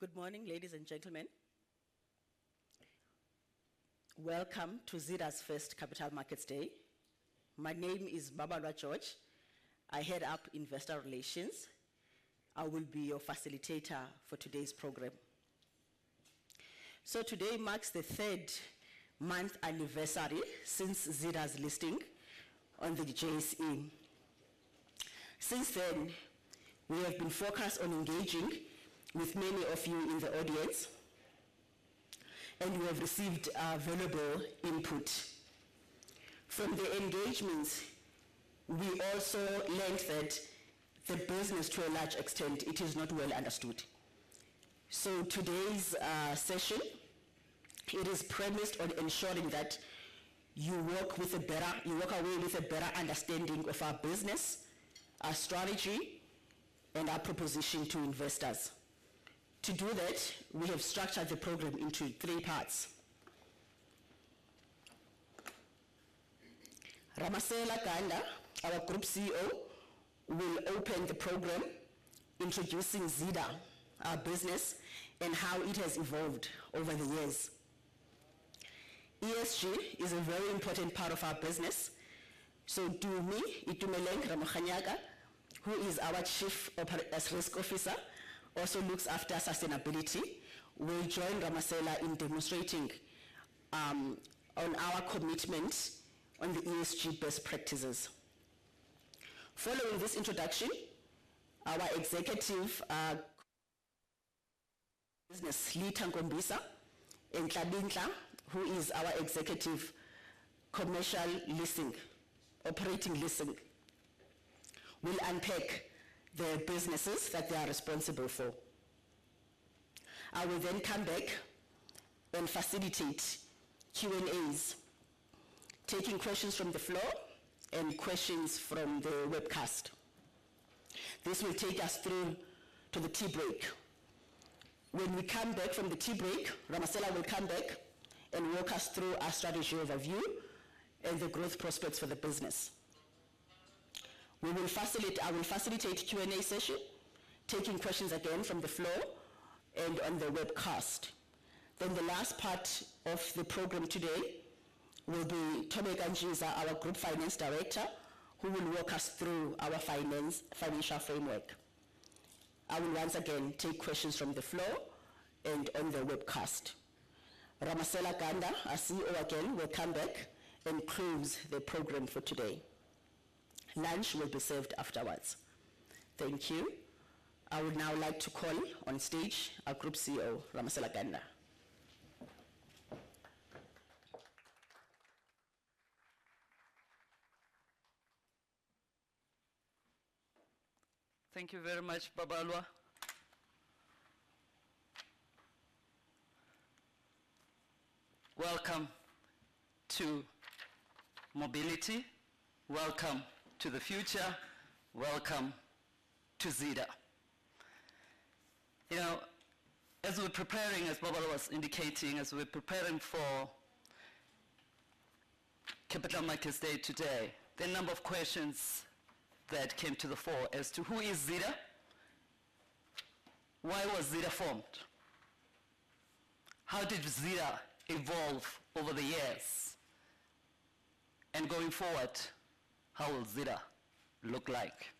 Good morning, ladies and gentlemen. Welcome to Zeda's first Capital Markets Day. My name is Babalwa George. I head up investor relations. I will be your facilitator for today's program. Today marks the third month anniversary since Zeda's listing on the JSE. Since then, we have been focused on engaging with many of you in the audience, and we have received valuable input. From the engagements, we also learned that the business, to a large extent, it is not well understood. Today's session, it is premised on ensuring that you walk away with a better understanding of our business, our strategy, and our proposition to investors. To do that, we have structured the program into three parts. Ramasela Ganda, our Group CEO, will open the program introducing Zeda, our business, and how it has evolved over the years. ESG is a very important part of our business. Tumi Ramoganyaka, who is our Chief Risk Officer, also looks after sustainability, will join Ramasela in demonstrating on our commitment on the ESG best practices. Following this introduction, our executive business, Litha Nkombisa and Tlhabi Ntlha, who is our executive commercial leasing, operating leasing, will unpack the businesses that they are responsible for. I will come back and facilitate Q&As, taking questions from the floor and questions from the webcast. This will take us through to the tea break. When we come back from the tea break, Ramasela will come back and walk us through our strategy overview and the growth prospects for the business. I will facilitate Q&A session, taking questions again from the floor and on the webcast. The last part of the program today will be Thobeka Ntshiza, our Group Finance Director, who will walk us through our finance financial framework. I will once again take questions from the floor and on the webcast. Ramasela Ganda, our CEO again, will come back and close the program for today. Lunch will be served afterwards. Thank you. I would now like to call on stage our Group CEO, Ramasela Ganda. Thank you very much, Babalwa. Welcome to mobility, welcome to the future, welcome to Zeda. You know, as we're preparing, as Babalwa was indicating, as we're preparing for Capital Markets Day today, there a number of questions that came to the fore as to who is Zeda? Why was Zeda formed? How did Zeda evolve over the years? Going forward, how will Zeda look like?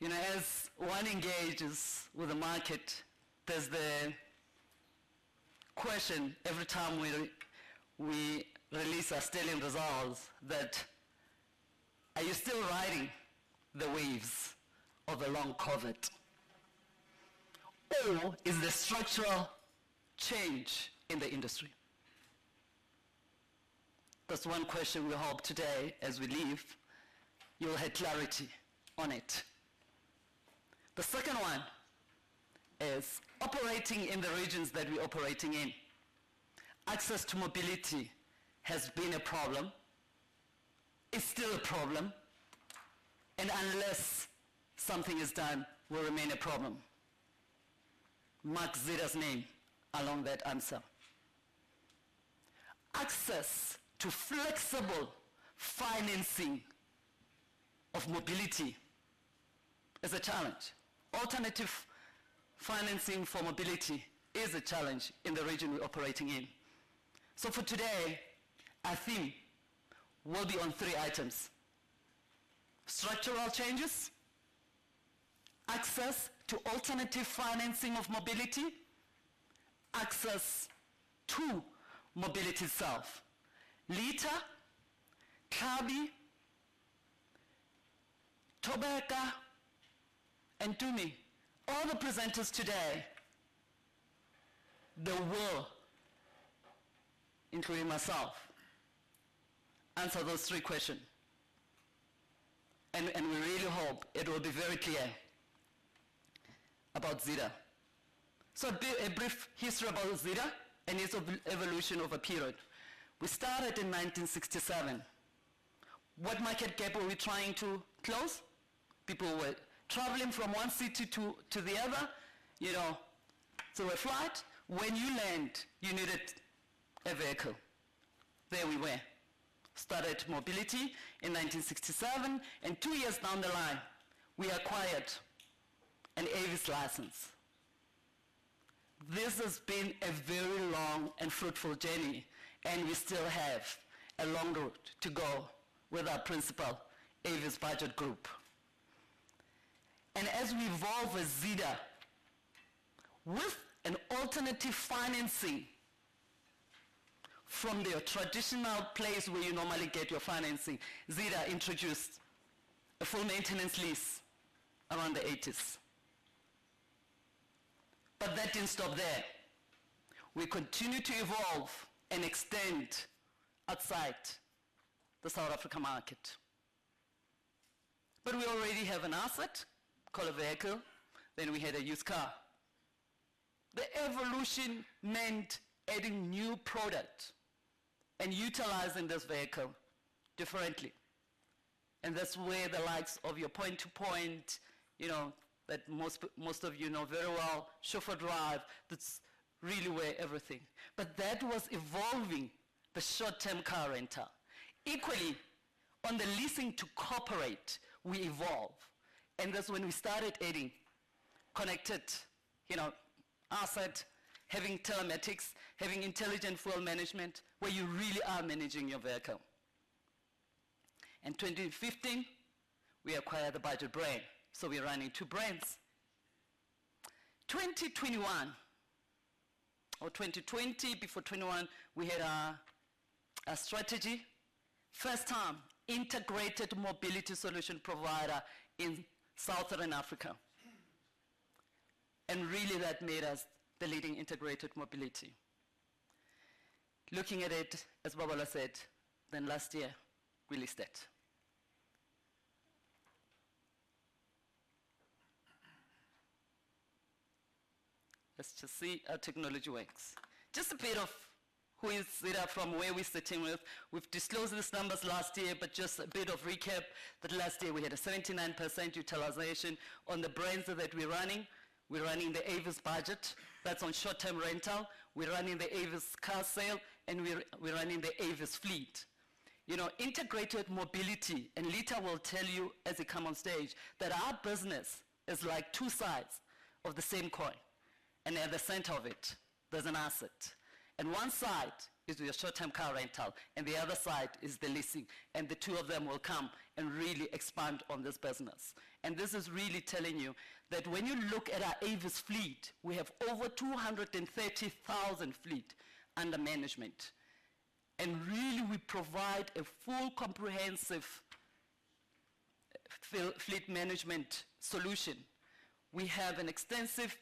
You know, as one engages with the market, there's the question every time we release our sterling results that, "Are you still riding the waves of the long COVID or is this structural change in the industry?" That's one question we hope today, as we leave, you'll have clarity on it. The second one is operating in the regions that we're operating in, access to mobility has been a problem, is still a problem, and unless something is done, will remain a problem. Mark Zeda's name along that answer. Access to flexible financing of mobility is a challenge. Alternative financing for mobility is a challenge in the region we're operating in. For today, our theme will be on three items: structural changes, access to alternative financing of mobility, access to mobility itself. Litha, Tlhabi, Thobeka, and Tumi, all the presenters today, they will, including myself, answer those three question. We really hope it will be very clear about Zeda. A brief history about Zeda and its evolution over period. We started in 1967. What market gap were we trying to close? People were traveling from one city to the other, you know, through a flight. When you land, you needed a vehicle. There we were. Started mobility in 1967. Two years down the line, we acquired an Avis license. This has been a very long and fruitful journey, and we still have a long road to go with our principal, Avis Budget Group. As we evolve with Zeda, with an alternative financing from the traditional place where you normally get your financing, Zeda introduced a full maintenance lease around the 1980s. That didn't stop there. We continue to evolve and extend outside the South Africa market. We already have an asset called a vehicle, then we had a used car. The evolution meant adding new product and utilizing this vehicle differently. That's where the likes of your point-to-point, you know, that most of you know very well, Chauffeur Drive, that's really where everything. That was evolving the short-term car rental. Equally, on the leasing to corporate, we evolve. That's when we started adding connected, you know, asset, having telematics, having Intelligent Fuel Management, where you really are managing your vehicle. In 2015, we acquired the Budget brand, so we're running two brands. 2021 or 2020, before 21, we had our strategy. First time integrated mobility solutions provider in Southern Africa. Really that made us the leading integrated mobility. Looking at it, as Babalwa said, last year we leased it. Let's just see how technology works. Just a bit of who is Zeda from where we sitting with. We've disclosed these numbers last year, just a bit of recap that last year we had a 79% utilization on the brands that we're running. We're running the Avis Budget, that's on short-term rental. We're running the Avis Car Sales, we're running the Avis Fleet. You know, integrated mobility, Litha will tell you as he come on stage, that our business is like two sides of the same coin, at the center of it, there's an asset. One side is your short-term car rental, the other side is the leasing, the two of them will come and really expand on this business. This is really telling you that when you look at our Avis Fleet, we have over 230,000 fleet under management. Really we provide a full comprehensive fleet management solution. We have an extensive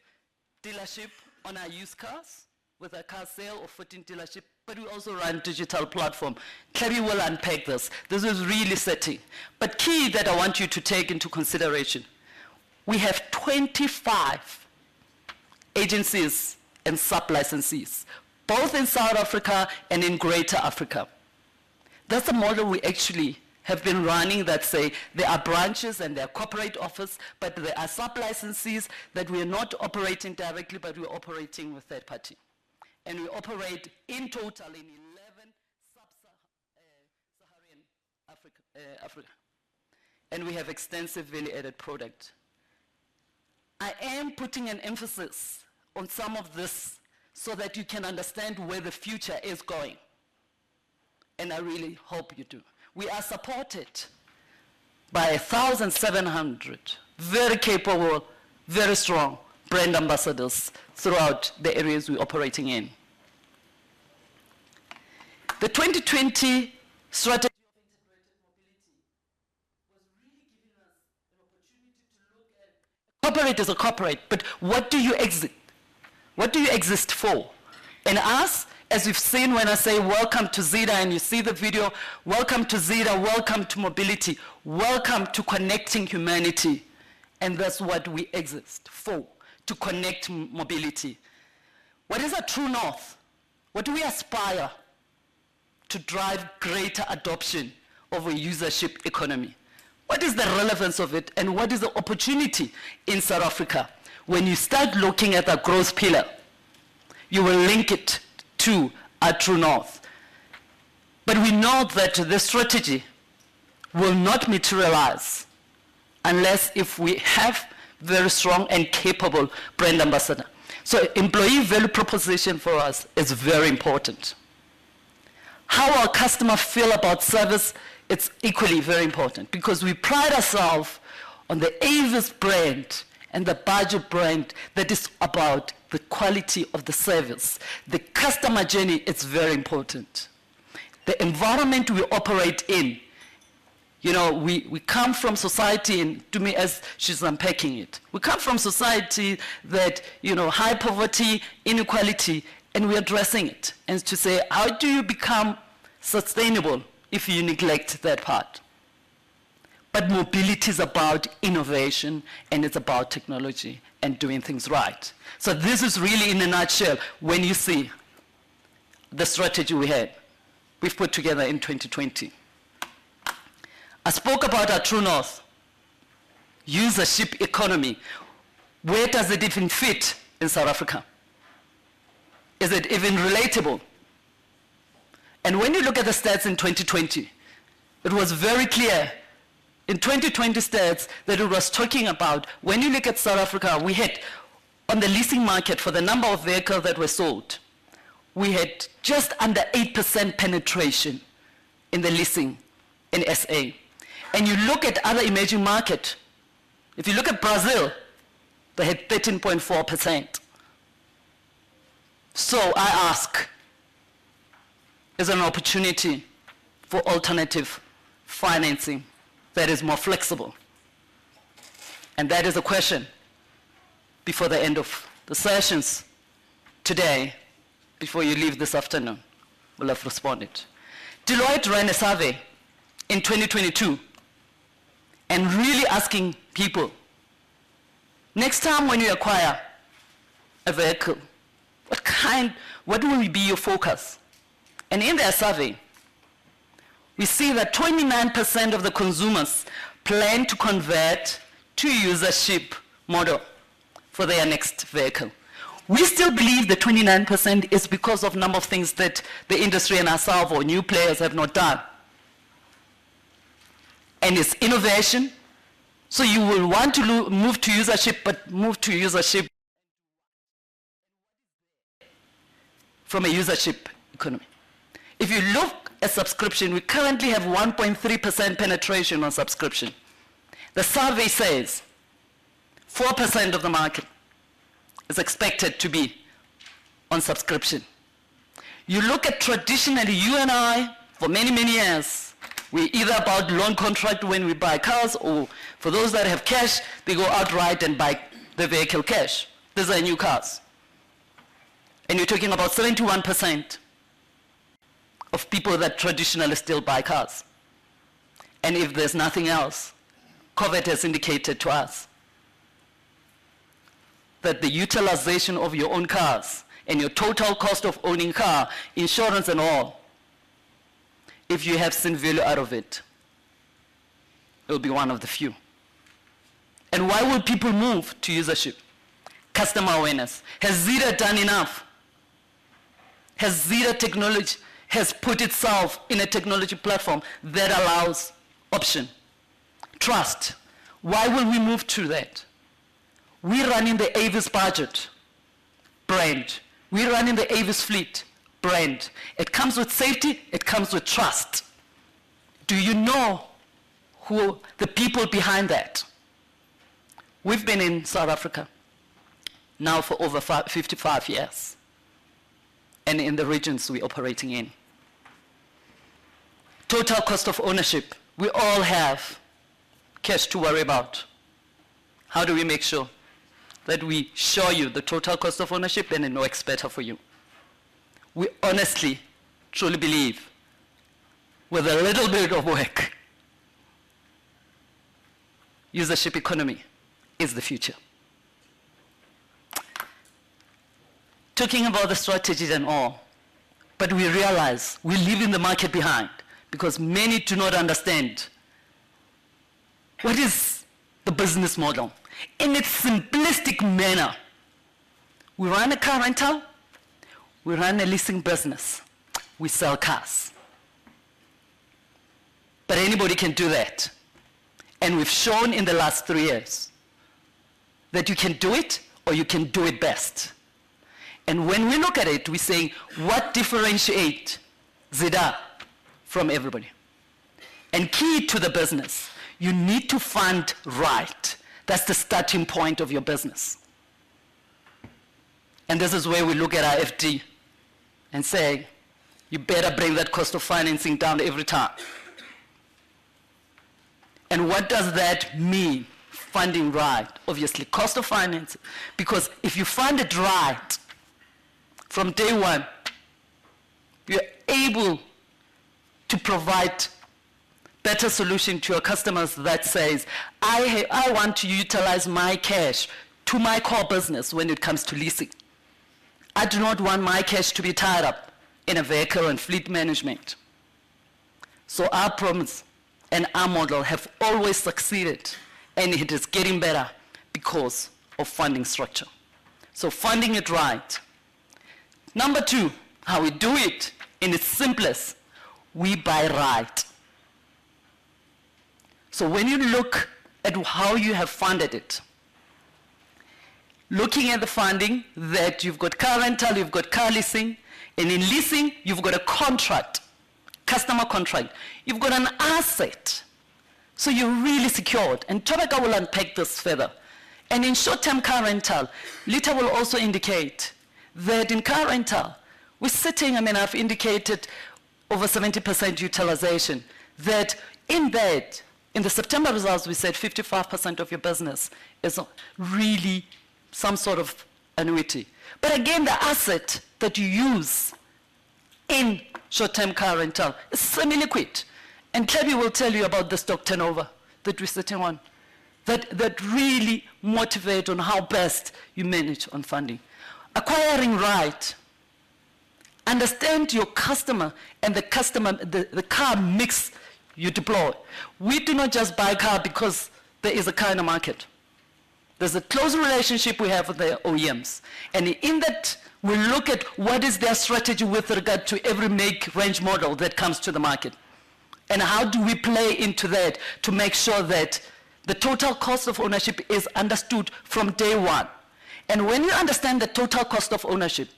dealership on our used cars with our car sale of 14 dealership, we also run digital platform. Tlhabi Ntlha will unpack this. This is really setting. Key that I want you to take into consideration, we have 25 agencies and sub-licensees, both in South Africa and in Greater Africa. That's a model we actually have been running that say there are branches and there are corporate office, but there are sub-licensees that we're not operating directly, but we're operating with third party. We operate in total in 11 sub-Saharan Africa. We have extensive value-added product. I am putting an emphasis on some of this so that you can understand where the future is going. I really hope you do. We are supported by 1,700 very capable, very strong brand ambassadors throughout the areas we're operating in. The 2020 strategy of integrated mobility was really giving us an opportunity to look at corporate as a corporate, but what do you exist for? Us, as you've seen when I say welcome to Zeda and you see the video, welcome to Zeda, welcome to mobility, welcome to connecting humanity, and that's what we exist for: to connect mobility. What is our true north? What do we aspire to drive greater adoption of a usership economy? What is the relevance of it, and what is the opportunity in South Africa? When you start looking at the growth pillar, you will link it to our true north. We know that the strategy will not materialize unless if we have very strong and capable brand ambassador. Employee value proposition for us is very important. How our customer feel about service, it's equally very important because we pride ourselves on the Avis brand and the Budget brand that is about the quality of the service. The customer journey, it's very important. The environment we operate in, you know, we come from society and Tumi as she's unpacking it. We come from society that, you know, high poverty, inequality, and we're addressing it. To say, "How do you become sustainable if you neglect that part?" Mobility is about innovation, and it's about technology and doing things right. This is really in a nutshell when you see the strategy we have, we've put together in 2020. I spoke about our true north, usership economy. Where does it even fit in South Africa? Is it even relatable? When you look at the stats in 2020, it was very clear in 2020 stats that it was talking about when you look at South Africa, we had on the leasing market for the number of vehicles that were sold, we had just under 8% penetration in the leasing in S.A. You look at other emerging market, if you look at Brazil, they had 13.4%. I ask, is there an opportunity for alternative financing that is more flexible? That is a question before the end of the sessions today, before you leave this afternoon, we'll have responded. Deloitte ran a survey in 2022 really asking people, "Next time when you acquire a vehicle, what will be your focus?" In their survey, we see that 29% of the consumers plan to convert to usership model for their next vehicle. We still believe that 29% is because of number of things that the industry and ourself or new players have not done. It's innovation. You will want to move to usership, but move to usership from a usership economy. If you look at subscription, we currently have 1.3% penetration on subscription. The survey says 4% of the market is expected to be on subscription. You look at traditionally, you and I, for many, many years, we either bought loan contract when we buy cars or for those that have cash, they go outright and buy the vehicle cash. Those are new cars. You're talking about 71% of people that traditionally still buy cars. If there's nothing else, COVID has indicated to us that the utilization of your own cars and your total cost of owning car, insurance and all, if you have seen value out of it'll be one of the few. Why would people move to usership? Customer awareness. Has Zeda done enough? Has Zeda put itself in a technology platform that allows option? Trust. Why will we move to that? We running the Avis Budget brand. We running the Avis Fleet brand. It comes with safety, it comes with trust. Do you know who the people behind that? We've been in South Africa now for over 55 years and in the regions we operating in. Total cost of ownership. We all have cash to worry about. How do we make sure that we show you the Total cost of ownership and it works better for you? We honestly, truly believe with a little bit of work, usership economy is the future. Talking about the strategies and all, but we realize we're leaving the market behind because many do not understand what is the business model. In its simplistic manner, we run a car rental, we run a leasing business, we sell cars. Anybody can do that. We've shown in the last three years that you can do it or you can do it best. When we look at it, we say, "What differentiate Zeda from everybody?" Key to the business, you need to fund right. That's the starting point of your business. This is where we look at our FD and say, "You better bring that cost of financing down every time." What does that mean, funding right? Obviously, cost of finance, because if you fund it right from day one, you're able to provide better solution to your customers that says, "I want to utilize my cash to my core business when it comes to leasing. I do not want my cash to be tied up in a vehicle and fleet management." Our promise and our model have always succeeded, and it is getting better because of funding structure. Funding it right. Number two, how we do it in its simplest, we buy right. When you look at how you have funded it, looking at the funding that you've got car rental, you've got car leasing, and in leasing you've got a contract, customer contract. You've got an asset, so you're really secured, and Thobeka will unpack this further. In short-term car rental, Litha will also indicate that in car rental, we're sitting. I mean, I've indicated over 70% utilization. That in that, in the September results, we said 55% of your business is really some sort of annuity. Again, the asset that you use in short-term car rental is semi-liquid. Tlhabi will tell you about the stock turnover that we're sitting on, that really motivate on how best you manage on funding. Acquiring right. Understand your customer and the car mix you deploy. We do not just buy a car because there is a car in the market. There's a close relationship we have with the OEMs. In that, we look at what is their strategy with regard to every make, range, model that comes to the market. How do we play into that to make sure that the total cost of ownership is understood from day one. When you understand the total cost of ownership,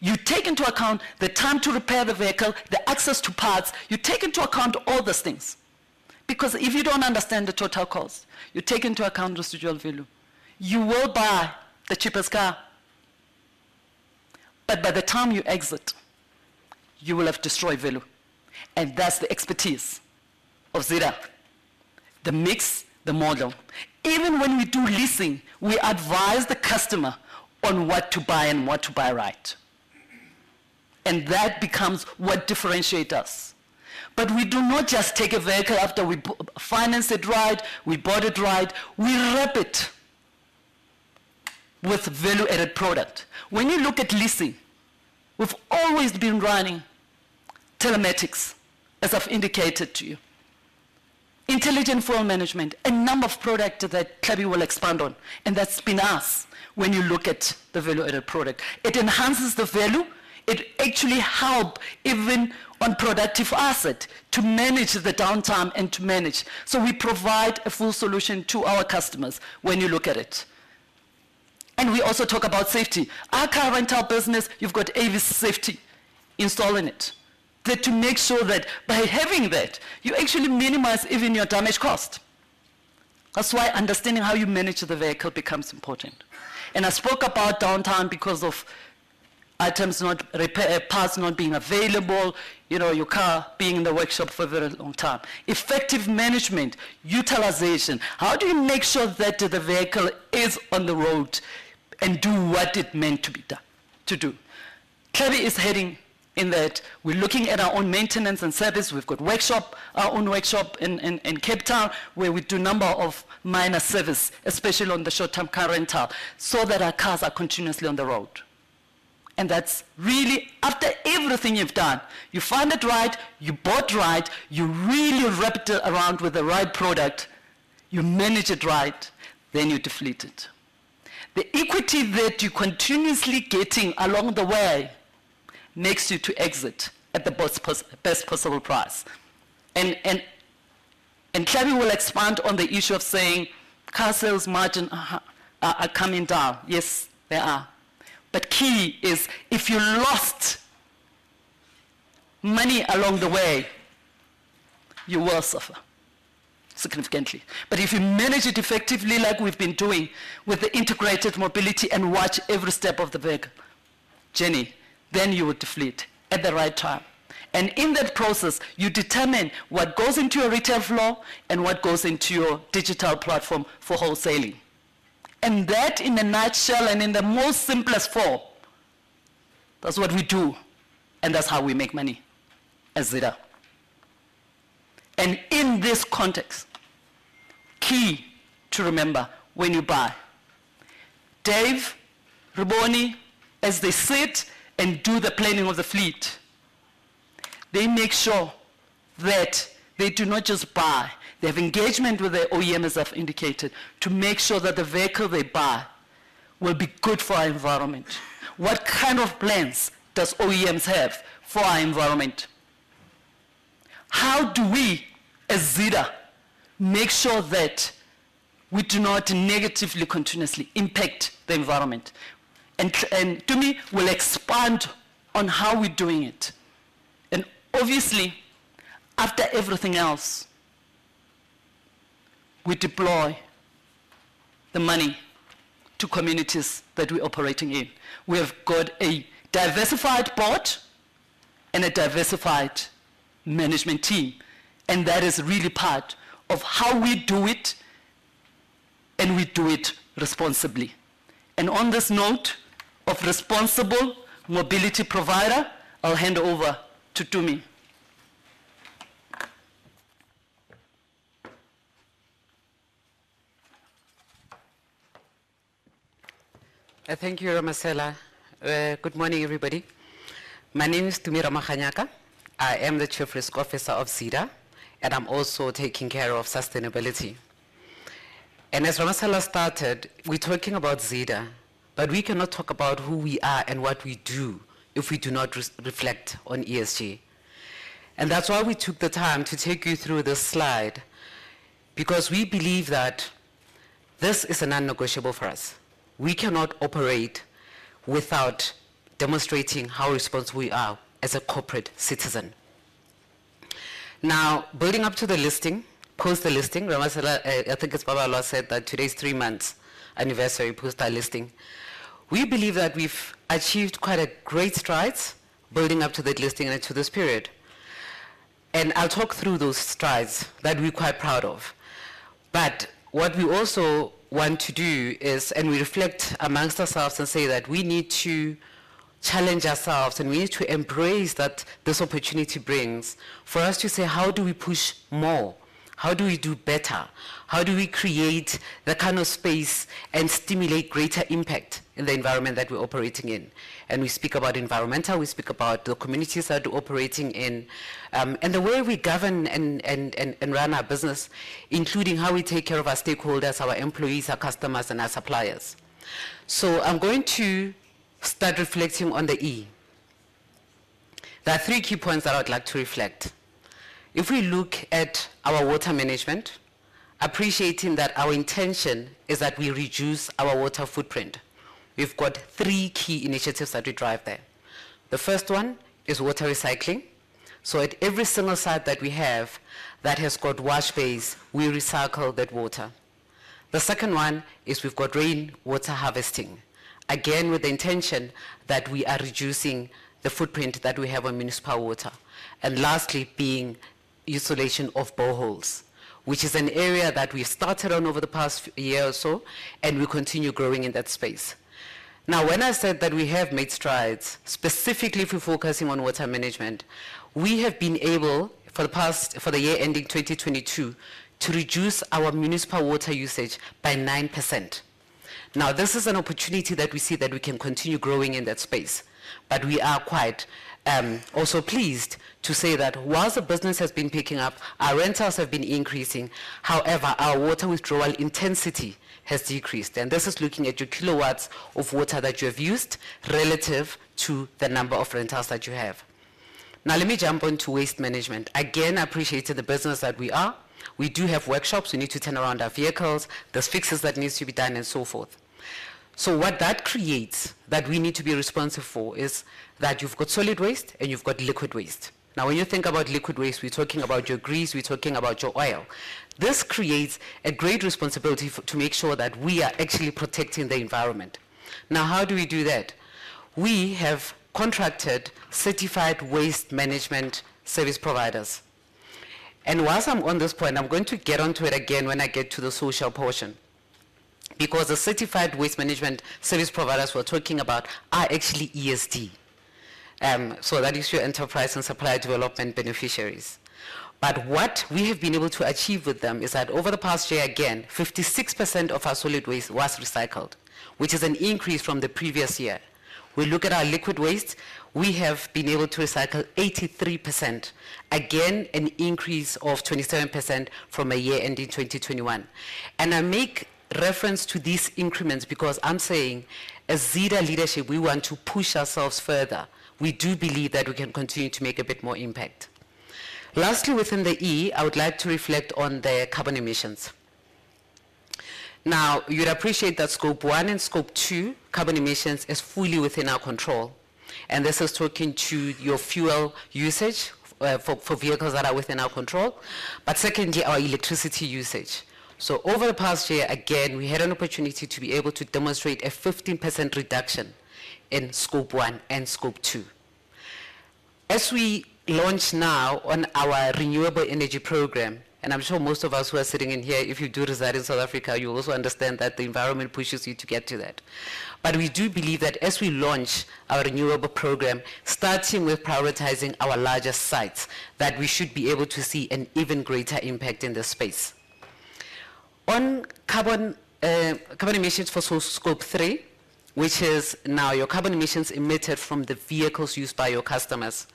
you take into account the time to repair the vehicle, the access to parts. You take into account all those things because if you don't understand the total cost, you take into account residual value. You will buy the cheapest car, but by the time you exit, you will have destroyed value and that's the expertise of Zeda. The mix, the model. Even when we do leasing, we advise the customer on what to buy and what to buy right. That becomes what differentiate us. We do not just take a vehicle after we finance it right, we bought it right. We wrap it with value-added product. When you look at leasing, we've always been running telematics, as I've indicated to you. Intelligent Fuel Management, a number of product that Tlhabi will expand on. That's been us when you look at the value-added product. It enhances the value. It actually help even on productive asset to manage the downtime and to manage. We provide a full solution to our customers when you look at it. We also talk about safety. Our car rental business, you've got Avis SafeDrive installed in it. That to make sure that by having that, you actually minimize even your damage cost. That's why understanding how you manage the vehicle becomes important. I spoke about downtime because of items not parts not being available. You know, your car being in the workshop for very long time. Effective management, utilization. How do you make sure that the vehicle is on the road and do what it meant to do? Kleby is heading in that. We're looking at our own maintenance and service. We've got workshop, our own workshop in, in Cape Town, where we do number of minor service, especially on the short-term car rental, so that our cars are continuously on the road. That's really after everything you've done, you fund it right, you bought right, you really wrapped it around with the right product, you manage it right, then you deflate it. The equity that you're continuously getting along the way makes you to exit at the best possible price. Tlhabi will expand on the issue of saying car sales margin are coming down. Yes, they are. Key is if you lost money along the way, you will suffer significantly. If you manage it effectively like we've been doing with the integrated mobility and watch every step of the vehicle journey, then you would deflate at the right time. In that process, you determine what goes into your retail flow and what goes into your digital platform for wholesaling. That, in a nutshell and in the most simplest form, that's what we do and that's how we make money at Zeda. In this context, key to remember when you buy. Dave, Rebone, as they sit and do the planning of the fleet, they make sure that they do not just buy. They have engagement with the OEM, as I've indicated, to make sure that the vehicle they buy will be good for our environment. What kind of plans does OEMs have for our environment? How do we, as Zeda, make sure that we do not negatively continuously impact the environment? Tumi will expand on how we're doing it. Obviously, after everything else, we deploy the money to communities that we're operating in. We have got a diversified board and a diversified management team, and that is really part of how we do it, and we do it responsibly. On this note of responsible mobility provider, I'll hand over to Tumi. Thank you, Ramasela. Good morning, everybody. My name is Tumi Ramoganyaka. I am the chief risk officer of Zeda, I'm also taking care of sustainability. As Ramasela started, we're talking about Zeda, but we cannot talk about who we are and what we do if we do not reflect on ESG. That's why we took the time to take you through this slide, because we believe that this is a non-negotiable for us. We cannot operate without demonstrating how responsible we are as a corporate citizen. Now, building up to the listing, post the listing, Ramasela, I think it's [inaudible] said that today's three months anniversary post our listing. We believe that we've achieved quite a great strides building up to the listing and to this period. I'll talk through those strides that we're quite proud of. What we also want to do is, and we reflect amongst ourselves and say that we need to challenge ourselves, and we need to embrace that this opportunity brings for us to say, "How do we push more? How do we do better? How do we create the kind of space and stimulate greater impact in the environment that we're operating in?" We speak about environmental, we speak about the communities that are operating in, and the way we govern and run our business, including how we take care of our stakeholders, our employees, our customers, and our suppliers. I'm going to start reflecting on the E. There are three key points that I would like to reflect. If we look at our water management, appreciating that our intention is that we reduce our water footprint. We've got three key initiatives that we drive there. At every single site that we have that has got wash bays, we recycle that water. The second one is we've got rainwater harvesting, again, with the intention that we are reducing the footprint that we have on municipal water. Lastly being utilization of boreholes, which is an area that we started on over the past year or so, and we continue growing in that space. When I said that we have made strides, specifically if we're focusing on water management, we have been able, for the year ending 2022, to reduce our municipal water usage by 9%. This is an opportunity that we see that we can continue growing in that space. We are quite also pleased to say that whilst the business has been picking up, our rentals have been increasing. However, our water withdrawal intensity has decreased, and this is looking at your kilowatts of water that you have used relative to the number of rentals that you have. Let me jump on to waste management. Again, appreciating the business that we are, we do have workshops. We need to turn around our vehicles. There's fixes that need to be done and so forth. What that creates that we need to be responsive for is that you've got solid waste and you've got liquid waste. When you think about liquid waste, we're talking about your grease, we're talking about your oil. This creates a great responsibility to make sure that we are actually protecting the environment. How do we do that? We have contracted certified waste management service providers. Whilst I'm on this point, I'm going to get onto it again when I get to the social portion, because the certified waste management service providers we're talking about are actually ESD. So that is your Enterprise and Supply Development beneficiaries. What we have been able to achieve with them is that over the past year, again, 56% of our solid waste was recycled, which is an increase from the previous year. We look at our liquid waste, we have been able to recycle 83%. Again, an increase of 27% from a year ending 2021. I make reference to these increments because I'm saying as Zeda leadership, we want to push ourselves further. We do believe that we can continue to make a bit more impact. Lastly, within the E, I would like to reflect on the carbon emissions. You'd appreciate that Scope 1 and Scope 2 carbon emissions is fully within our control, and this is talking to your fuel usage, for vehicles that are within our control, but secondly, our electricity usage. Over the past year, again, we had an opportunity to be able to demonstrate a 15% reduction in Scope 1 and Scope 2. As we launch now on our renewable energy program, and I'm sure most of us who are sitting in here, if you do reside in South Africa, you also understand that the environment pushes you to get to that. We do believe that as we launch our renewable program, starting with prioritizing our larger sites, that we should be able to see an even greater impact in this space. Carbon emissions for Scope 3, which is now your carbon emissions emitted from the vehicles used by your customers,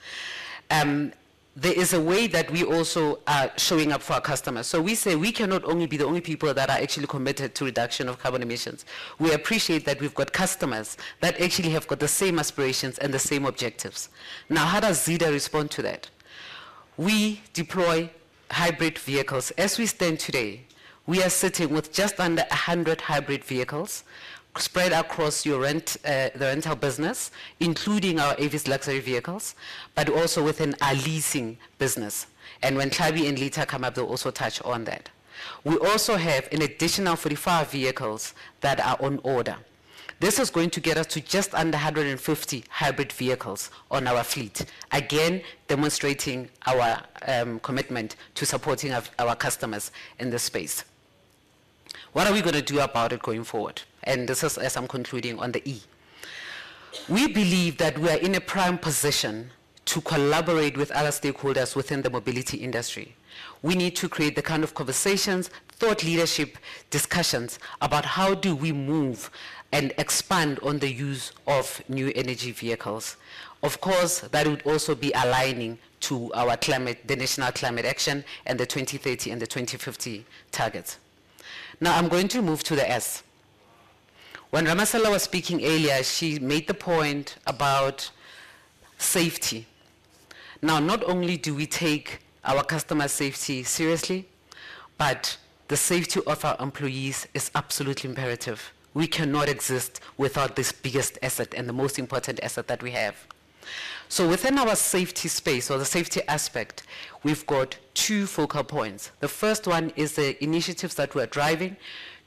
there is a way that we also are showing up for our customers. We say we cannot only be the only people that are actually committed to reduction of carbon emissions. We appreciate that we've got customers that actually have got the same aspirations and the same objectives. How does Zeda respond to that? We deploy hybrid vehicles. As we stand today, we are sitting with just under 100 hybrid vehicles spread across your rent, the rental business, including our Avis Luxury vehicles, also within our leasing business. When Tlhabi and Litha come up, they'll also touch on that. We also have an additional 45 vehicles that are on order. This is going to get us to just under 150 hybrid vehicles on our fleet, again, demonstrating our commitment to supporting our customers in this space. What are we gonna do about it going forward? This is as I'm concluding on the E. We believe that we are in a prime position to collaborate with other stakeholders within the mobility industry. We need to create the kind of conversations, thought leadership discussions about how do we move and expand on the use of new energy vehicles. Of course, that would also be aligning to our climate, the national climate action and the 2030 and the 2050 targets. I'm going to move to the S. When Ramasela was speaking earlier, she made the point about safety. Not only do we take our customer safety seriously, but the safety of our employees is absolutely imperative. We cannot exist without this biggest asset and the most important asset that we have. Within our safety space or the safety aspect, we've got two focal points. The first one is the initiatives that we're driving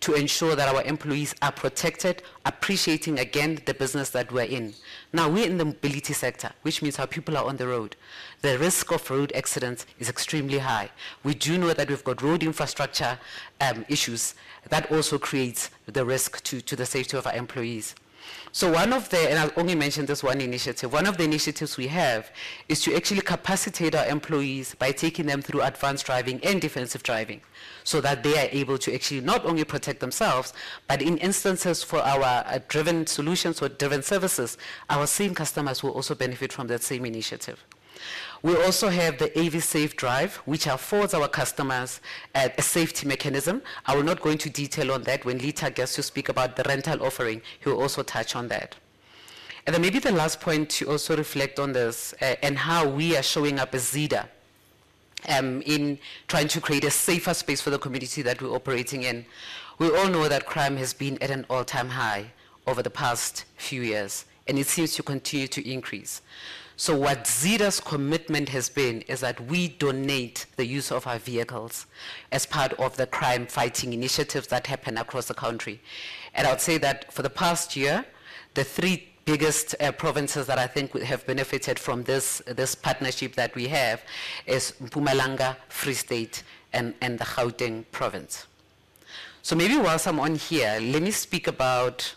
to ensure that our employees are protected, appreciating again, the business that we're in. We're in the mobility sector, which means our people are on the road. The risk of road accidents is extremely high. We do know that we've got road infrastructure issues that also creates the risk to the safety of our employees. I'll only mention this one initiative. One of the initiatives we have is to actually capacitate our employees by taking them through advanced driving and defensive driving, so that they are able to actually not only protect themselves, but in instances for our driven solutions or driven services, our same customers will also benefit from that same initiative. We also have the Avis SafeDrive, which affords our customers a safety mechanism. I will not go into detail on that. When Litha gets to speak about the rental offering, he will also touch on that. Maybe the last point to also reflect on this and how we are showing up as Zeda in trying to create a safer space for the community that we're operating in. We all know that crime has been at an all-time high over the past few years, and it seems to continue to increase. What Zeda's commitment has been is that we donate the use of our vehicles as part of the crime-fighting initiatives that happen across the country. I would say that for the past year, the three biggest provinces that I think have benefited from this partnership that we have is Mpumalanga, Free State, and the Gauteng province. Maybe whilst I'm on here, let me speak about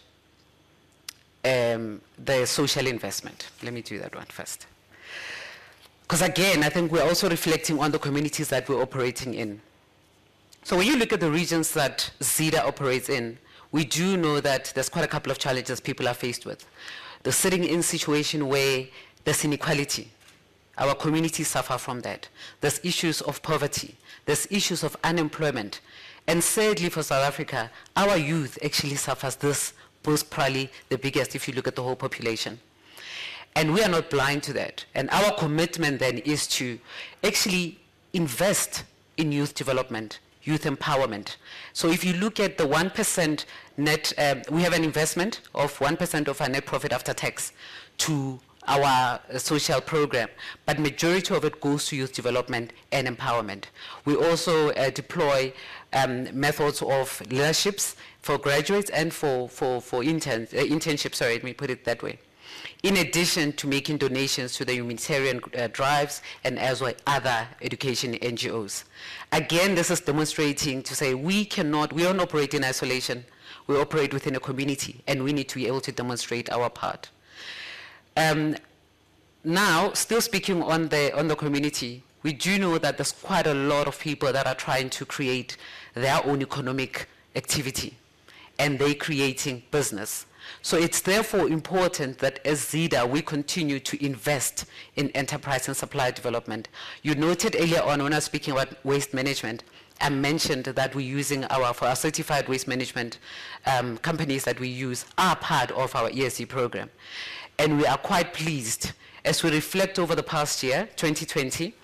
the social investment. Let me do that one first. Because again, I think we're also reflecting on the communities that we're operating in. When you look at the regions that Zeda operates in, we do know that there's quite a couple of challenges people are faced with. They're sitting in situation where there's inequality. Our communities suffer from that. There's issues of poverty, there's issues of unemployment. Sadly, for South Africa, our youth actually suffers this most probably the biggest, if you look at the whole population. We are not blind to that. Our commitment then is to actually invest in youth development, youth empowerment. If you look at the 1% net. We have an investment of 1% of our net profit after tax to our social program. Majority of it goes to youth development and empowerment. We also deploy methods of leaderships for graduates and for interns, internships, sorry, let me put it that way. In addition to making donations to the humanitarian drives and as well other education NGOs. This is demonstrating to say we don't operate in isolation, we operate within a community. We need to be able to demonstrate our part. Still speaking on the community, we do know that there's quite a lot of people that are trying to create their own economic activity. They're creating business. It's therefore important that as Zeda, we continue to invest in enterprise and supply development. You noted earlier on when I was speaking about waste management, I mentioned that we're using for our certified waste management companies that we use are part of our ESG program. We are quite pleased as we reflect over the past year, 2020,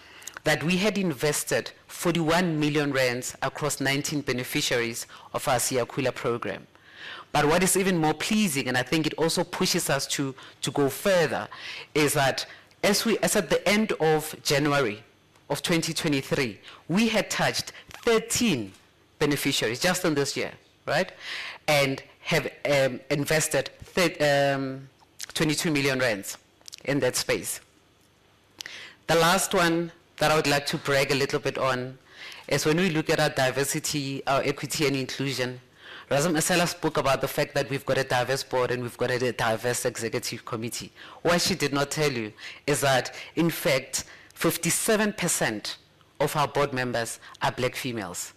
that we had invested 41 million rand across 19 beneficiaries of our Siyakhula program. What is even more pleasing, and I think it also pushes us to go further, is that as at the end of January of 2023, we had touched 13 beneficiaries just on this year, right? Have invested 22 million rand in that space. The last one that I would like to brag a little bit on is when we look at our diversity, our equity and inclusion. Ramasela spoke about the fact that we've got a diverse board and we've got a diverse executive committee. What she did not tell you is that in fact, 57% of our board members are Black females.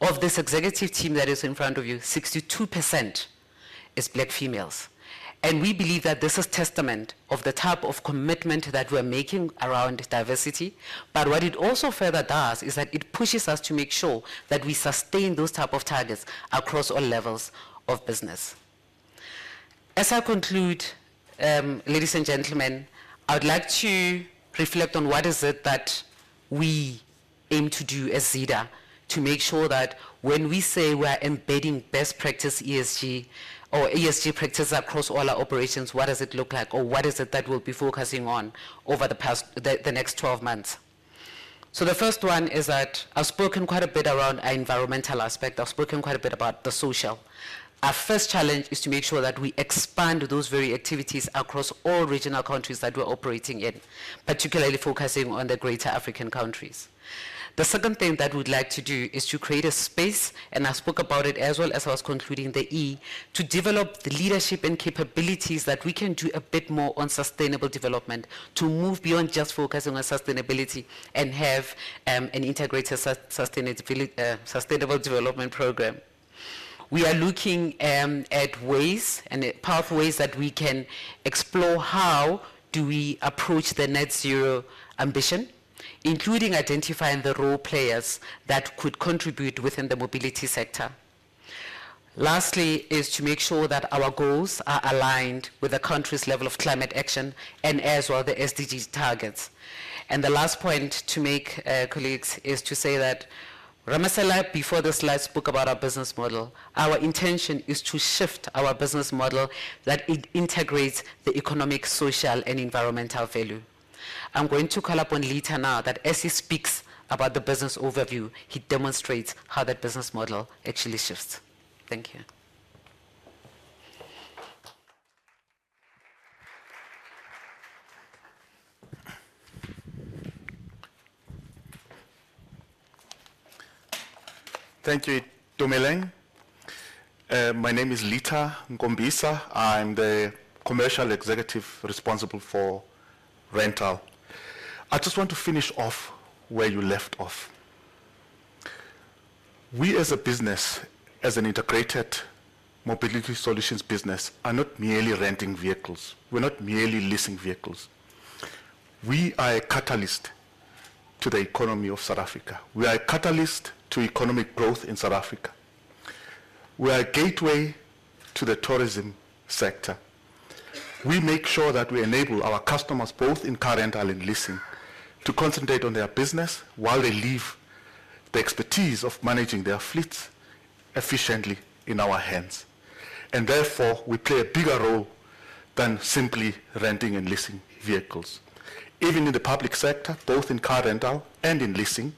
Of this executive team that is in front of you, 62% is Black females. We believe that this is testament of the type of commitment that we're making around diversity. What it also further does is that it pushes us to make sure that we sustain those type of targets across all levels of business. As I conclude, ladies and gentlemen, I would like to reflect on what is it that we aim to do as Zeda to make sure that when we say we are embedding best practice ESG or ESG practice across all our operations, what does it look like? Or what is it that we'll be focusing on over the next 12 months? The first one is that I've spoken quite a bit around our environmental aspect. I've spoken quite a bit about the social. Our first challenge is to make sure that we expand those very activities across all regional countries that we're operating in, particularly focusing on the greater African countries. The second thing that we'd like to do is to create a space, I spoke about it as well as I was concluding the ESG, to develop the leadership and capabilities that we can do a bit more on sustainable development, to move beyond just focusing on sustainability and an integrated sustainability, sustainable development program. We are looking at ways and at pathways that we can explore how do we approach the net zero ambition, including identifying the role players that could contribute within the mobility sector. Lastly, is to make sure that our goals are aligned with the country's level of climate action and as well the SDGs targets. The last point to make, colleagues, is to say that Ramasela before this slide spoke about our business model. Our intention is to shift our business model that it integrates the economic, social, and environmental value. I'm going to call upon Litha now that as he speaks about the business overview, he demonstrates how that business model actually shifts. Thank you. Thank you, Tumi. My name is Litha Nkombisa. I'm the commercial executive responsible for rental. I just want to finish off where you left off. We as a business, as an integrated mobility solutions business, are not merely renting vehicles. We're not merely leasing vehicles. We are a catalyst to the economy of South Africa. We are a catalyst to economic growth in South Africa. We are a gateway to the tourism sector. We make sure that we enable our customers, both in car rental and leasing, to concentrate on their business while they leave the expertise of managing their fleets efficiently in our hands. Therefore, we play a bigger role than simply renting and leasing vehicles. Even in the public sector, both in car rental and in leasing,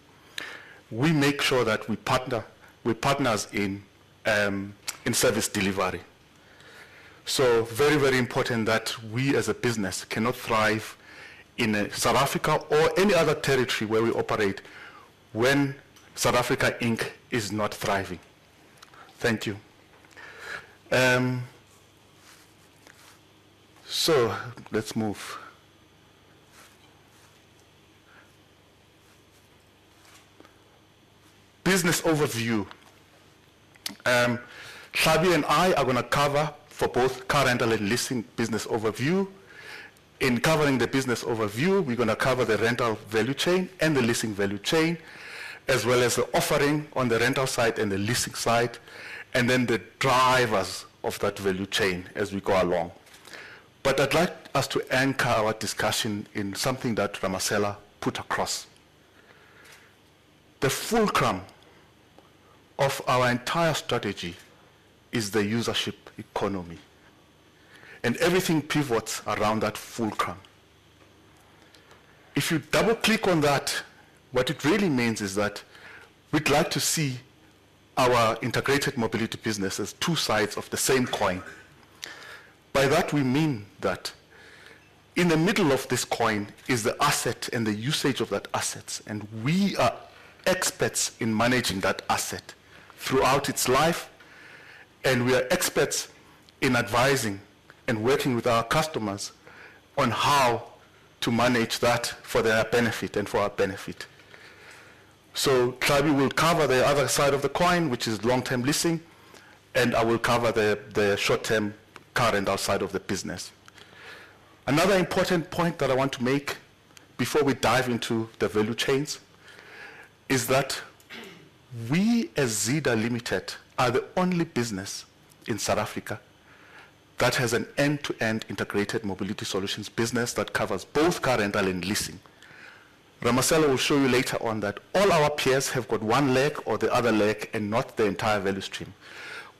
we make sure that we're partners in service delivery. Very, very important that we as a business cannot thrive in South Africa or any other territory where we operate when South Africa Inc. is not thriving. Thank you. Let's move. Business overview. Tlhabi and I are gonna cover for both car rental and leasing business overview. In covering the business overview, we're gonna cover the rental value chain and the leasing value chain, as well as the offering on the rental side and the leasing side, and then the drivers of that value chain as we go along. I'd like us to anchor our discussion in something that Ramasela put across. The fulcrum of our entire strategy is the usership economy, and everything pivots around that fulcrum. If you double-click on that, what it really means is that we'd like to see our integrated mobility business as two sides of the same coin. By that we mean that in the middle of this coin is the asset and the usage of that assets, and we are experts in managing that asset throughout its life, and we are experts in advising and working with our customers on how to manage that for their benefit and for our benefit. Tlhabi will cover the other side of the coin, which is long-term leasing, and I will cover the short-term car rental side of the business. Another important point that I want to make before we dive into the value chains is that we, as Zeda Limited, are the only business in South Africa that has an end-to-end integrated mobility solutions business that covers both car rental and leasing. Ramasela will show you later on that all our peers have got one leg or the other leg and not the entire value stream.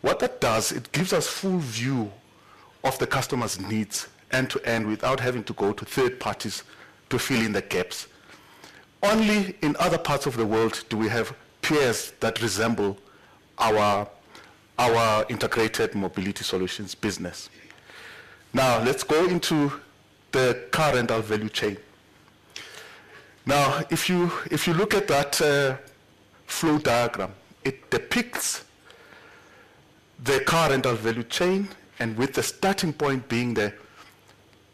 What that does, it gives us full view of the customer's needs end-to-end without having to go to third parties to fill in the gaps. Only in other parts of the world do we have peers that resemble our integrated mobility solutions business. Let's go into the car rental value chain. If you look at that flow diagram, it depicts the car rental value chain and with the starting point being the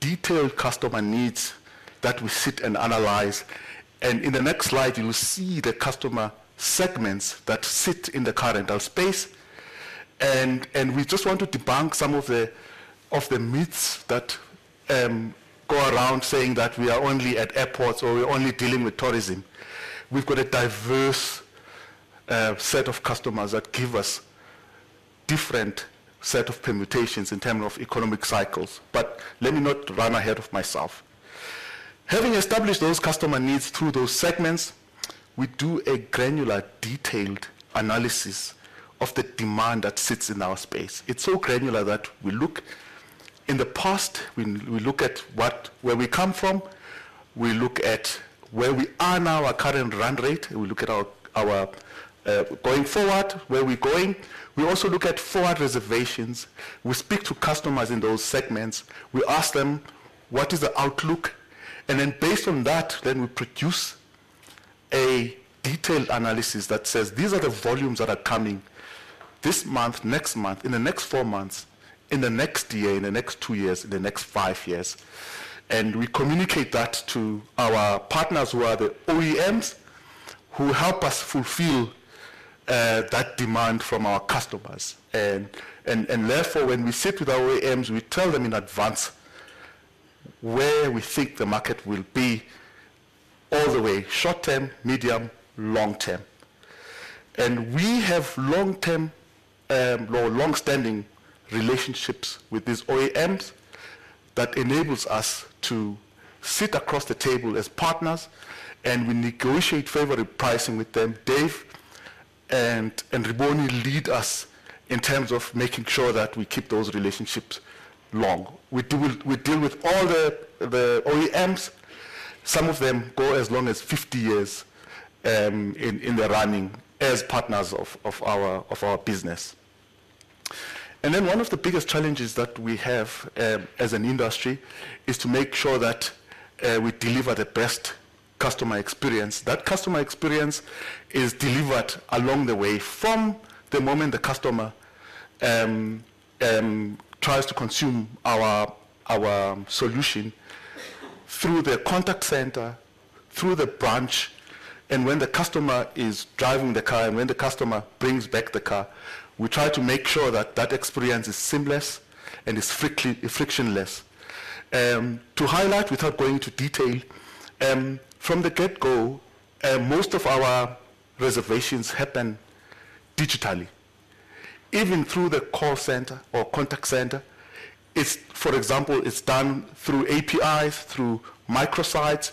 detailed customer needs that we sit and analyze. In the next slide, you will see the customer segments that sit in the car rental space. We just want to debunk some of the myths that go around saying that we are only at airports or we're only dealing with tourism. We've got a diverse set of customers that give us different set of permutations in terms of economic cycles. Let me not run ahead of myself. Having established those customer needs through those segments, we do a granular, detailed analysis of the demand that sits in our space. It's so granular that we look in the past, we look at where we come from, we look at where we are now, our current run rate. We look at our going forward, where we're going. We also look at forward reservations. We speak to customers in those segments. We ask them, "What is the outlook?" Based on that, then we produce a detailed analysis that says, "These are the volumes that are coming: this month, next month, in the next 4 months, in the next year, in the next two years, in the next five years." We communicate that to our partners who are the OEMs who help us fulfill that demand from our customers. Therefore, when we sit with our OEMs, we tell them in advance where we think the market will be all the way short term, medium, and long term. We have long-term or longstanding relationships with these OEMs that enables us to sit across the table as partners, and we negotiate favorable pricing with them. Dave and Rebone lead us in terms of making sure that we keep those relationships long. We deal with all the OEMs. Some of them go as long as 50 years in their running as partners of our business. One of the biggest challenges that we have as an industry is to make sure that we deliver the best customer experience. That customer experience is delivered along the way from the moment the customer tries to consume our solution through the contact center, through the branch, and when the customer is driving the car, and when the customer brings back the car. We try to make sure that that experience is seamless and is frictionless. To highlight without going into detail, from the get-go, most of our reservations happen digitally. Even through the call center or contact center, for example, it's done through APIs, through microsites,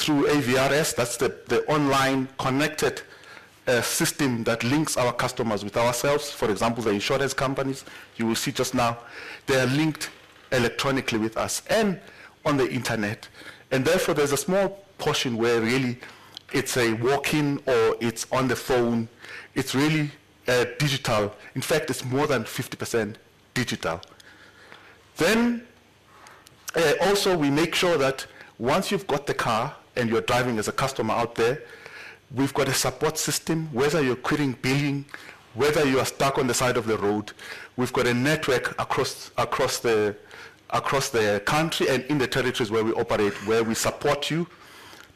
through IVR. That's the online connected system that links our customers with ourselves. For example, the insurance companies you will see just now, they are linked electronically with us and on the Internet. There's a small portion where really it's a walk-in or it's on the phone. It's really digital. In fact, it's more than 50% digital. Also we make sure that once you've got the car and you're driving as a customer out there, we've got a support system. Whether you're querying billing, whether you are stuck on the side of the road, we've got a network across the country and in the territories where we operate, where we support you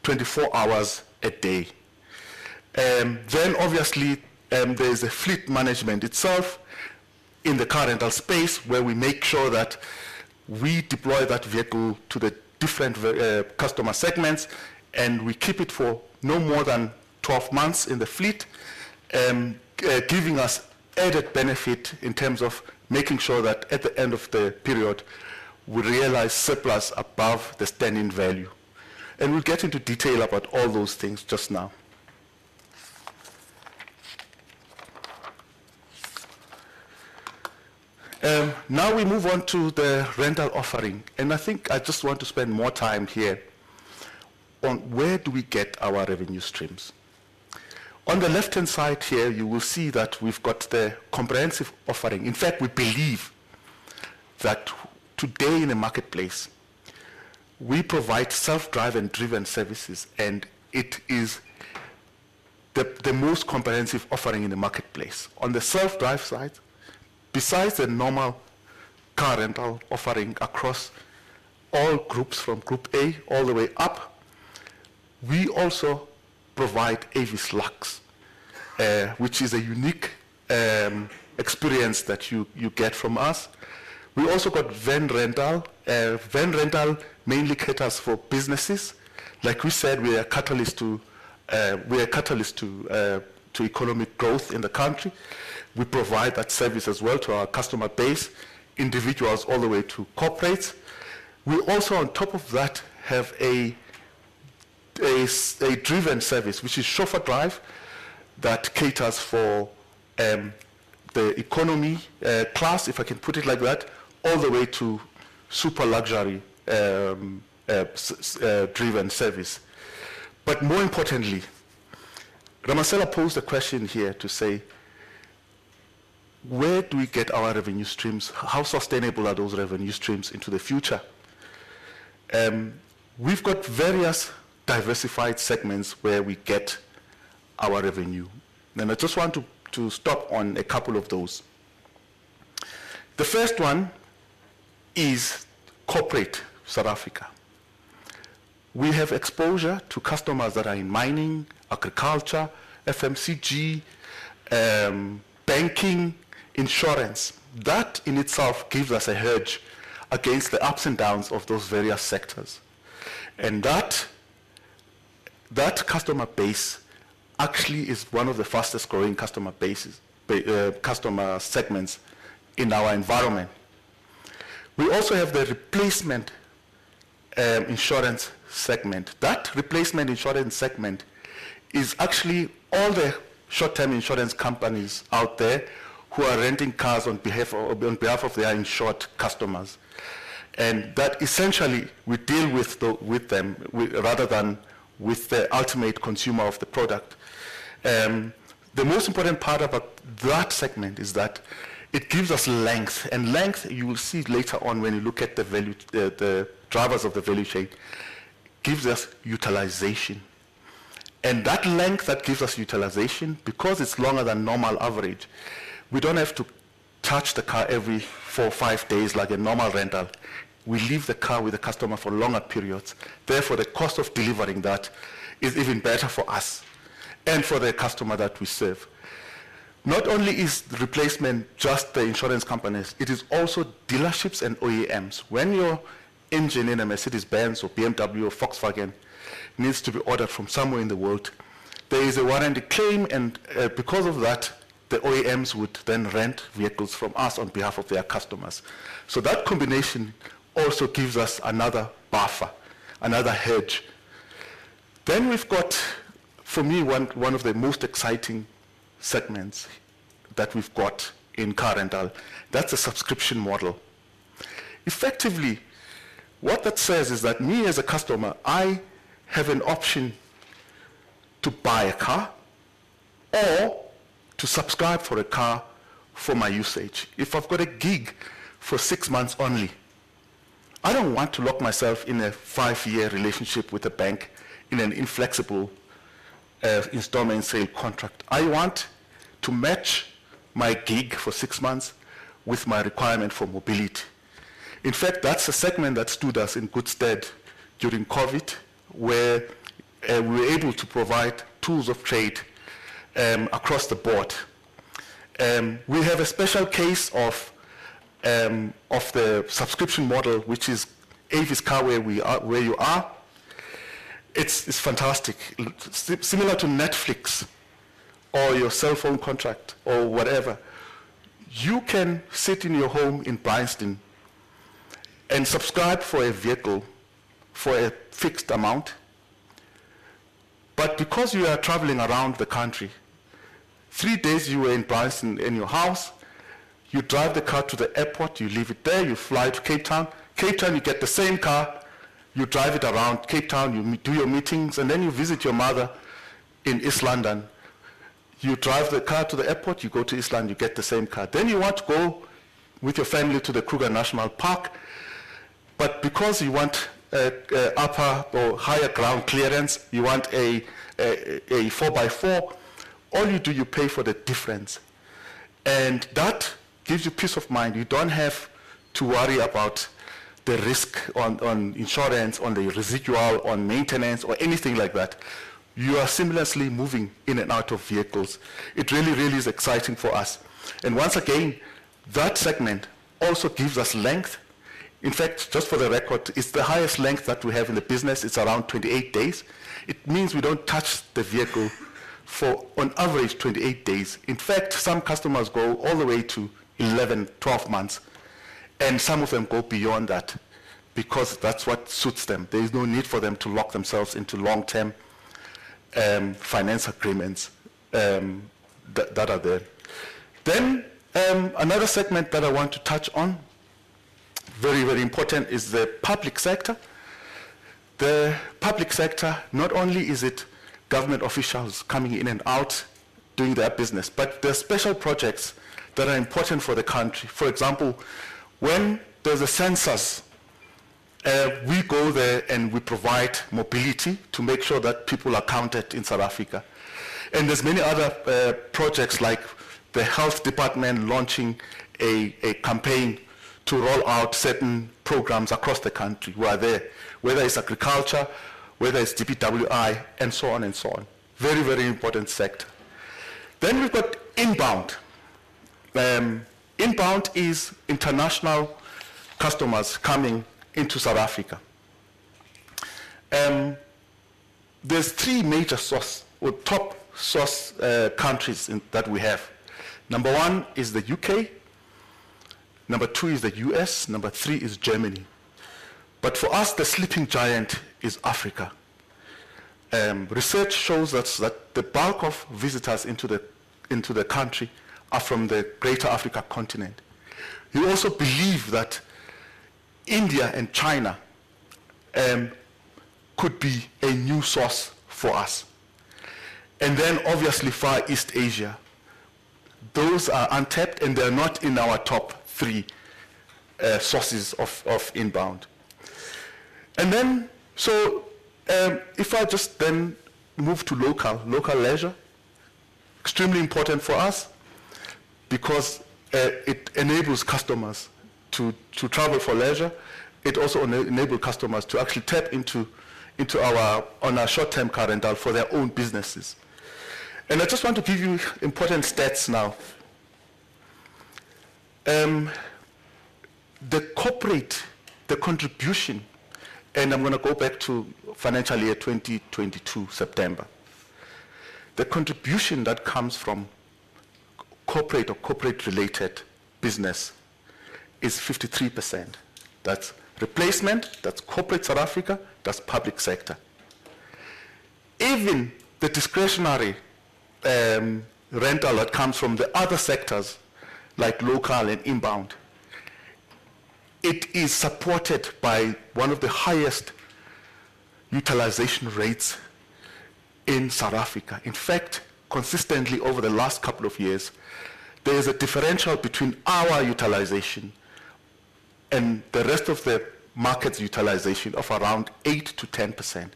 24 hours a day. Obviously, there's a fleet management itself in the car rental space where we make sure that we deploy that vehicle to the different customer segments, and we keep it for no more than 12 months in the fleet, giving us added benefit in terms of making sure that at the end of the period, we realize surplus above the standing value. We'll get into detail about all those things just now. We move on to the rental offering, I think I just want to spend more time here on where do we get our revenue streams. On the left-hand side here, you will see that we've got the comprehensive offering. In fact, we believe that today in the marketplace, we provide self-drive and driven services, it is the most comprehensive offering in the marketplace. On the self-drive side, besides the normal car rental offering across all groups from group A all the way up, we also provide Avis Luxe, which is a unique experience that you get from us. We also got Van rental. Van rental mainly caters for businesses. Like we said, we are catalyst to economic growth in the country. We provide that service as well to our customer base, individuals all the way to corporates. We also on top of that, have a driven service, which is Chauffeur Drive that caters for the economy class, if I can put it like that, all the way to super luxury driven service. More importantly, Ramasela posed a question here to say, "Where do we get our revenue streams? How sustainable are those revenue streams into the future? We've got various diversified segments where we get our revenue. I just want to stop on a couple of those. The first one is corporate South Africa. We have exposure to customers that are in mining, agriculture, FMCG, banking, insurance. That in itself gives us a hedge against the ups and downs of those various sectors. That, that customer base actually is one of the fastest-growing customer bases, customer segments in our environment. We also have the replacement insurance segment. That replacement insurance segment is actually all the short-term insurance companies out there who are renting cars on behalf of their insured customers. That essentially we deal with them rather than with the ultimate consumer of the product. The most important part about that segment is that it gives us length. Length, you will see later on when you look at the drivers of the value chain, gives us utilization. Because it's longer than normal average, we don't have to touch the car every four or five days like a normal rental. We leave the car with the customer for longer periods. Therefore, the cost of delivering that is even better for us and for the customer that we serve. Not only is replacement just the insurance companies, it is also dealerships and OEMs. When your engine in a Mercedes-Benz or BMW or Volkswagen needs to be ordered from somewhere in the world, there is a warranty claim, and because of that, the OEMs would then rent vehicles from us on behalf of their customers. That combination also gives us another buffer, another hedge. We've got, for me, one of the most exciting segments that we've got in car rental. That's a subscription model. Effectively, what that says is that me as a customer, I have an option to buy a car or to subscribe for a car for my usage. If I've got a gig for six months only, I don't want to lock myself in a five year relationship with a bank in an inflexible installment sale contract. I want to match my gig for six months with my requirement for mobility. That's a segment that stood us in good stead during COVID, where we were able to provide tools of trade across the board. We have a special case of the subscription model, which is Avis Car Where U Are. It's fantastic. Similar to Netflix or your cell phone contract or whatever, you can sit in your home in Bryanston and subscribe for a vehicle for a fixed amount. Because you are traveling around the country, three days you were in Bryanston in your house, you drive the car to the airport, you leave it there, you fly to Cape Town. Cape Town, you get the same car, you drive it around Cape Town, you do your meetings, you visit your mother in East London. You drive the car to the airport, you go to East London, you get the same car. You want to go with your family to the Kruger National Park. Because you want a upper or higher ground clearance, you want a four-by-four, all you do, you pay for the difference. That gives you peace of mind. You don't have to worry about the risk on insurance, on the residual, on maintenance or anything like that. You are seamlessly moving in and out of vehicles. It really is exciting for us. Once again, that segment also gives us length. In fact, just for the record, it's the highest length that we have in the business. It's around 28 days. It means we don't touch the vehicle for on average 28 days. In fact, some customers go all the way to 11, 12 months, and some of them go beyond that because that's what suits them. There's no need for them to lock themselves into long-term finance agreements that are there. Another segment that I want to touch on, very, very important is the public sector. The public sector, not only is it government officials coming in and out doing their business, but there are special projects that are important for the country. For example, when there's a census, we go there, and we provide mobility to make sure that people are counted in South Africa. There's many other projects like the health department launching a campaign to roll out certain programs across the country. We are there, whether it's agriculture, whether it's DPWI and so on and so on. Very, very important sector. We've got inbound. Inbound is international customers coming into South Africa. There's three major source or top source countries that we have. Number one is the U.K., number two is the U.S., number three is Germany. For us, the sleeping giant is Africa. Research shows us that the bulk of visitors into the, into the country are from the greater Africa continent. We also believe that India and China could be a new source for us, and then obviously Far East Asia. Those are untapped, and they're not in our top three sources of inbound. If I just then move to local leisure, extremely important for us because it enables customers to travel for leisure. It also enable customers to actually tap into, on our short-term car rental for their own businesses. I just want to give you important stats now. The corporate, the contribution, and I'm gonna go back to financial year 2022, September. The contribution that comes from corporate or corporate-related business is 53%. That's replacement, that's corporate South Africa, that's public sector. Even the discretionary rental that comes from the other sectors like local and inbound, it is supported by one of the highest utilization rates in South Africa. In fact, consistently over the last couple of years, there is a differential between our utilization and the rest of the market utilization of around 8%-10%.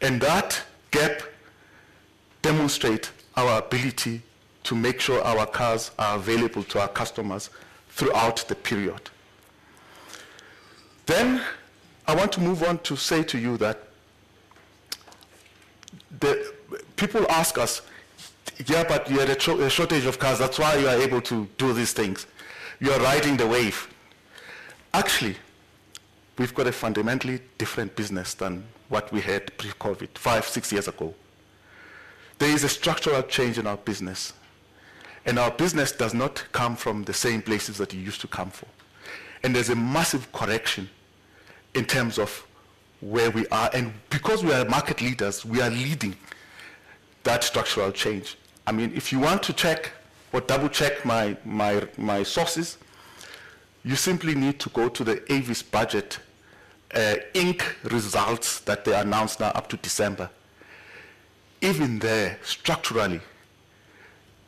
That gap demonstrate our ability to make sure our cars are available to our customers throughout the period. People ask us, "Yeah, but you had a shortage of cars. That's why you are able to do these things. You are riding the wave." Actually, we've got a fundamentally different business than what we had pre-COVID, five, six years ago. There is a structural change in our business, and our business does not come from the same places that it used to come from. There's a massive correction in terms of where we are. Because we are market leaders, we are leading that structural change. I mean, if you want to check or double-check my sources, you simply need to go to the Avis Budget Inc. results that they announced now up to December. Even there, structurally,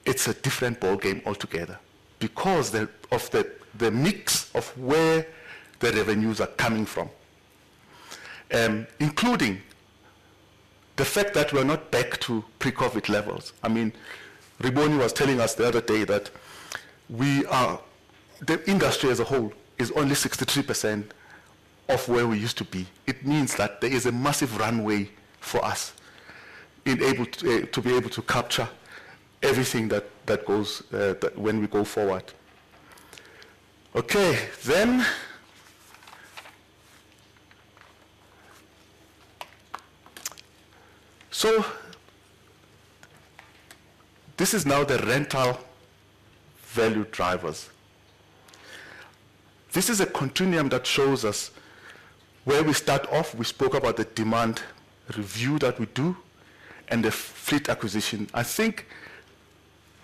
it's a different ballgame altogether because the mix of where the revenues are coming from, including the fact that we're not back to pre-COVID levels. I mean, Rebone was telling us the other day that the industry as a whole is only 62% of where we used to be. It means that there is a massive runway for us in able to be able to capture everything that goes that when we go forward. This is now the rental value drivers. This is a continuum that shows us where we start off. We spoke about the demand review that we do and the fleet acquisition. I think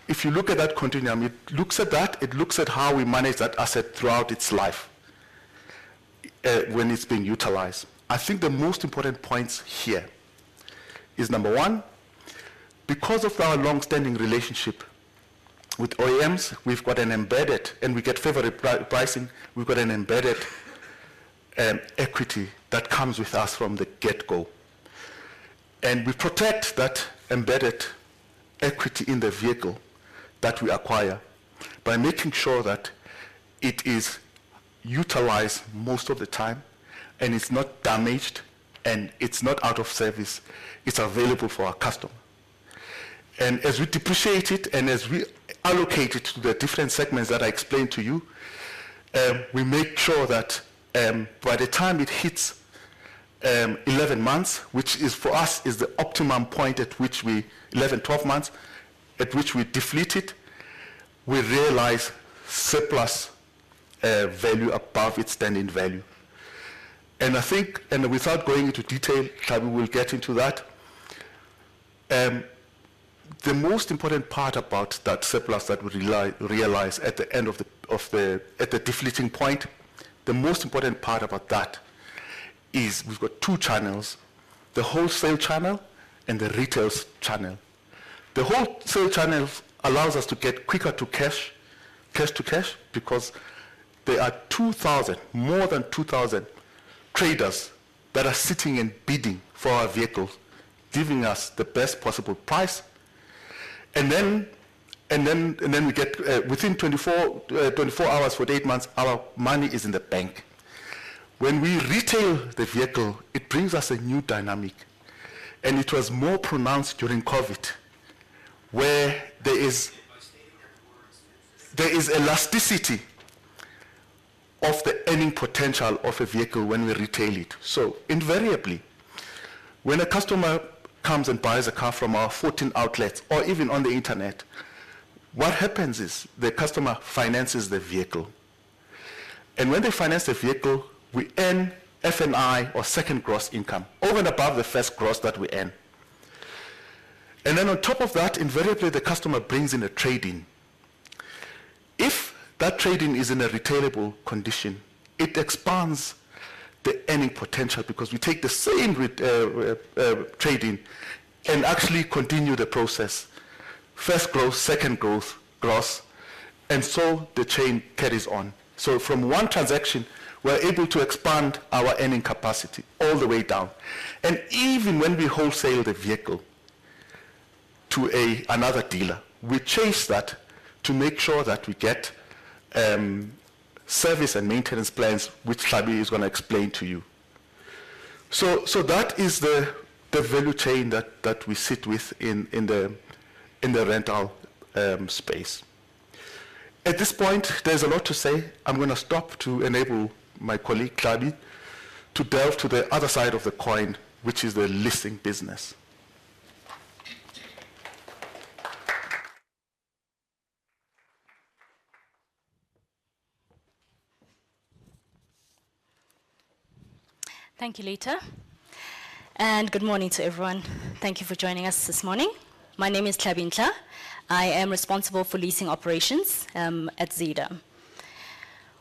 if you look at that continuum, it looks at how we manage that asset throughout its life when it's being utilized. I think the most important points here is, number one, because of our long-standing relationship with OEMs, we've got an embedded, and we get favorite pricing, we've got an embedded equity that comes with us from the get-go. We protect that embedded equity in the vehicle that we acquire by making sure that it is utilized most of the time, and it's not damaged, and it's not out of service. It's available for our customer. As we depreciate it, and as we allocate it to the different segments that I explained to you, we make sure that by the time it hits 11 months, which is for us is the optimum point, 11, 12 months, at which we deflate it, we realize surplus value above its standing value. Without going into detail, Tlhabi will get into that. The most important part about that surplus that we realize at the end of the, at the deflating point, the most important part about that is we've got two channels, the wholesale channel and the retails channel. The wholesale channel allows us to get quicker to cash to cash, because there are 2,000, more than 2,000 traders that are sitting and bidding for our vehicles, giving us the best possible price. Then we get, within 24 hours, 48 months, our money is in the bank. When we retail the vehicle, it brings us a new dynamic, and it was more pronounced during COVID, where there is. By stating their concerns. There is elasticity of the earning potential of a vehicle when we retail it. Invariably, when a customer comes and buys a car from our 14 outlets or even on the Internet, what happens is the customer finances the vehicle. When they finance the vehicle, we earn F&I or second gross income over and above the first gross that we earn. On top of that, invariably, the customer brings in a trade-in. If that trade-in is in a retailable condition, it expands the earning potential because we take the same trade-in and actually continue the process. First gross, second gross, and the chain carries on. From one transaction, we're able to expand our earning capacity all the way down. Even when we wholesale the vehicle to another dealer, we chase that to make sure that we get service and maintenance plans, which Tlhabi is going to explain to you. That is the value chain that we sit with in the rental space. At this point, there's a lot to say. I'm going to stop to enable my colleague, Tlhabi, to delve to the other side of the coin, which is the leasing business. Thank you, Litha. Good morning to everyone. Thank you for joining us this morning. My name is Tlhabi Ntlha. I am responsible for leasing operations at Zeda.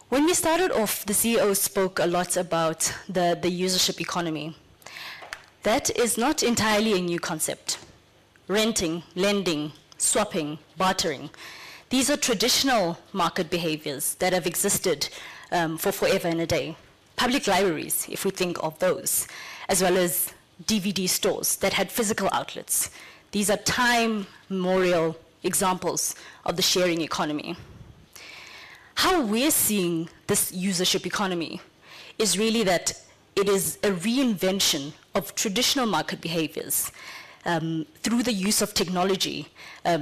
When we started off, the CEO spoke a lot about the usership economy. That is not entirely a new concept. Renting, lending, swapping, bartering. These are traditional market behaviors that have existed for forever and a day. Public libraries, if we think of those, as well as DVD stores that had physical outlets. These are time immemorial examples of the sharing economy. How we're seeing this usership economy is really that it is a reinvention of traditional market behaviors through the use of technology,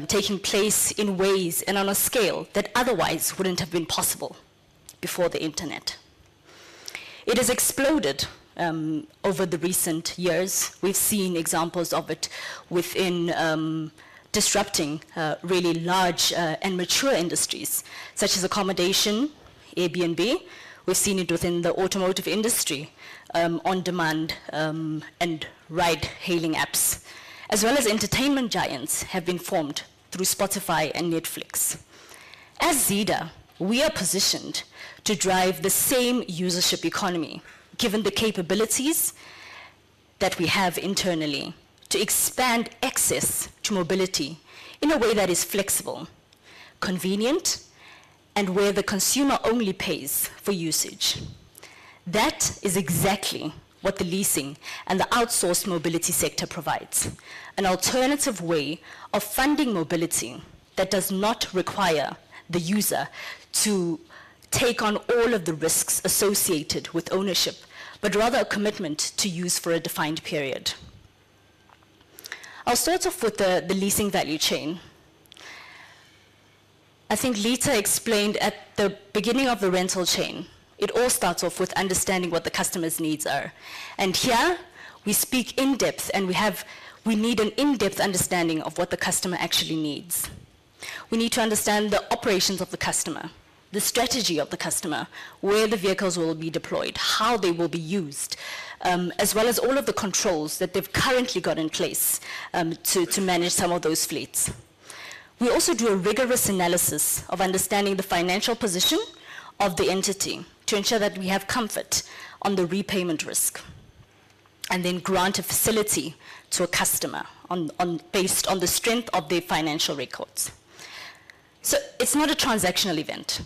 taking place in ways and on a scale that otherwise wouldn't have been possible before the internet. It has exploded over the recent years. We've seen examples of it within disrupting really large and mature industries such as accommodation, Airbnb. We've seen it within the automotive industry, on demand and ride-hailing apps, as well as entertainment giants have been formed through Spotify and Netflix. As Zeda, we are positioned to drive the same usership economy, given the capabilities that we have internally to expand access to mobility in a way that is flexible, convenient, and where the consumer only pays for usage. That is exactly what the leasing and the outsourced mobility sector provides, an alternative way of funding mobility that does not require the user to take on all of the risks associated with ownership, but rather a commitment to use for a defined period. I'll start off with the leasing value chain. I think Litha explained at the beginning of the rental chain, it all starts off with understanding what the customer's needs are. Here we speak in depth, we need an in-depth understanding of what the customer actually needs. We need to understand the operations of the customer, the strategy of the customer, where the vehicles will be deployed, how they will be used, as well as all of the controls that they've currently got in place, to manage some of those fleets. We also do a rigorous analysis of understanding the financial position of the entity to ensure that we have comfort on the repayment risk, and then grant a facility to a customer on based on the strength of their financial records. It's not a transactional event.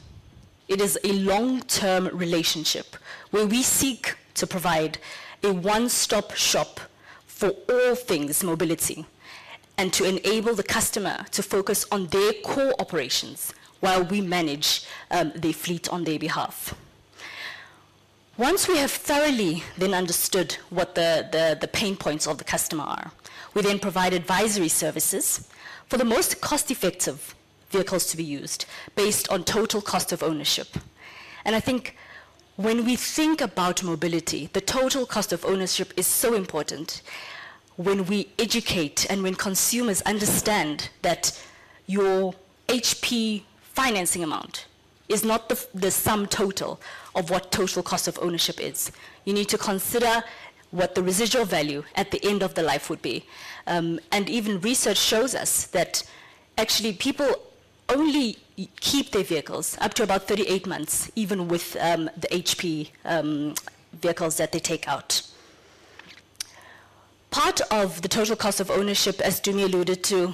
It is a long-term relationship where we seek to provide a one-stop shop for all things mobility and to enable the customer to focus on their core operations while we manage their fleet on their behalf. Once we have thoroughly then understood what the pain points of the customer are, we then provide advisory services for the most cost-effective vehicles to be used based on total cost of ownership. I think when we think about mobility, the total cost of ownership is so important when we educate and when consumers understand that your HP financing amount is not the sum total of what total cost of ownership is. You need to consider what the residual value at the end of the life would be. Even research shows us that actually people only keep their vehicles up to about 38 months, even with the HP vehicles that they take out. Part of the total cost of ownership, as Tumi alluded to,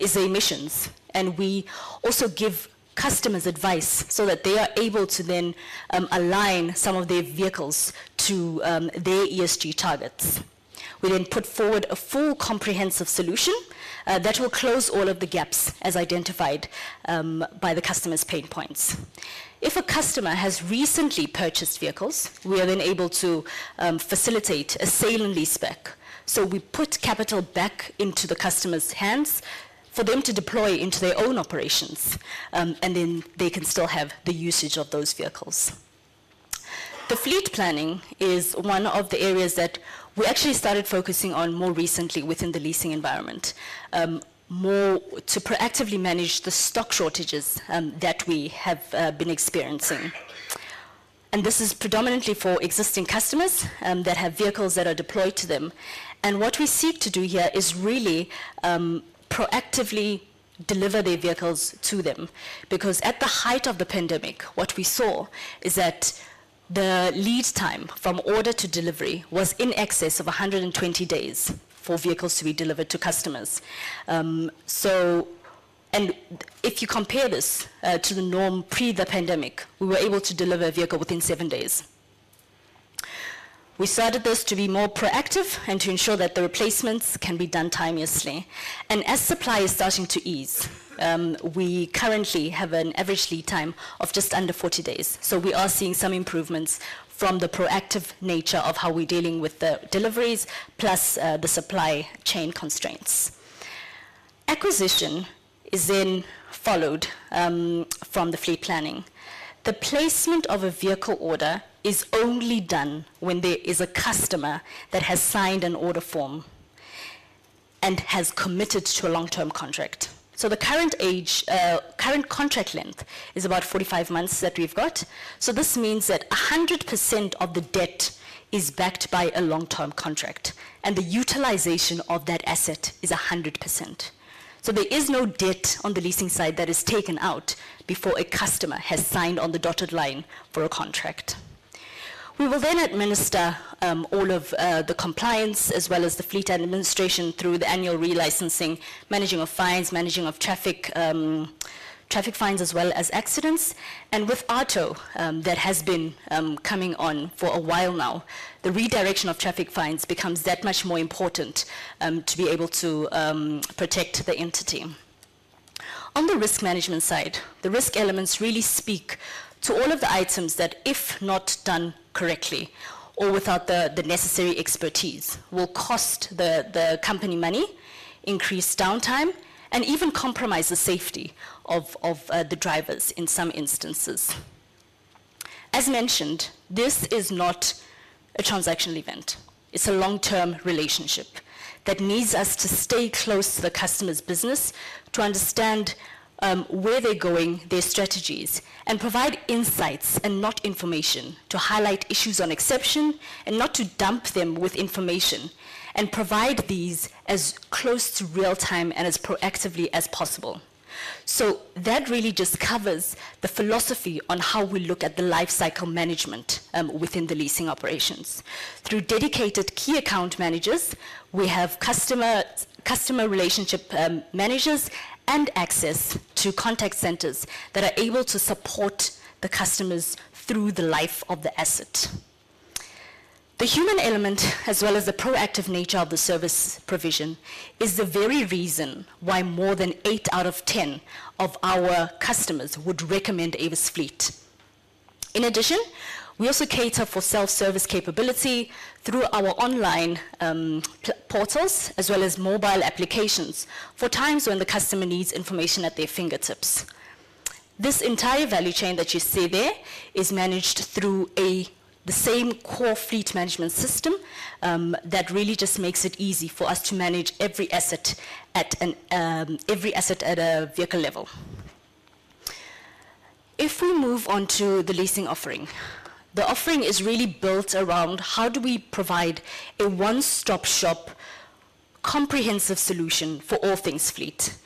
is the emissions, we also give customers advice so that they are able to then align some of their vehicles to their ESG targets. We then put forward a full comprehensive solution that will close all of the gaps as identified by the customer's pain points. If a customer has recently purchased vehicles, we are then able to facilitate a sale and leaseback. We put capital back into the customer's hands for them to deploy into their own operations, then they can still have the usage of those vehicles. The fleet planning is one of the areas that we actually started focusing on more recently within the leasing environment, more to proactively manage the stock shortages that we have been experiencing. This is predominantly for existing customers that have vehicles that are deployed to them. What we seek to do here is really proactively deliver their vehicles to them, because at the height of the pandemic, what we saw is that the lead time from order to delivery was in excess of 120 days for vehicles to be delivered to customers. If you compare this to the norm pre the pandemic, we were able to deliver a vehicle within seven days. We started this to be more proactive and to ensure that the replacements can be done timeously. As supply is starting to ease, we currently have an average lead time of just under 40 days. We are seeing some improvements from the proactive nature of how we're dealing with the deliveries plus the supply chain constraints. Acquisition is followed from the fleet planning. The placement of a vehicle order is only done when there is a customer that has signed an order form and has committed to a long-term contract. The current age, current contract length is about 45 months that we've got. This means that 100% of the debt is backed by a long-term contract, and the utilization of that asset is 100%. There is no debt on the leasing side that is taken out before a customer has signed on the dotted line for a contract. We will then administer all of the compliance as well as the fleet administration through the annual re-licensing, managing of fines, managing of traffic fines as well as accidents. With AARTO that has been coming on for a while now, the redirection of traffic fines becomes that much more important to be able to protect the entity. On the risk management side, the risk elements really speak to all of the items that if not done correctly or without the necessary expertise, will cost the company money, increase downtime, and even compromise the safety of the drivers in some instances. As mentioned, this is not a transactional event. It's a long-term relationship that needs us to stay close to the customer's business to understand where they're going, their strategies, and provide insights and not information to highlight issues on exception and not to dump them with information and provide these as close to real-time and as proactively as possible. That really just covers the philosophy on how we look at the life cycle management within the leasing operations. Through dedicated key account managers, we have customer relationship managers and access to contact centers that are able to support the customers through the life of the asset. The human element, as well as the proactive nature of the service provision, is the very reason why more than eight out of 10 of our customers would recommend Avis Fleet. In addition, we also cater for self-service capability through our online portals as well as mobile applications for times when the customer needs information at their fingertips. This entire value chain that you see there is managed through the same core fleet management system that really just makes it easy for us to manage every asset at a vehicle level. We move on to the leasing offering, the offering is really built around how do we provide a one-stop shop, comprehensive solution for all things fleet.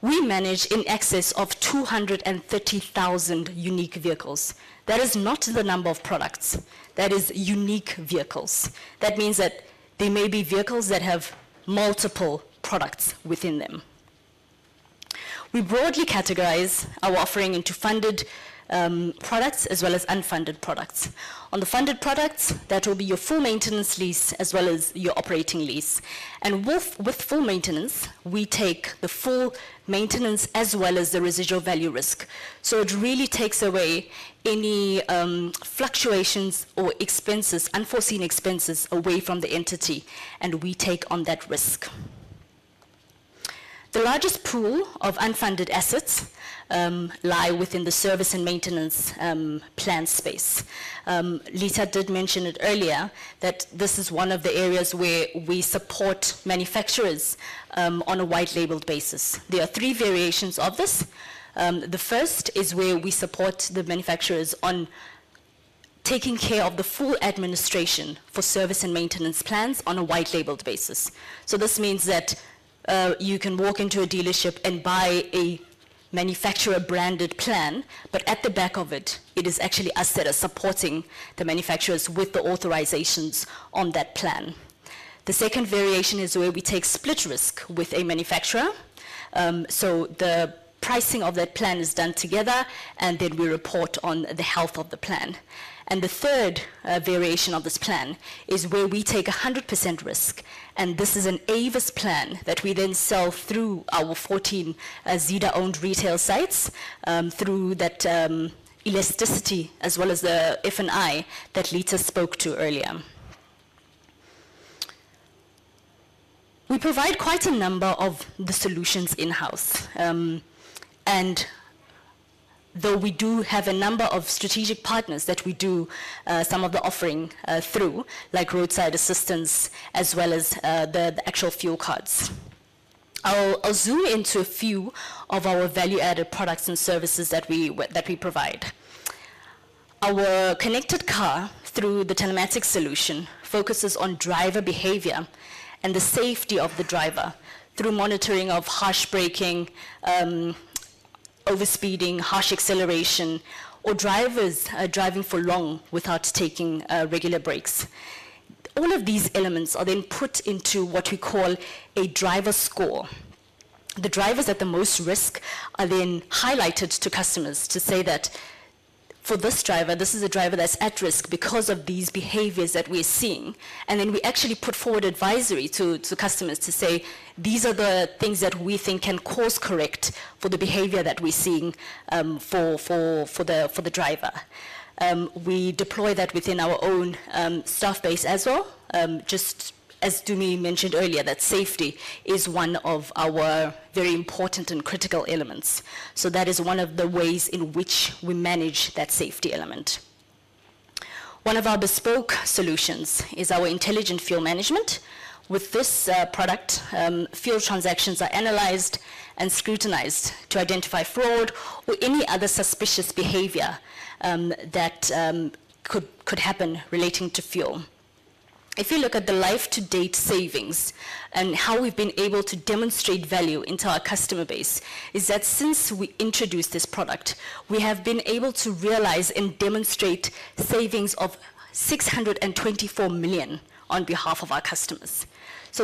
We manage in excess of 230,000 unique vehicles. That is not the number of products. That is unique vehicles. That means that there may be vehicles that have multiple products within them. We broadly categorize our offering into funded products as well as unfunded products. On the funded products, that will be your full maintenance lease as well as your operating lease. With full maintenance, we take the full maintenance as well as the residual value risk. It really takes away any fluctuations or expenses, unforeseen expenses away from the entity, and we take on that risk. The largest pool of unfunded assets lie within the service and maintenance plan space. Litha did mention it earlier that this is one of the areas where we support manufacturers on a white-labeled basis. There are three variations of this. The first is where we support the manufacturers on taking care of the full administration for service and maintenance plans on a white-labeled basis. This means that you can walk into a dealership and buy a manufacturer-branded plan, but at the back of it is actually us that are supporting the manufacturers with the authorizations on that plan. The second variation is where we take split risk with a manufacturer. The pricing of that plan is done together, and then we report on the health of the plan. The third variation of this plan is where we take 100% risk, and this is an Avis plan that we then sell through our 14 Zeda-owned retail sites, through that elasticity as well as the F&I that Litha spoke to earlier. We provide quite a number of the solutions in-house, and though we do have a number of strategic partners that we do some of the offering through, like roadside assistance as well as the actual fuel cards. I'll zoom into a few of our value-added products and services that we provide. Our connected car through the telematics solution focuses on driver behavior and the safety of the driver through monitoring of harsh braking, overspeeding, harsh acceleration, or drivers driving for long without taking regular breaks. All of these elements are put into what we call a driver score. The drivers at the most risk are then highlighted to customers to say that for this driver, this is a driver that's at risk because of these behaviors that we're seeing. We actually put forward advisory to customers to say, "These are the things that we think can course correct for the behavior that we're seeing, for the driver." We deploy that within our own staff base as well, just as Tumi mentioned earlier, that safety is one of our very important and critical elements. That is one of the ways in which we manage that safety element. One of our bespoke solutions is our Intelligent Fuel Management. With this product, fuel transactions are analyzed and scrutinized to identify fraud or any other suspicious behavior that could happen relating to fuel. If you look at the life-to-date savings and how we've been able to demonstrate value into our customer base, is that since we introduced this product, we have been able to realize and demonstrate savings of 624 million on behalf of our customers.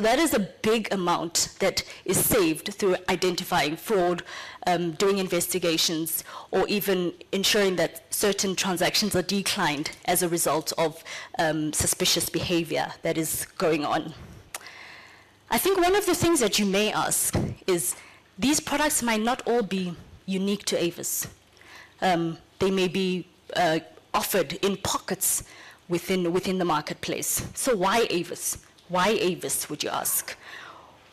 That is a big amount that is saved through identifying fraud, doing investigations, or even ensuring that certain transactions are declined as a result of suspicious behavior that is going on. I think one of the things that you may ask is these products might not all be unique to Avis. They may be offered in pockets within the marketplace. Why Avis? Why Avis, would you ask?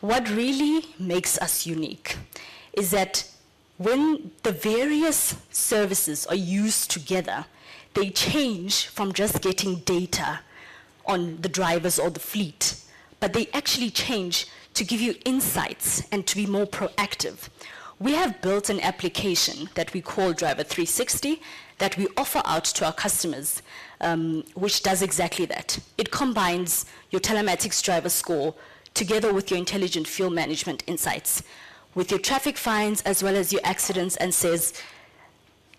What really makes us unique is that when the various services are used together, they change from just getting data on the drivers or the fleet, but they actually change to give you insights and to be more proactive. We have built an application that we call Driver 360, that we offer out to our customers, which does exactly that. It combines your telematics driver score together with your Intelligent Fuel Management insights, with your traffic fines, as well as your accidents, and says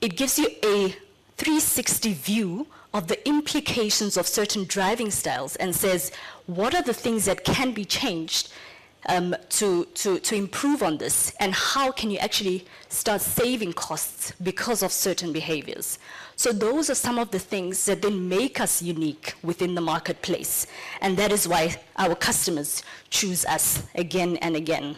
it gives you a 360 view of the implications of certain driving styles and says, "What are the things that can be changed to improve on this? How can you actually start saving costs because of certain behaviors?" Those are some of the things that make us unique within the marketplace, and that is why our customers choose us again and again.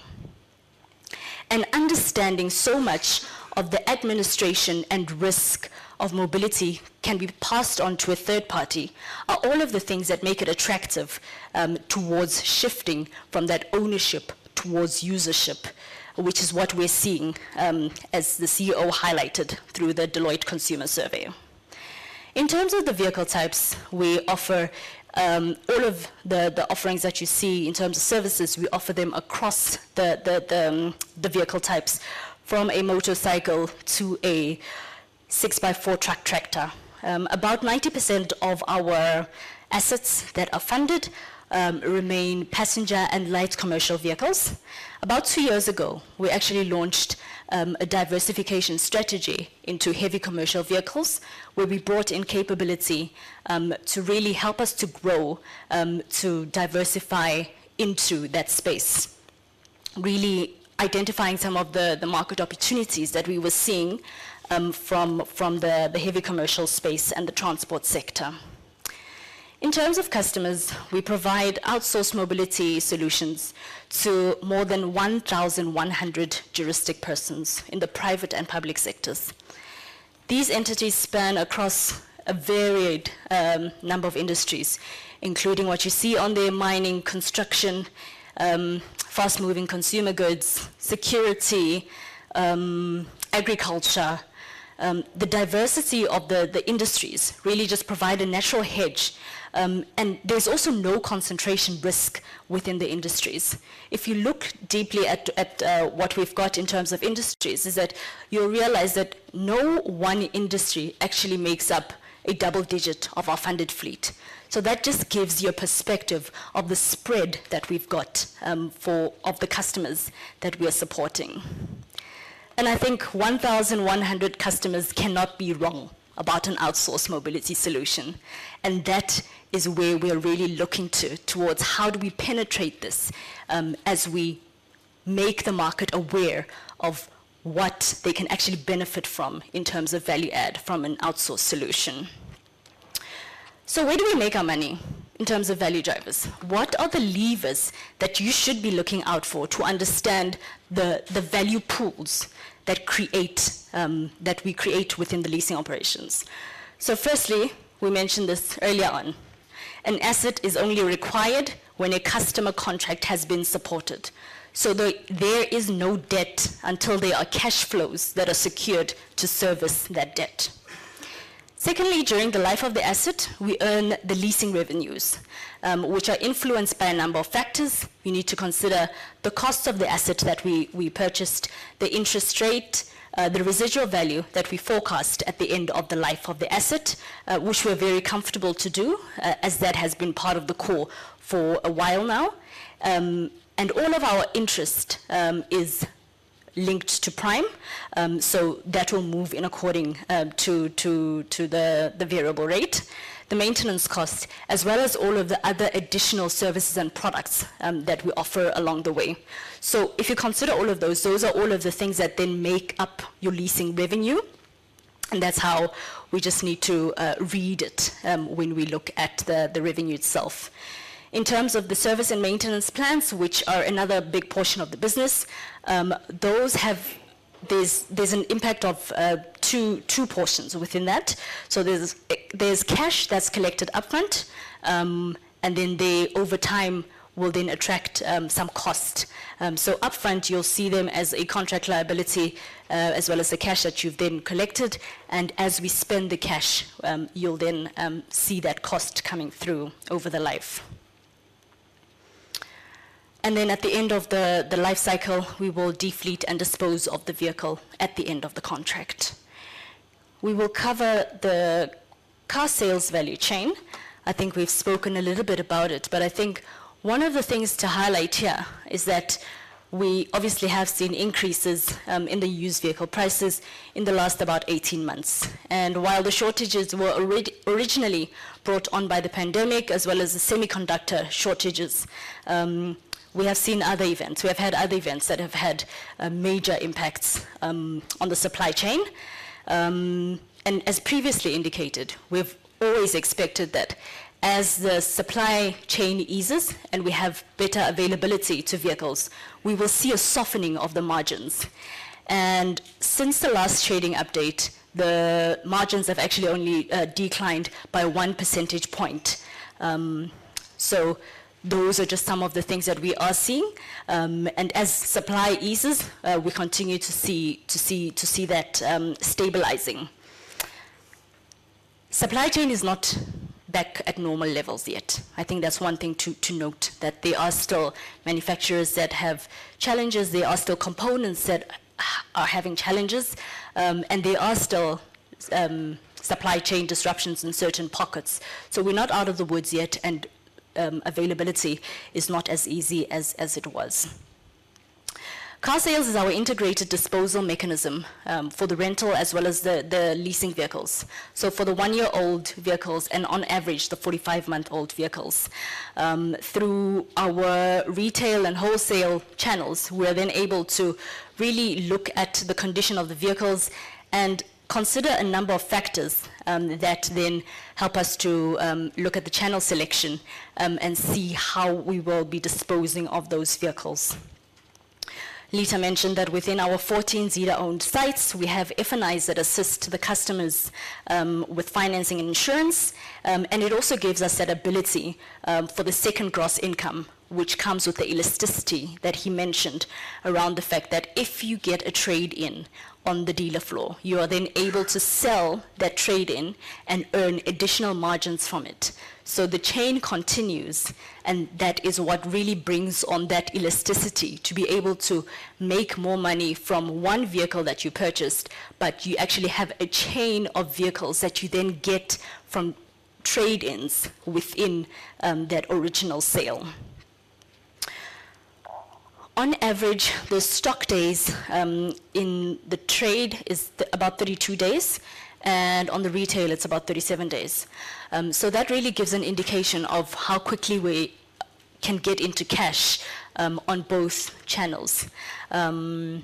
Understanding so much of the administration and risk of mobility can be passed on to a third party are all of the things that make it attractive towards shifting from that ownership towards usership, which is what we're seeing as the CEO highlighted through the Deloitte Consumer Survey. In terms of the vehicle types we offer, all of the offerings that you see in terms of services, we offer them across the vehicle types from a motorcycle to a 6x4 truck tractor. About 90% of our assets that are funded, remain passenger and light commercial vehicles. About two years ago, we actually launched a diversification strategy into heavy commercial vehicles, where we brought in capability to really help us to grow to diversify into that space. Really identifying some of the market opportunities that we were seeing from the heavy commercial space and the transport sector. In terms of customers, we provide outsourced mobility solutions to more than 1,100 juristic persons in the private and public sectors. These entities span across a varied number of industries, including what you see on there, mining, construction, fast-moving consumer goods, security, agriculture. The diversity of the industries really just provide a natural hedge, and there's also no concentration risk within the industries. If you look deeply at what we've got in terms of industries, you'll realize that no one industry actually makes up a double-digit of our funded fleet. That just gives you a perspective of the spread that we've got of the customers that we are supporting. I think 1,100 customers cannot be wrong about an outsourced mobility solution. That is where we are really looking towards how do we penetrate this as we make the market aware of what they can actually benefit from in terms of value-add from an outsourced solution. Where do we make our money in terms of value drivers? What are the levers that you should be looking out for to understand the value pools that create that we create within the leasing operations? Firstly, we mentioned this earlier on. An asset is only required when a customer contract has been supported. There is no debt until there are cash flows that are secured to service that debt. Secondly, during the life of the asset, we earn the leasing revenues, which are influenced by a number of factors. We need to consider the cost of the asset that we purchased, the interest rate, the residual value that we forecast at the end of the life of the asset, which we're very comfortable to do, as that has been part of the core for a while now. All of our interest is linked to Prime, that will move in according to the variable rate. The maintenance costs, as well as all of the other additional services and products that we offer along the way. If you consider all of those are all of the things that then make up your leasing revenue, and that's how we just need to read it when we look at the revenue itself. In terms of the service and maintenance plans, which are another big portion of the business, those have there's an impact of two portions within that. There's cash that's collected upfront, and then they over time will then attract some cost. Upfront, you'll see them as a contract liability, as well as the cash that you've then collected. As we spend the cash, you'll then see that cost coming through over the life. At the end of the life cycle, we will defleet and dispose of the vehicle at the end of the contract. We will cover the car sales value chain. I think we've spoken a little bit about it, but I think one of the things to highlight here is that we obviously have seen increases in the used vehicle prices in the last about 18 months. While the shortages were originally brought on by the pandemic as well as the semiconductor shortages, we have seen other events. We have had other events that have had major impacts on the supply chain. As previously indicated, we've always expected that as the supply chain eases and we have better availability to vehicles, we will see a softening of the margins. Since the last trading update, the margins have actually only declined by one percentage point. Those are just some of the things that we are seeing. As supply eases, we continue to see that stabilizing. Supply chain is not back at normal levels yet. I think that's one thing to note, that there are still manufacturers that have challenges, there are still components that are having challenges, and there are still supply chain disruptions in certain pockets. We're not out of the woods yet, and availability is not as easy as it was. Car Sales is our integrated disposal mechanism for the rental as well as the leasing vehicles. For the one-year-old vehicles and on average, the 45-month-old vehicles, through our retail and wholesale channels, we're then able to really look at the condition of the vehicles and consider a number of factors that then help us to look at the channel selection and see how we will be disposing of those vehicles. Litha mentioned that within our 14 Zeda-owned sites, we have F&Is that assist the customers with financing and insurance. It also gives us that ability for the second gross income, which comes with the elasticity that he mentioned around the fact that if you get a trade-in on the dealer floor, you are then able to sell that trade-in and earn additional margins from it. The chain continues, and that is what really brings on that elasticity to be able to make more money from one vehicle that you purchased, but you actually have a chain of vehicles that you then get from trade-ins within that original sale. On average, the stock days in the trade is about 32 days, and on the retail, it's about 37 days. That really gives an indication of how quickly we can get into cash on both channels. I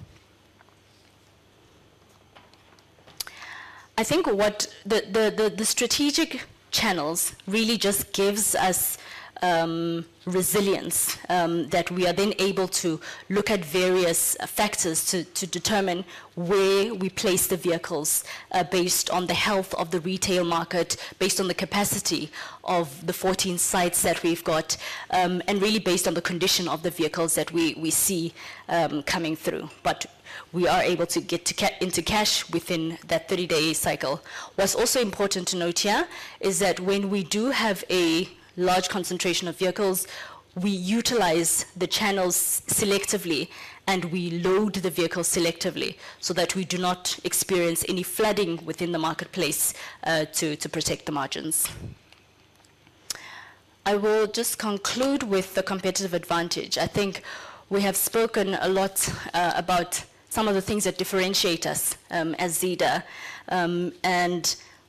think what the strategic channels really just gives us resilience that we are then able to look at various factors to determine where we place the vehicles based on the health of the retail market, based on the capacity of the 14 sites that we've got, and really based on the condition of the vehicles that we see coming through. We are able to get into cash within that 30-day cycle. What's also important to note here is that when we do have a large concentration of vehicles, we utilize the channels selectively, and we load the vehicles selectively so that we do not experience any flooding within the marketplace to protect the margins. I will just conclude with the competitive advantage. I think we have spoken a lot about some of the things that differentiate us as Zeda.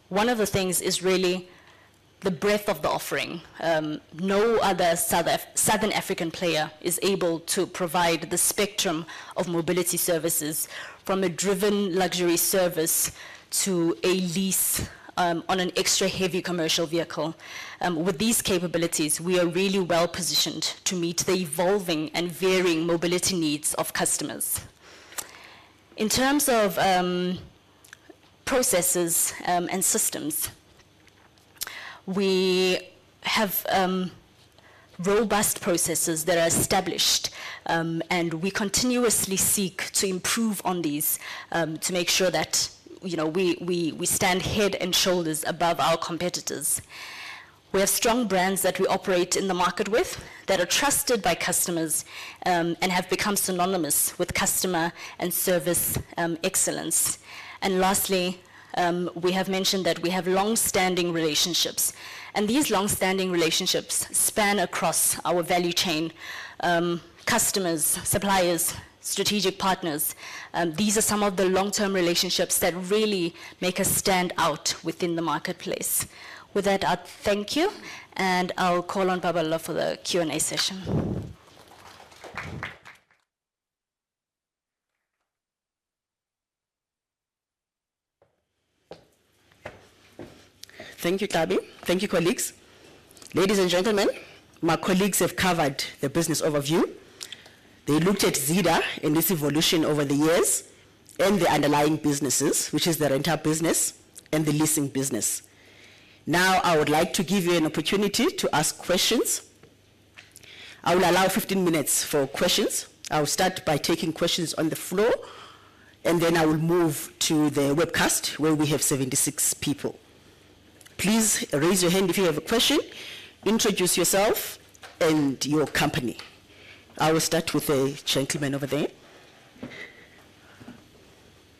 One of the things is really the breadth of the offering. No other Southern African player is able to provide the spectrum of mobility services from a driven luxury service to a lease on an extra heavy commercial vehicle. With these capabilities, we are really well-positioned to meet the evolving and varying mobility needs of customers. In terms of processes and systems, we have robust processes that are established, and we continuously seek to improve on these to make sure that, you know, we stand head and shoulders above our competitors. We have strong brands that we operate in the market with that are trusted by customers and have become synonymous with customer and service excellence. Lastly, we have mentioned that we have long-standing relationships, these long-standing relationships span across our value chain, customers, suppliers, strategic partners. These are some of the long-term relationships that really make us stand out within the marketplace. With that, I thank you, and I'll call on Babalwa for the Q&A session. Thank you, Tlhabi. Thank you, colleagues. Ladies and gentlemen, my colleagues have covered the business overview. They looked at Zeda and its evolution over the years and the underlying businesses, which is the rental business and the leasing business. I would like to give you an opportunity to ask questions. I will allow 15 minutes for questions. I will start by taking questions on the floor, and then I will move to the webcast, where we have 76 people. Please raise your hand if you have a question. Introduce yourself and your company. I will start with the gentleman over there.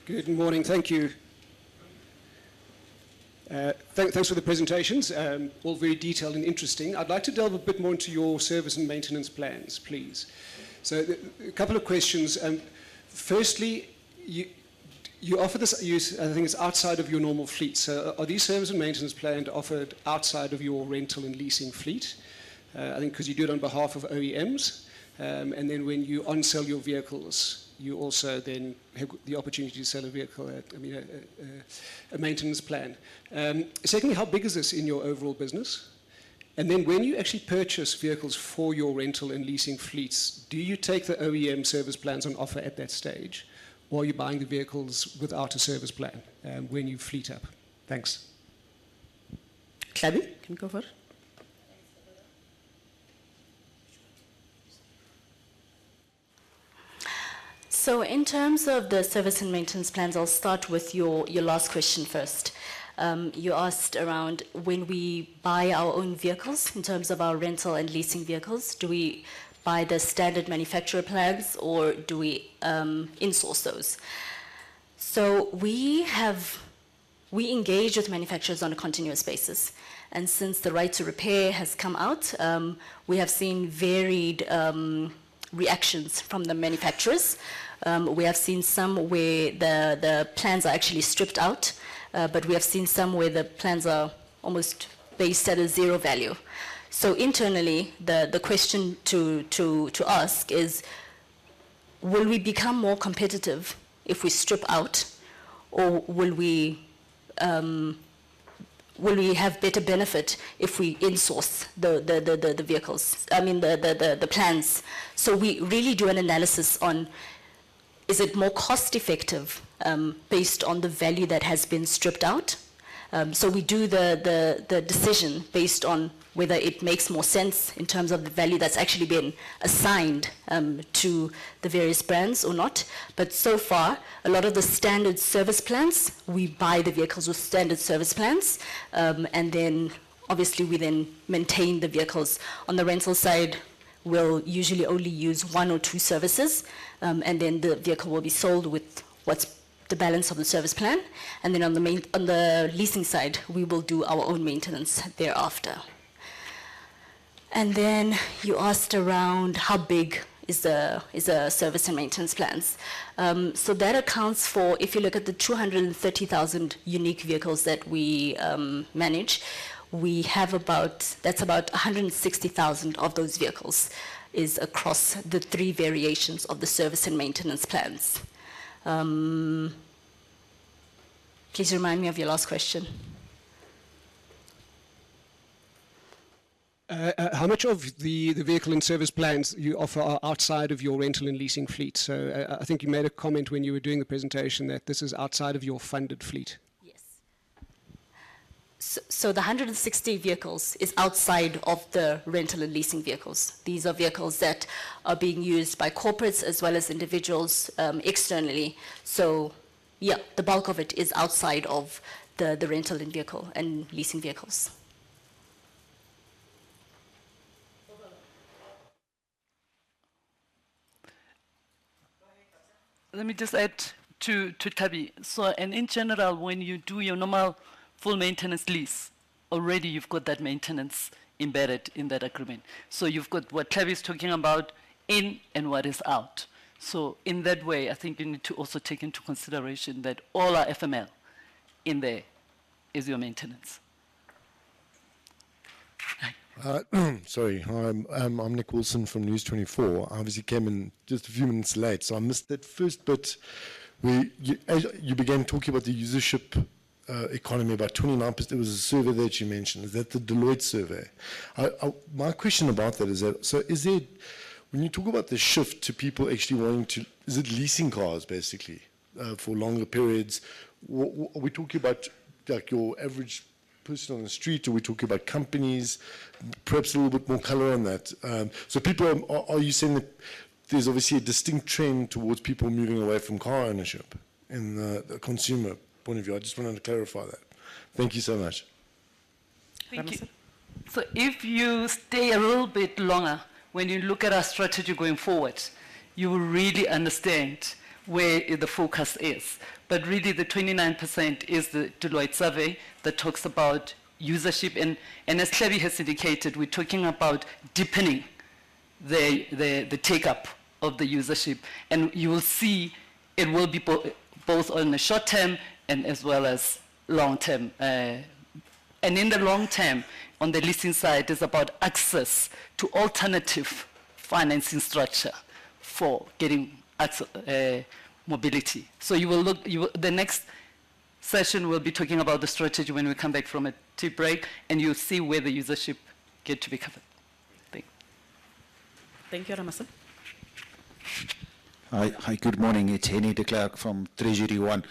Good morning. Thank you. Thanks for the presentations. All very detailed and interesting. I'd like to delve a bit more into your service and maintenance plans, please. A couple of questions. Firstly, you offer this. I think it's outside of your normal fleet. Are these service and maintenance planned offered outside of your rental and leasing fleet? I think 'cause you do it on behalf of OEMs. When you unsell your vehicles, you also then have the opportunity to sell a vehicle at, I mean, a maintenance plan. Secondly, how big is this in your overall business? When you actually purchase vehicles for your rental and leasing fleets, do you take the OEM service plans on offer at that stage? Are you buying the vehicles without a service plan, when you fleet up? Thanks. Tlhabi, can you go first? Thanks, Thobeka. In terms of the service and maintenance plans, I'll start with your last question first. You asked around when we buy our own vehicles in terms of our rental and leasing vehicles, do we buy the standard manufacturer plans or do we in-source those? We engage with manufacturers on a continuous basis, and since the Right to Repair has come out, we have seen varied reactions from the manufacturers. We have seen some where the plans are actually stripped out, but we have seen some where the plans are almost based at a zero value. Internally, the question to ask is, will we become more competitive if we strip out? Will we have better benefit if we in-source the vehicles, I mean, the plans? We really do an analysis on, is it more cost-effective, based on the value that has been stripped out. We do the decision based on whether it makes more sense in terms of the value that's actually been assigned, to the various brands or not. So far, a lot of the standard service plans, we buy the vehicles with standard service plans. Then, obviously, we then maintain the vehicles. On the rental side, we'll usually only use one or two services, and then the vehicle will be sold with what's the balance of the service plan. Then on the leasing side, we will do our own maintenance thereafter. Then you asked around how big is the service and maintenance plans. That accounts for, if you look at the 230,000 unique vehicles that we manage, that's about 160,000 of those vehicles is across the three variations of the service and maintenance plans. Please remind me of your last question. How much of the vehicle and service plans you offer are outside of your rental and leasing fleet? I think you made a comment when you were doing the presentation that this is outside of your funded fleet. So the 160 vehicles is outside of the rental and leasing vehicles. These are vehicles that are being used by corporates as well as individuals, externally. The bulk of it is outside of the rental and leasing vehicles. Ramasela. Let me just add to Tlhabi. In general, when you do your normal full maintenance lease, already you've got that maintenance embedded in that agreement. You've got what Tlhabi is talking about in and what is out. In that way, I think you need to also take into consideration that all our FML in there is your maintenance. Hi. Sorry. Hi, I'm Nick Wilson from News24. I obviously came in just a few minutes late, so I missed that first bit where you began talking about the usership economy. About 29%, there was a survey there that you mentioned. Is that the Deloitte survey? My question about that is that, when you talk about the shift to people actually wanting to, is it leasing cars basically for longer periods? Are we talking about like your average person on the street? Are we talking about companies? Perhaps a little bit more color on that. Are you saying that there's obviously a distinct trend towards people moving away from car ownership in the consumer point of view? I just wanted to clarify that. Thank you so much. Thank you. Ramasela. If you stay a little bit longer, when you look at our strategy going forward, you will really understand where the focus is. Really the 29% is the Deloitte survey that talks about usership and as Tabi has indicated, we're talking about deepening the take-up of the usership. You will see it will be both on the short term and as well as long term. In the long term, on the leasing side, it's about access to alternative financing structure for getting mobility. The next session, we'll be talking about the strategy when we come back from a tea break, and you'll see where the usership get to be covered. Thank you. Thank you, Ramasela. Hi, hi. Good morning. It's Hennie de Klerk from TreasuryONE.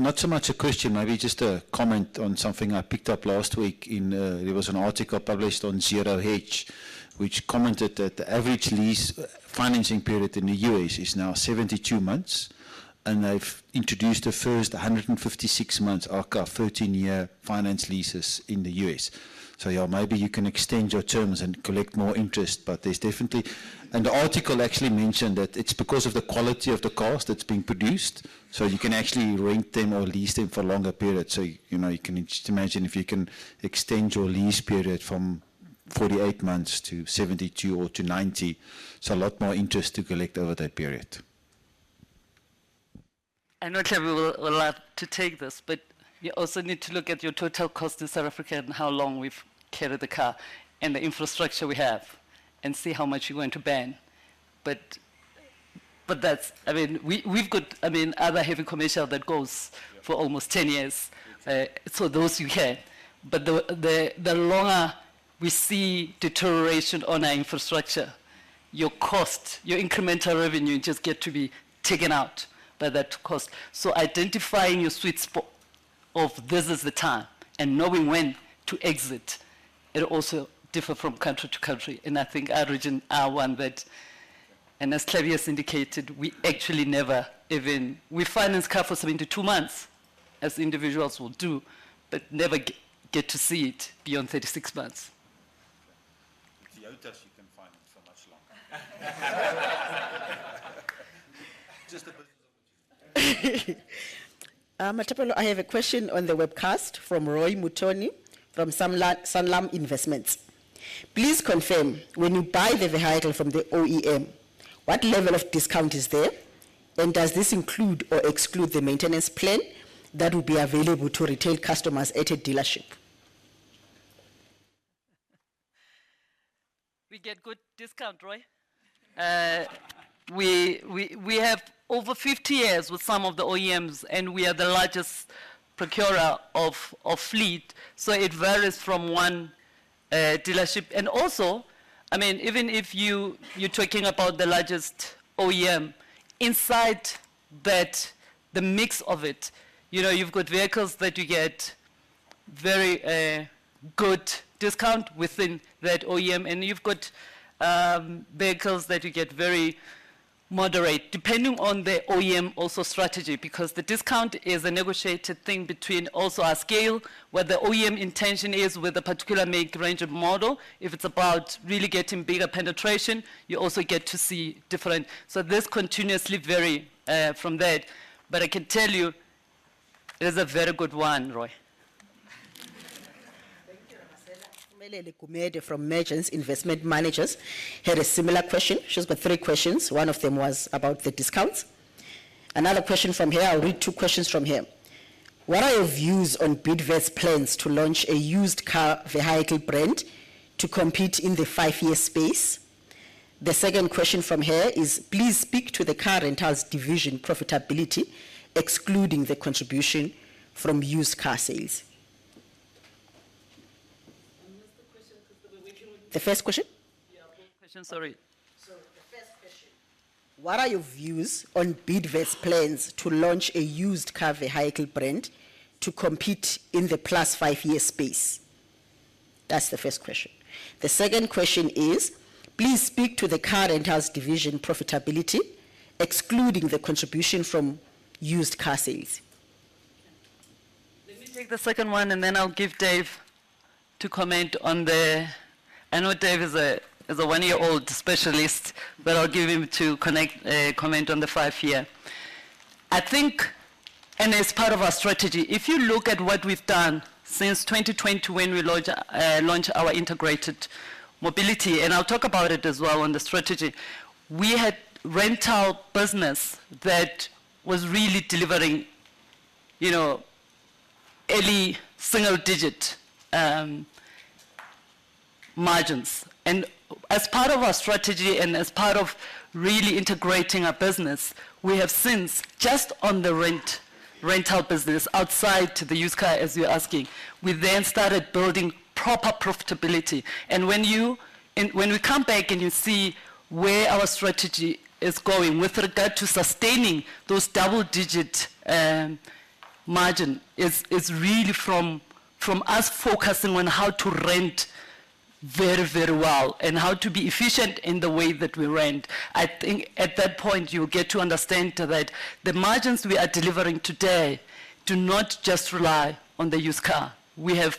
Not so much a question, maybe just a comment on something I picked up last week in. There was an article published on ZeroHedge which commented that the average lease, financing period in the U.S. is now 72 months, and they've introduced the first 156 months, aka 13-year finance leases in the U.S. Yeah, maybe you can extend your terms and collect more interest, but there's definitely. The article actually mentioned that it's because of the quality of the cars that's being produced, so you can actually rent them or lease them for longer periods. You know, you can just imagine if you can extend your lease period from 48 months to 72 or to 90, it's a lot more interest to collect over that period. I know Tlhabi will love to take this. You also need to look at your total cost in South Africa and how long we've carried the car and the infrastructure we have, and see how much you're going to burn. That's, I mean, we've got, I mean, other heavy commercial. Yeah... for almost 10 years. Yes. Those you can. The longer we see deterioration on our infrastructure, your cost, your incremental revenue just get to be taken out by that cost. Identifying your sweet spot of this is the time and knowing when to exit, it also differ from country to country. I think our region are one that. As Tlhabi has indicated, we actually never even. We finance car for 72 months as individuals will do, but never get to see it beyond 36 months. With Toyota, you can finance for much longer. Just a business opportunity. Ramasela, I have a question on the webcast from Roy Mutooni from Sanlam Investments. Please confirm, when you buy the vehicle from the OEM, what level of discount is there, and does this include or exclude the maintenance plan that will be available to retail customers at a dealership? We get good discount, Roy. We have over 50 years with some of the OEMs, and we are the largest procurer of fleet, so it varies from one dealership. Also, I mean, even if you're talking about the largest OEM, inside that, the mix of it, you know, you've got vehicles that you get very good discount within that OEM, and you've got vehicles that you get very moderate, depending on the OEM also strategy. The discount is a negotiated thing between also our scale, what the OEM intention is with a particular make, range of model. If it's about really getting bigger penetration, you also get to see different. This continuously vary from that, but I can tell you it is a very good one, Roy. Thank you. Ramasela [Salome Maruma] from Mergence Investment Managers had a similar question. She's got three questions. One of them was about the discounts. Another question from here, I'll read two questions from here. What are your views on Bidvest's plans to launch a used car vehicle brand to compete in the five-year space? The second question from here is, please speak to the car rentals division profitability, excluding the contribution from used car sales. What's the question? Maybe we can repeat. The first question? Yeah, first question. Sorry. The first question: What are your views on Bidvest's plans to launch a used car vehicle brand to compete in the plus 5-year space? That's the first question. The second question is, please speak to the car rentals division profitability, excluding the contribution from used car sales. Let me take the second one, then I'll give Dave to comment on the... I know Dave is a one year-old specialist, but I'll give him to connect, comment on the five year. I think, as part of our strategy, if you look at what we've done since 2020 when we launched our integrated mobility, I'll talk about it as well on the strategy, we had rental business that was really delivering, you know, early single digit margins. As part of our strategy and as part of really integrating our business, we have since, just on the rent-rental business outside the used car, as you're asking, we then started building proper profitability. When we come back and you see where our strategy is going with regard to sustaining those double-digit margin is really from us focusing on how to rent very, very well and how to be efficient in the way that we rent. I think at that point you get to understand that the margins we are delivering today do not just rely on the used car. We have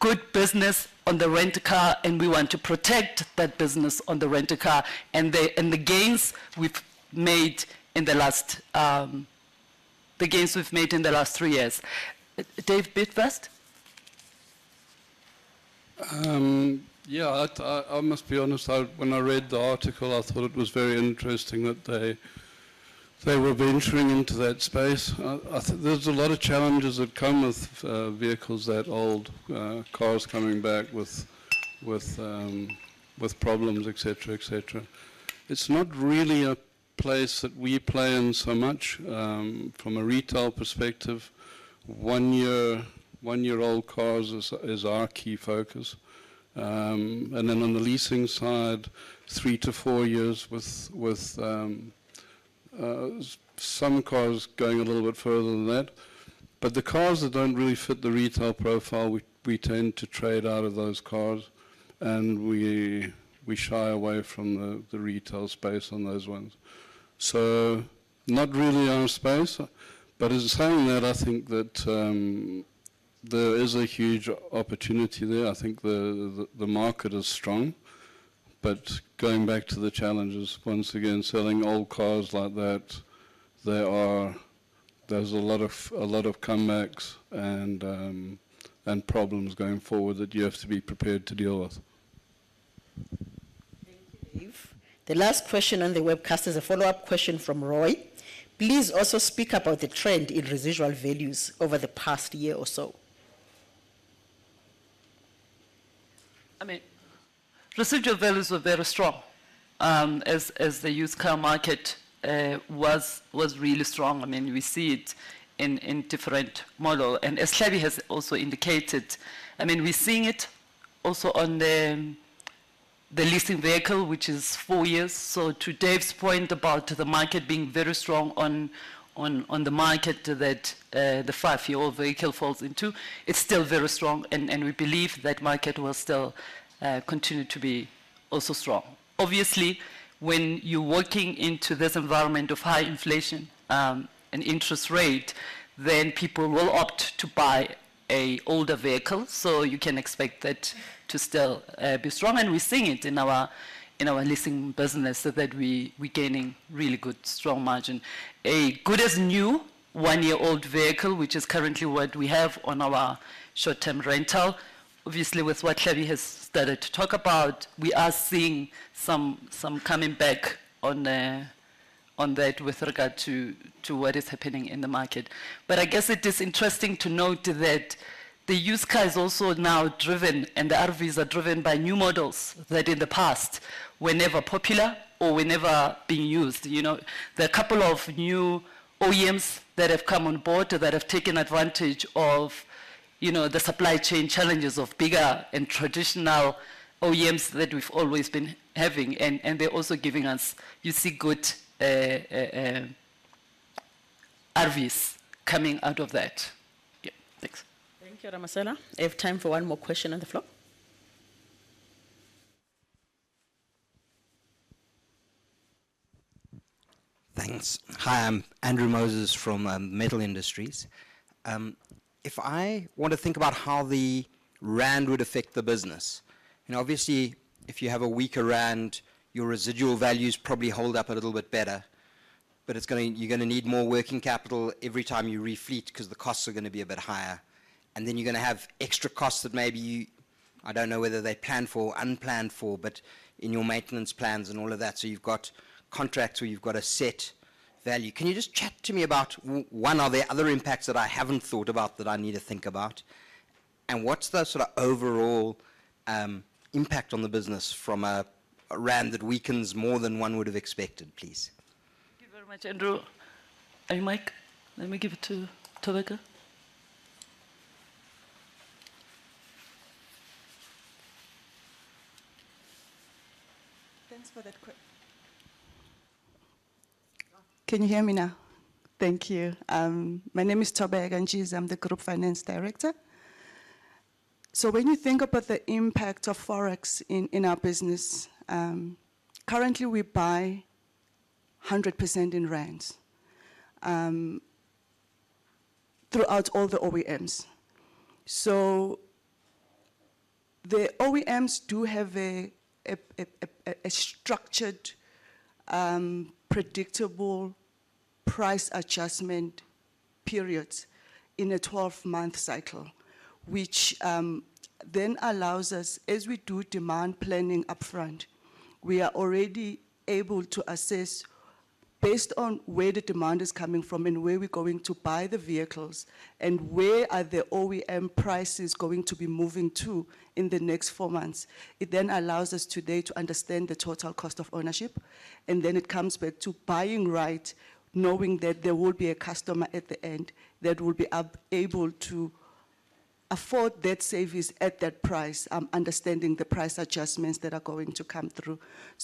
good business on the rent-a-car, and we want to protect that business on the rent-a-car and the, and the gains we've made in the last, the gains we've made in the last three years. Dave, Bidvest? Yeah. I must be honest, when I read the article, I thought it was very interesting that they were venturing into that space. There's a lot of challenges that come with vehicles that old. Cars coming back with problems, et cetera, et cetera. It's not really a place that we play in so much. From a retail perspective, 1-year-old cars is our key focus. Then on the leasing side, three to four years with some cars going a little bit further than that. The cars that don't really fit the retail profile, we tend to trade out of those cars, and we shy away from the retail space on those ones. Not really our space. In saying that, I think that there is a huge opportunity there. I think the market is strong. Going back to the challenges, once again, selling old cars like that, there's a lot of comebacks and problems going forward that you have to be prepared to deal with. Thank you, Dave. The last question on the webcast is a follow-up question from Roy: Please also speak about the trend in residual values over the past year or so. I mean, residual values were very strong, as the used car market was really strong. I mean, we see it in different model. As Tlhabi has also indicated, I mean, we're seeing it also on the leasing vehicle, which is four years. To Dave's point about the market being very strong on the market that the five year-old vehicle falls into, it's still very strong, and we believe that market will still continue to be also strong. Obviously, when you're working into this environment of high inflation and interest rate, then people will opt to buy an older vehicle. You can expect that to still be strong. And we're seeing it in our leasing business, so that we gaining really good strong margin. A good-as-new one-year-old vehicle, which is currently what we have on our short-term rental, obviously with what Tlhabi has started to talk about, we are seeing some coming back on that with regard to what is happening in the market. I guess it is interesting to note that the used cars also now driven and the RVs are driven by new models that in the past were never popular or were never being used. You know, there are a couple of new OEMs that have come on board that have taken advantage of, you know, the supply chain challenges of bigger and traditional OEMs that we've always been having and they're also giving us, you see good RVs coming out of that. Yeah. Thanks. Thank you, Ramasela. I have time for one more question on the floor. Thanks. Hi, I'm Andrew Moses from Metal Industries. If I want to think about how the rand would affect the business, you know, obviously, if you have a weaker rand, your residual values probably hold up a little bit better, but you're gonna need more working capital every time you re-fleet 'cause the costs are gonna be a bit higher. You're gonna have extra costs that maybe you, I don't know whether they're planned for or unplanned for, but in your maintenance plans and all of that, so you've got contracts where you've got a set value. Can you just chat to me about what are the other impacts that I haven't thought about that I need to think about? What's the sort of overall impact on the business from a rand that weakens more than one would have expected, please? Thank you very much, Andrew. Are you mic? Let me give it to Thobeka. Thanks for that. Can you hear me now? Thank you. My name is Thobeka Ntshiza. I'm the Group Finance Director. When you think about the impact of Forex in our business, currently we buy 100% in rands throughout all the OEMs. The OEMs do have a structured, predictable price adjustment periods in a 12-month cycle, which then allows us, as we do demand planning upfront, we are already able to assess based on where the demand is coming from and where we're going to buy the vehicles and where are the OEM prices going to be moving to in the next four months. It allows us today to understand the total cost of ownership, and then it comes back to buying right, knowing that there will be a customer at the end that will be able to afford that service at that price, understanding the price adjustments that are going to come through.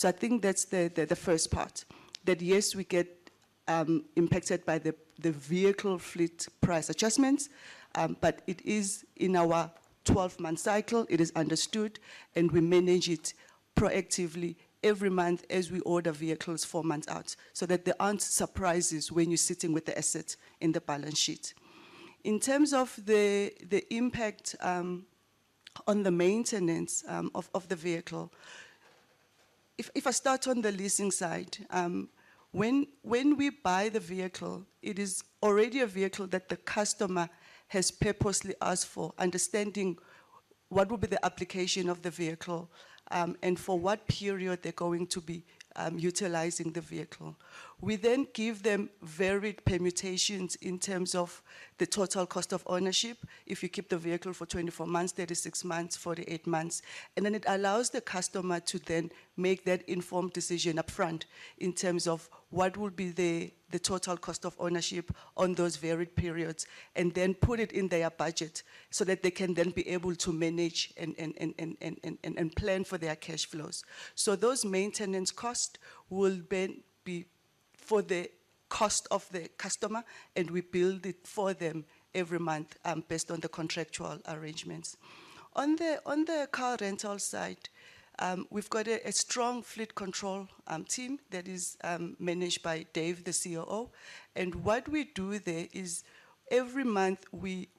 I think that's the first part. That yes, we get impacted by the vehicle fleet price adjustments, but it is in our 12-month cycle. It is understood, and we manage it proactively every month as we order vehicles four months out, so that there aren't surprises when you're sitting with the asset in the balance sheet. In terms of the impact, on the maintenance, of the vehicle, if I start on the leasing side, when we buy the vehicle, it is already a vehicle that the customer has purposely asked for, understanding what would be the application of the vehicle, and for what period they're going to be, utilizing the vehicle. We then give them varied permutations in terms of the total cost of ownership if you keep the vehicle for 24 months, 36 months, 48 months. It allows the customer to then make that informed decision upfront in terms of what will be the total cost of ownership on those varied periods, and then put it in their budget so that they can then be able to manage and plan for their cash flows. Those maintenance costs will then be for the cost of the customer, and we build it for them every month, based on the contractual arrangements. On the car rental side, we've got a strong fleet control team that is managed by Dave, the COO. What we do there is every month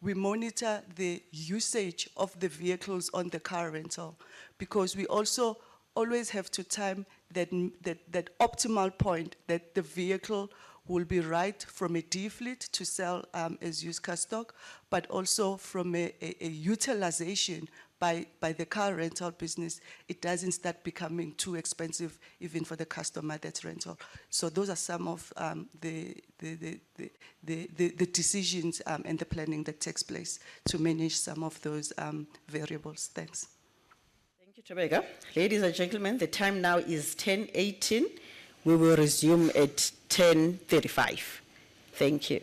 we monitor the usage of the vehicles on the car rental, because we also always have to time that optimal point that the vehicle will be right from a defleet to sell as used car stock, but also from a utilization by the car rental business, it doesn't start becoming too expensive even for the customer that's rental. Those are some of the decisions, and the planning that takes place to manage some of those variables. Thanks. Thank you, Thobeka. Ladies and gentlemen, the time now is 10:18 A.M. We will resume at 10:35 A.M. Thank you.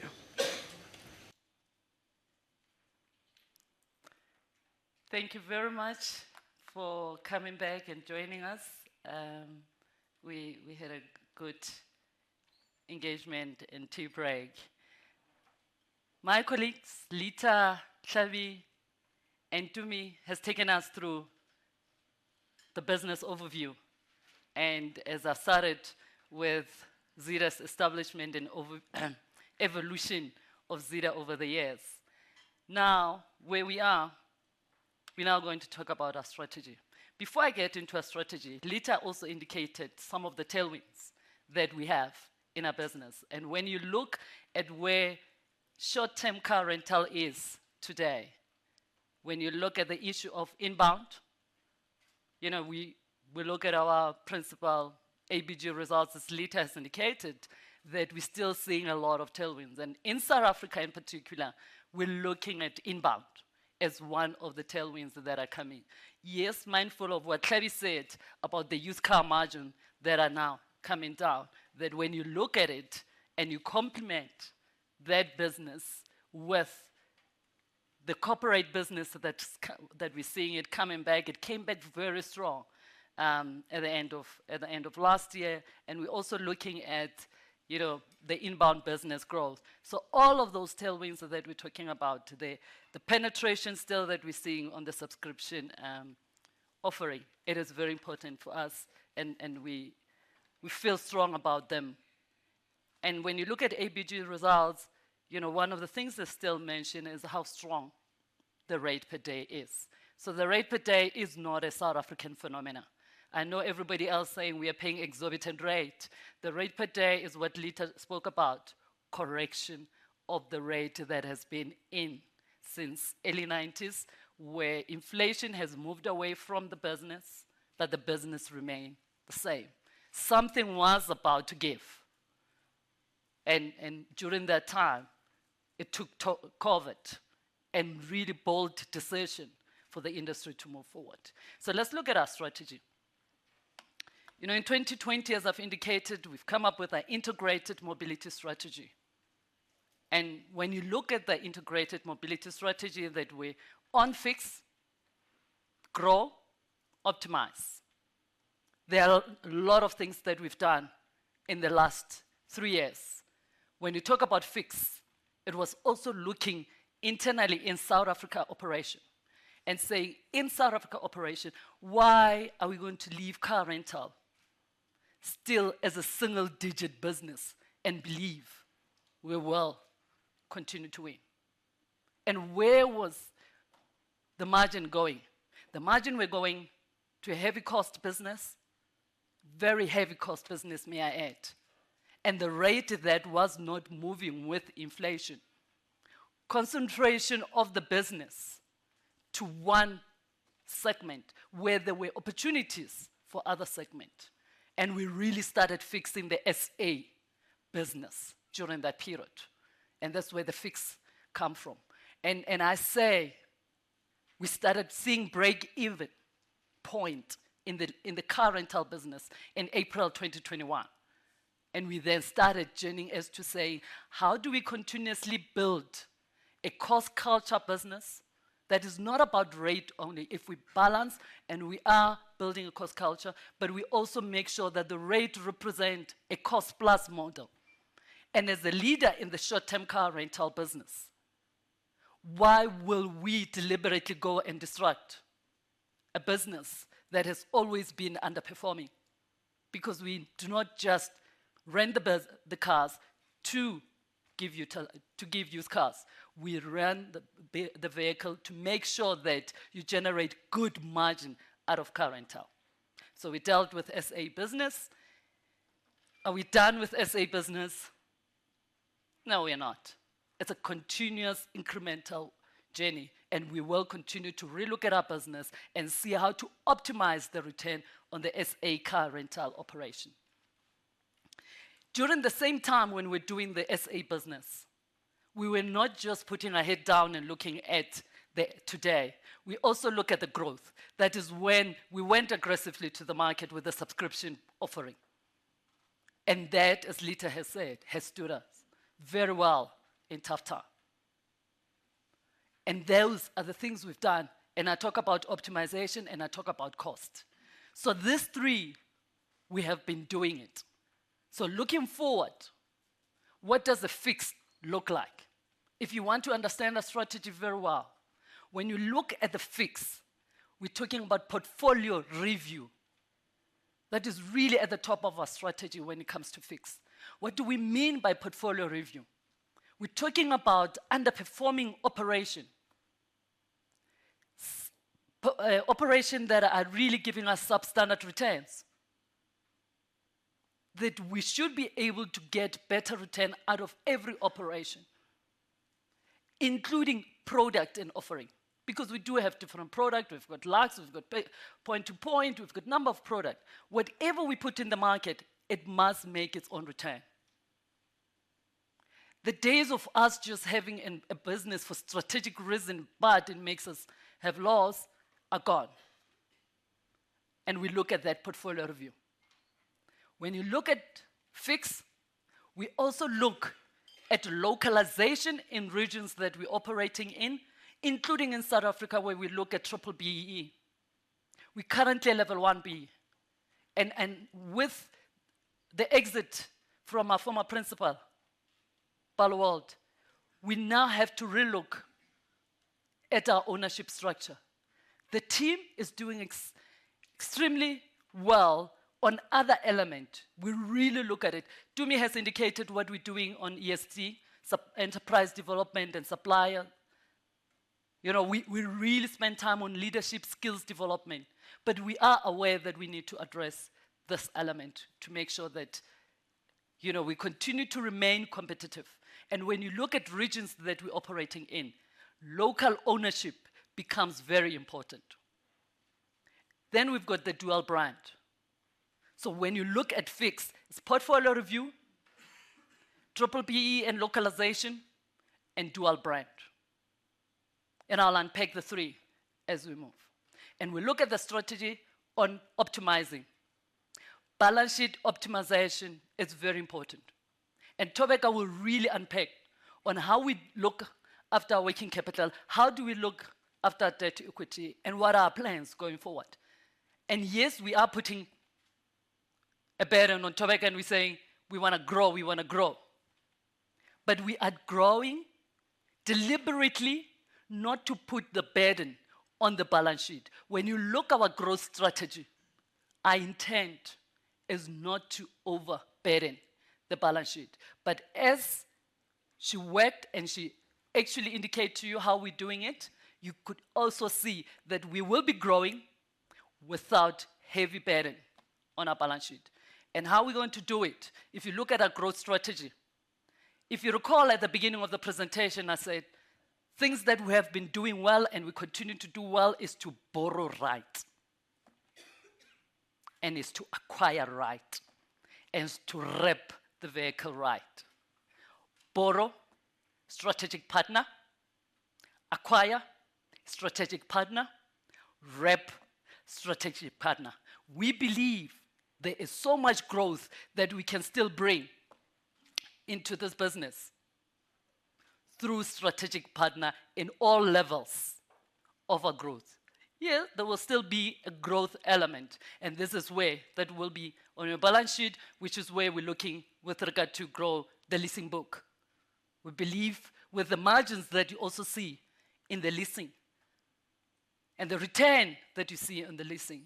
Thank you very much for coming back and joining us. We had a good engagement and tea break. My colleagues, Litha, Tlhabi, and Tumi, has taken us through the business overview, and as I started with Zeda's establishment and evolution of Zeda over the years. Now, where we are, we're now going to talk about our strategy. Before I get into our strategy, Litha also indicated some of the tailwinds that we have in our business. When you look at where short-term car rental is today, when you look at the issue of inbound, you know, we look at our principal ABG results, as Litha has indicated, that we're still seeing a lot of tailwinds. In South Africa, in particular, we're looking at inbound as one of the tailwinds that are coming. Yes, mindful of what Tlhabi said about the used car margin that are now coming down, that when you look at it and you complement that business with the corporate business that we're seeing it coming back, it came back very strong at the end of last year. We're also looking at, you know, the inbound business growth. All of those tailwinds that we're talking about today, the penetration still that we're seeing on the subscription offering, it is very important for us and we feel strong about them. When you look at ABG results, you know, one of the things they still mention is how strong the rate per day is. The rate per day is not a South African phenomenon. I know everybody else saying we are paying exorbitant rate. The rate per day is what Litha spoke about, correction of the rate that has been in since early 1990s, where inflation has moved away from the business, but the business remain the same. Something was about to give. During that time, it took COVID and really bold decision for the industry to move forward. Let's look at our strategy. You know, in 2020, as I've indicated, we've come up with an integrated mobility strategy. When you look at the integrated mobility strategy that we unfix, grow, optimize. There are a lot of things that we've done in the last three years. When you talk about fix, it was also looking internally in South Africa operation and saying, "In South Africa operation, why are we going to leave car rental still as a single-digit business and believe we will continue to win?" Where was the margin going? The margin were going to a heavy cost business, very heavy cost business, may I add. The rate that was not moving with inflation. Concentration of the business to one segment where there were opportunities for other segment. We really started fixing the S.A. business during that period, and that's where the fix come from. I say we started seeing break-even point in the car rental business in April 2021. We then started journeying as to say, "How do we continuously build a cost culture business that is not about rate only?" If we balance and we are building a cost culture, but we also make sure that the rate represent a cost-plus model. As the leader in the short-term car rental business, why will we deliberately go and disrupt a business that has always been underperforming? We do not just rent the cars to give used cars. We rent the vehicle to make sure that you generate good margin out of car rental. We dealt with S.A. business. Are we done with S.A. Business? No, we are not. It's a continuous incremental journey, and we will continue to relook at our business and see how to optimize the return on the S.A. car rental operation. During the same time when we're doing the S.A. business, we were not just putting our head down and looking at the today. We also look at the growth. That is when we went aggressively to the market with a subscription offering. That, as Litha has said, has stood us very well in tough time. Those are the things we've done. I talk about optimization, and I talk about cost. These three, we have been doing it. Looking forward, what does the fix look like? If you want to understand our strategy very well, when you look at the fix, we're talking about portfolio review. That is really at the top of our strategy when it comes to fix. What do we mean by portfolio review? We're talking about underperforming operation. Operation that are really giving us substandard returns, that we should be able to get better return out of every operation, including product and offering. Because we do have different product. We've got Lux, we've got point-to-point, we've got number of product. Whatever we put in the market, it must make its own return. The days of us just having an, a business for strategic reason, but it makes us have loss, are gone. We look at that portfolio review. When you look at fix, we also look at localization in regions that we're operating in, including in South Africa, where we look at triple BEE. We currently level one BEE. With the exit from our former principal, Barloworld, we now have to relook at our ownership structure. The team is doing extremely well on other element. We really look at it. Tumi has indicated what we're doing on ESD, enterprise development and supplier. You know, we really spend time on leadership skills development. We are aware that we need to address this element to make sure that, you know, we continue to remain competitive. When you look at regions that we're operating in, local ownership becomes very important. We've got the dual brand. When you look at fix, it's portfolio review, triple BEE and localization, and dual brand. I'll unpack the three as we move. We look at the strategy on optimizing. Balance sheet optimization is very important. Thobeka will really unpack on how we look after working capital, how do we look after debt to equity, and what are our plans going forward. Yes, we are putting a burden on Thobeka and we're saying, "We wanna grow, we wanna grow." We are growing deliberately not to put the burden on the balance sheet. When you look our growth strategy, our intent is not to overburden the balance sheet. As she worked, and she actually indicate to you how we're doing it, you could also see that we will be growing without heavy burden on our balance sheet. How we're going to do it? If you look at our growth strategy, if you recall at the beginning of the presentation, I said, things that we have been doing well and we continue to do well is to borrow right, and is to acquire right, and is to rep the vehicle right. Borrow, strategic partner. Acquire, strategic partner. Rep, strategic partner. We believe there is so much growth that we can still bring into this business through strategic partner in all levels of our growth. Yes, there will still be a growth element, this is where that will be on your balance sheet, which is where we're looking with regard to grow the leasing book. We believe with the margins that you also see in the leasing and the return that you see on the leasing,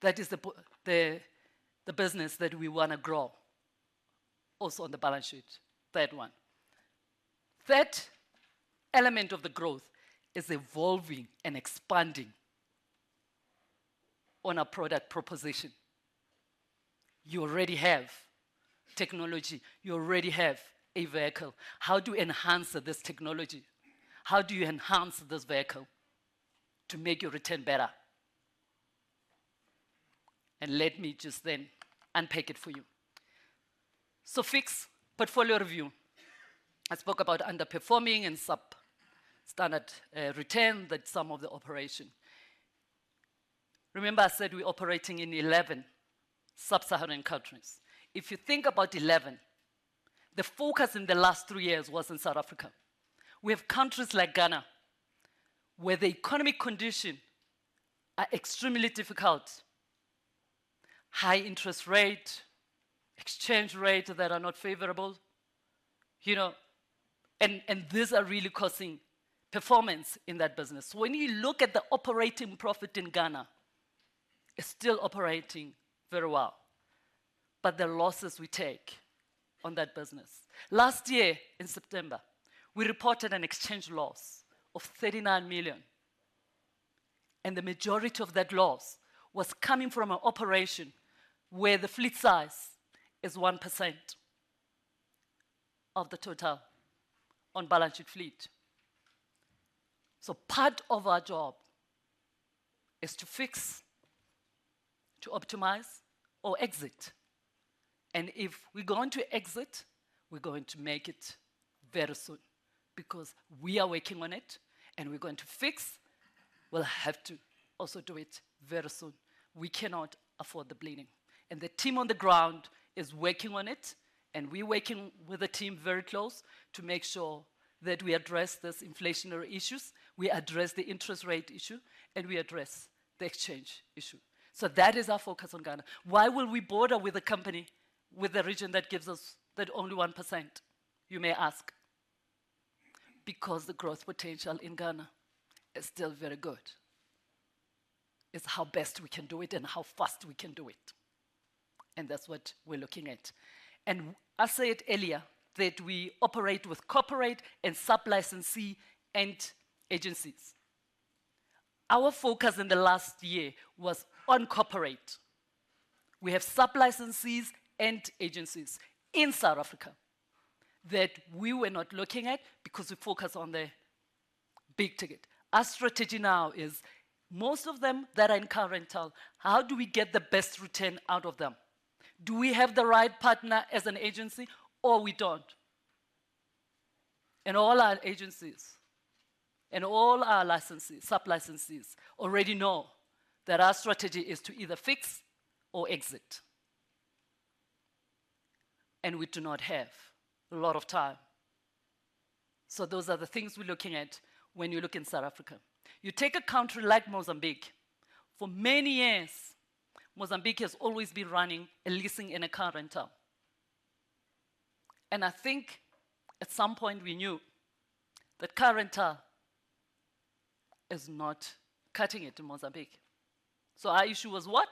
that is the business that we wanna grow also on the balance sheet. Third one. Third element of the growth is evolving and expanding on our product proposition. You already have technology. You already have a vehicle. How do you enhance this technology? How do you enhance this vehicle to make your return better? Let me just then unpack it for you. Fix portfolio review. I spoke about underperforming and substandard, return that some of the operation. Remember I said we operating in 11 sub-Saharan countries. If you think about 11, the focus in the last three years was in South Africa. We have countries like Ghana, where the economic condition are extremely difficult. High interest rate, exchange rate that are not favorable, you know, these are really costing performance in that business. When you look at the operating profit in Ghana, it's still operating very well, the losses we take on that business. Last year in September, we reported an exchange loss of 39 million, the majority of that loss was coming from an operation where the fleet size is 1% of the total on balance sheet fleet. Part of our job is to fix, to optimize or exit. If we're going to exit, we're going to make it very soon because we are working on it, and we'll have to also do it very soon. We cannot afford the bleeding. The team on the ground is working on it, and we working with the team very close to make sure that we address this inflationary issues, we address the interest rate issue, and we address the exchange issue. That is our focus on Ghana. Why will we bother with a company with a region that gives us that only 1%, you may ask? Because the growth potential in Ghana is still very good. It's how best we can do it and how fast we can do it, and that's what we're looking at. I said earlier that we operate with corporate and sub-licensee and agencies. Our focus in the last year was on corporate. We have sub-licensees and agencies in South Africa that we were not looking at because we focus on the big ticket. Our strategy now is most of them that are in car rental, how do we get the best return out of them? Do we have the right partner as an agency or we don't? All our agencies and all our licenses, sub-licenses already know that our strategy is to either fix or exit. We do not have a lot of time. Those are the things we're looking at when you look in South Africa. You take a country like Mozambique. For many years, Mozambique has always been running a leasing and a car rental. I think at some point we knew that car rental is not cutting it in Mozambique. Our issue was what?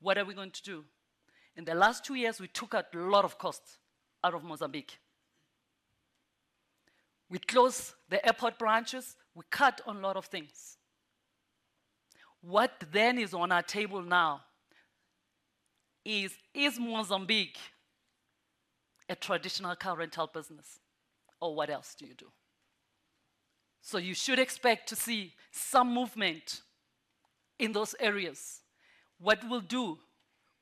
What are we going to do? In the last two years, we took out a lot of costs out of Mozambique. We closed the airport branches. We cut on a lot of things. Is on our table now is Mozambique a traditional car rental business or what else do you do? You should expect to see some movement in those areas. What we'll do,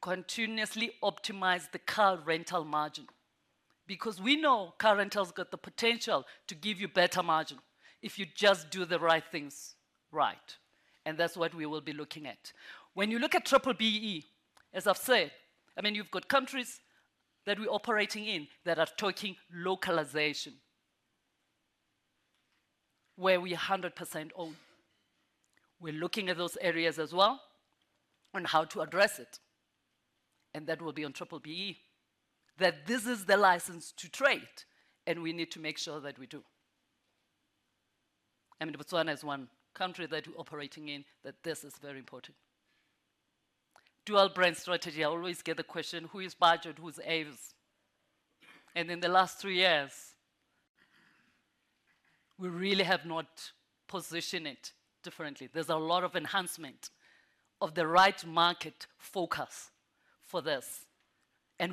continuously optimize the car rental margin because we know car rental's got the potential to give you better margin if you just do the right things right. That's what we will be looking at. When you look at B-BBEE, as I've said, I mean, you've got countries that we're operating in that are talking localization, where we 100% own. We're looking at those areas as well on how to address it. That will be on B-BBEE, that this is the license to trade, and we need to make sure that we do. I mean, Botswana is one country that we're operating in that this is very important. Dual brand strategy, I always get the question, who is Budget, who is Avis? In the last three years, we really have not positioned it differently. There's a lot of enhancement of the right market focus for this.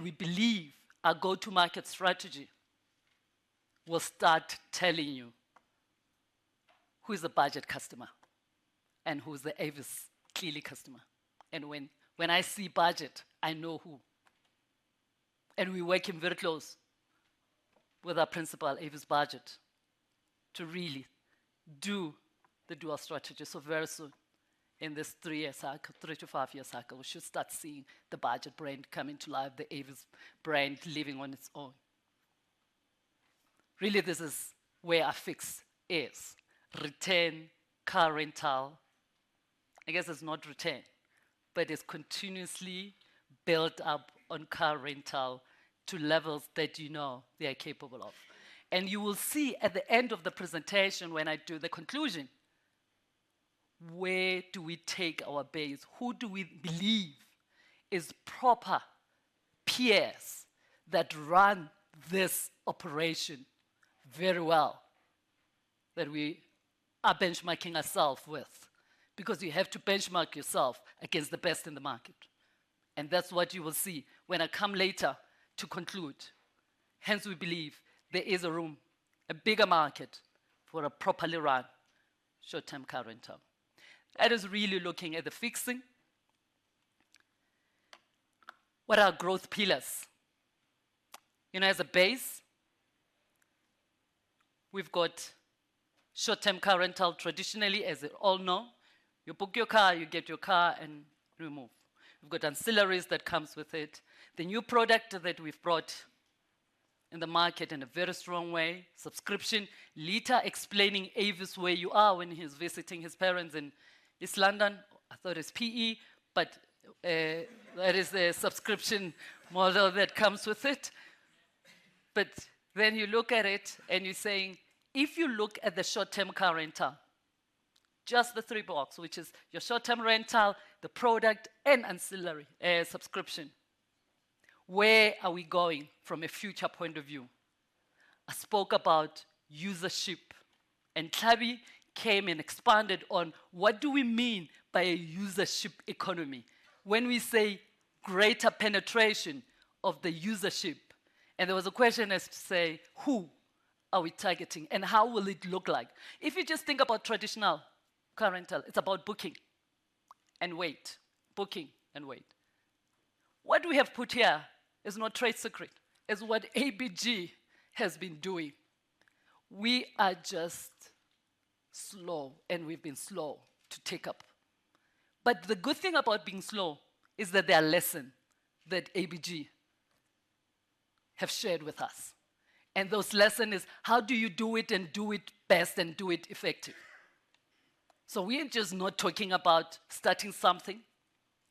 We believe our go-to-market strategy will start telling you who is the Budget customer and who is the Avis clearly customer. When I see Budget, I know who. We working very close with our principal, Avis Budget, to really do the dual strategy. Very soon in this three year cycle, three to five year cycle, we should start seeing the Budget brand coming to life, the Avis brand living on its own. Really this is where our fix is. Return car rental. I guess it's not return, but it's continuously built up on car rental to levels that you know they are capable of. You will see at the end of the presentation when I do the conclusion, where do we take our base? Who do we believe is proper peers that run this operation very well that we are benchmarking ourself with? You have to benchmark yourself against the best in the market, and that's what you will see when I come later to conclude. We believe there is a room, a bigger market for a properly run short-term car rental. That is really looking at the fixing. What are our growth pillars? You know, as a base, we've got short-term car rental traditionally, as you all know. You book your car, you get your car, and remove. We've got ancillaries that comes with it. The new product that we've brought in the market in a very strong way, subscription. Litha explaining Avis Car Where U Are when he's visiting his parents in East London. I thought it's PE, that is the subscription model that comes with it. When you look at it and you're saying, if you look at the short-term car rental, just the three blocks, which is your short-term rental, the product, and ancillary, subscription, where are we going from a future point of view? I spoke about usership, Tlhabi came and expanded on what do we mean by a usership economy? When we say greater penetration of the usership, there was a question as to say, "Who are we targeting, and how will it look like?" If you just think about traditional car rental, it's about booking and wait, booking and wait. What we have put here is not trade secret. It's what ABG has been doing. We are just slow, and we've been slow to take up. The good thing about being slow is that there are lesson that ABG have shared with us. Those lesson is: how do you do it and do it best and do it effective? We're just not talking about starting something.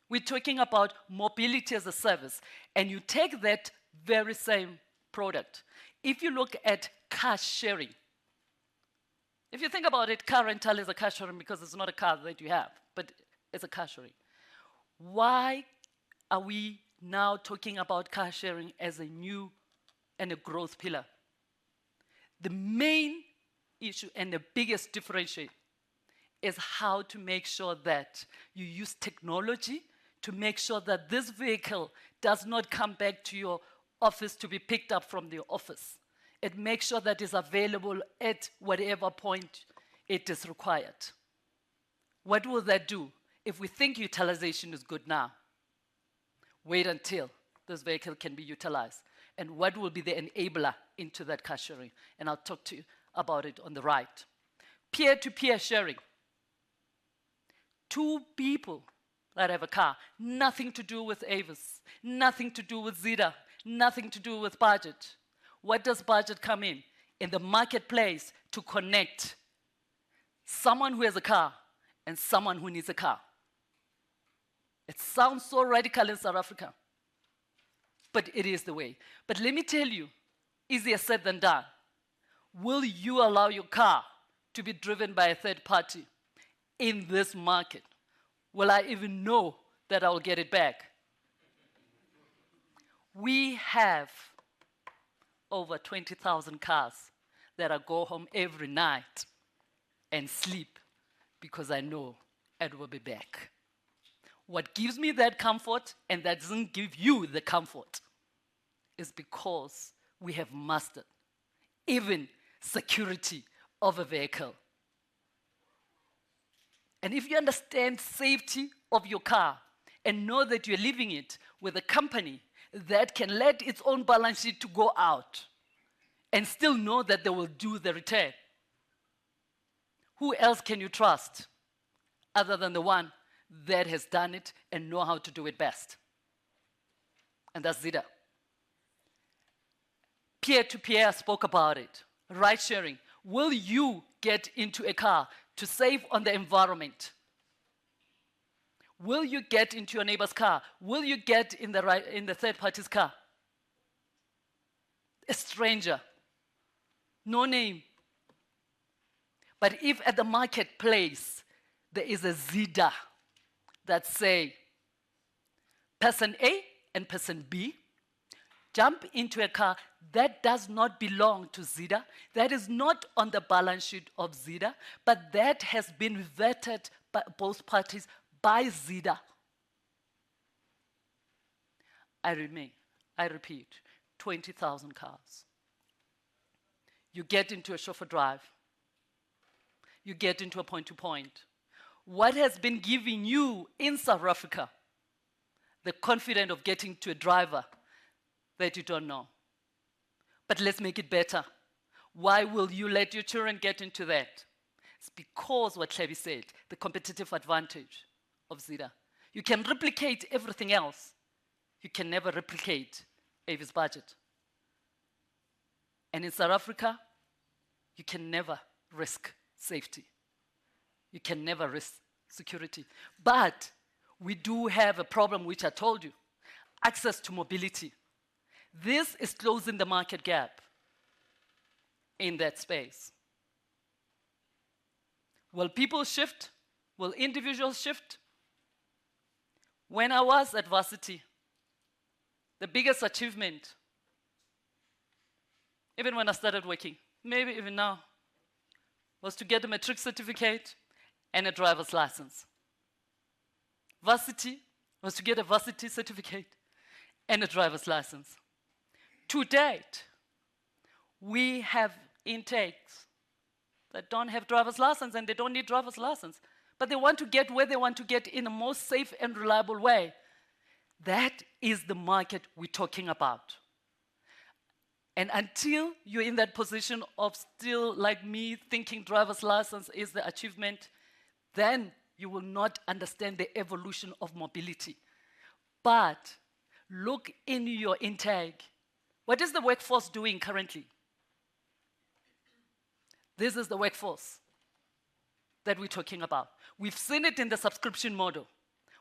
We're talking about Mobility-as-a-Service, and you take that very same product. If you look at car sharing, if you think about it, car rental is a car sharing because it's not a car that you have, but it's a car sharing. Why are we now talking about car sharing as a new and a growth pillar? The main issue and the biggest differentiator is how to make sure that you use technology to make sure that this vehicle does not come back to your office to be picked up from the office. It makes sure that it's available at whatever point it is required. What will that do? If we think utilization is good now, wait until this vehicle can be utilized. What will be the enabler into that car sharing? I'll talk to you about it on the right. Peer-to-peer sharing. Two people that have a car, nothing to do with Avis, nothing to do with Zeda, nothing to do with Budget. Where does Budget come in? In the marketplace to connect someone who has a car and someone who needs a car. It sounds so radical in South Africa, it is the way. Let me tell you, easier said than done. Will you allow your car to be driven by a third party in this market? Will I even know that I will get it back? We have over 20,000 cars that I go home every night and sleep because I know it will be back. What gives me that comfort, and that doesn't give you the comfort, is because we have mastered even security of a vehicle. If you understand safety of your car and know that you're leaving it with a company that can let its own balance sheet to go out and still know that they will do the return, who else can you trust other than the one that has done it and know how to do it best? That's Zeda. Peer-to-peer, I spoke about it. Ridesharing. Will you get into a car to save on the environment? Will you get into your neighbor's car? Will you get in the third party's car? A stranger, no name. If at the marketplace, there is a Zeda that say, "Person A and person B, jump into a car that does not belong to Zeda, that is not on the balance sheet of Zeda, but that has been vetted by both parties, by Zeda." I repeat, 20,000 cars. You get into a Chauffeur Drive. You get into a point-to-point. What has been giving you in South Africa the confidence of getting to a driver that you don't know? Let's make it better. Why will you let your children get into that? It's because what Tlhabi said, the competitive advantage of Zeda. You can replicate everything else. You can never replicate Avis Budget. In South Africa, you can never risk safety. You can never risk security. We do have a problem which I told you: access to mobility. This is closing the market gap in that space. Will people shift? Will individuals shift? When I was at varsity, the biggest achievement, even when I started working, maybe even now, was to get a matric certificate and a driver's license. Varsity was to get a varsity certificate and a driver's license. To date, we have intakes that don't have driver's license, and they don't need driver's license, but they want to get where they want to get in a more safe and reliable way. That is the market we're talking about. Until you're in that position of still, like me, thinking driver's license is the achievement, then you will not understand the evolution of mobility. Look in your intake. What is the workforce doing currently? This is the workforce that we're talking about. We've seen it in the subscription model.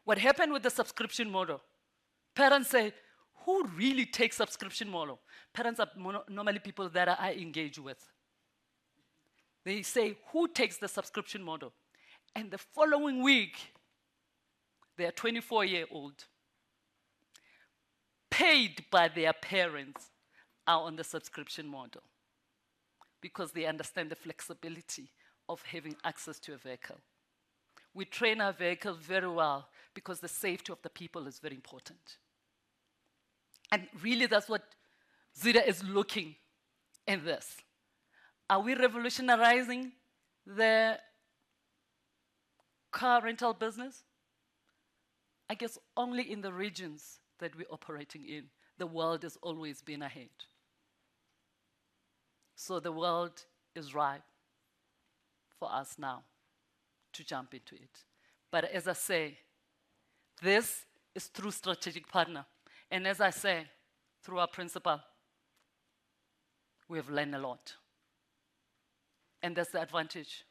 What happened with the subscription model? Parents say, "Who really takes subscription model?" Parents are normally people that I engage with. They say, "Who takes the subscription model?" The following week, their 24-year-old, paid by their parents, are on the subscription model because they understand the flexibility of having access to a vehicle. We train our vehicles very well because the safety of the people is very important. Really, that's what Zeda is looking in this. Are we revolutionizing the car rental business? I guess only in the regions that we're operating in, the world has always been ahead. The world is ripe for us now to jump into it. As I say, this is through strategic partner. As I say, through our principal, we have learned a lot. That's the advantage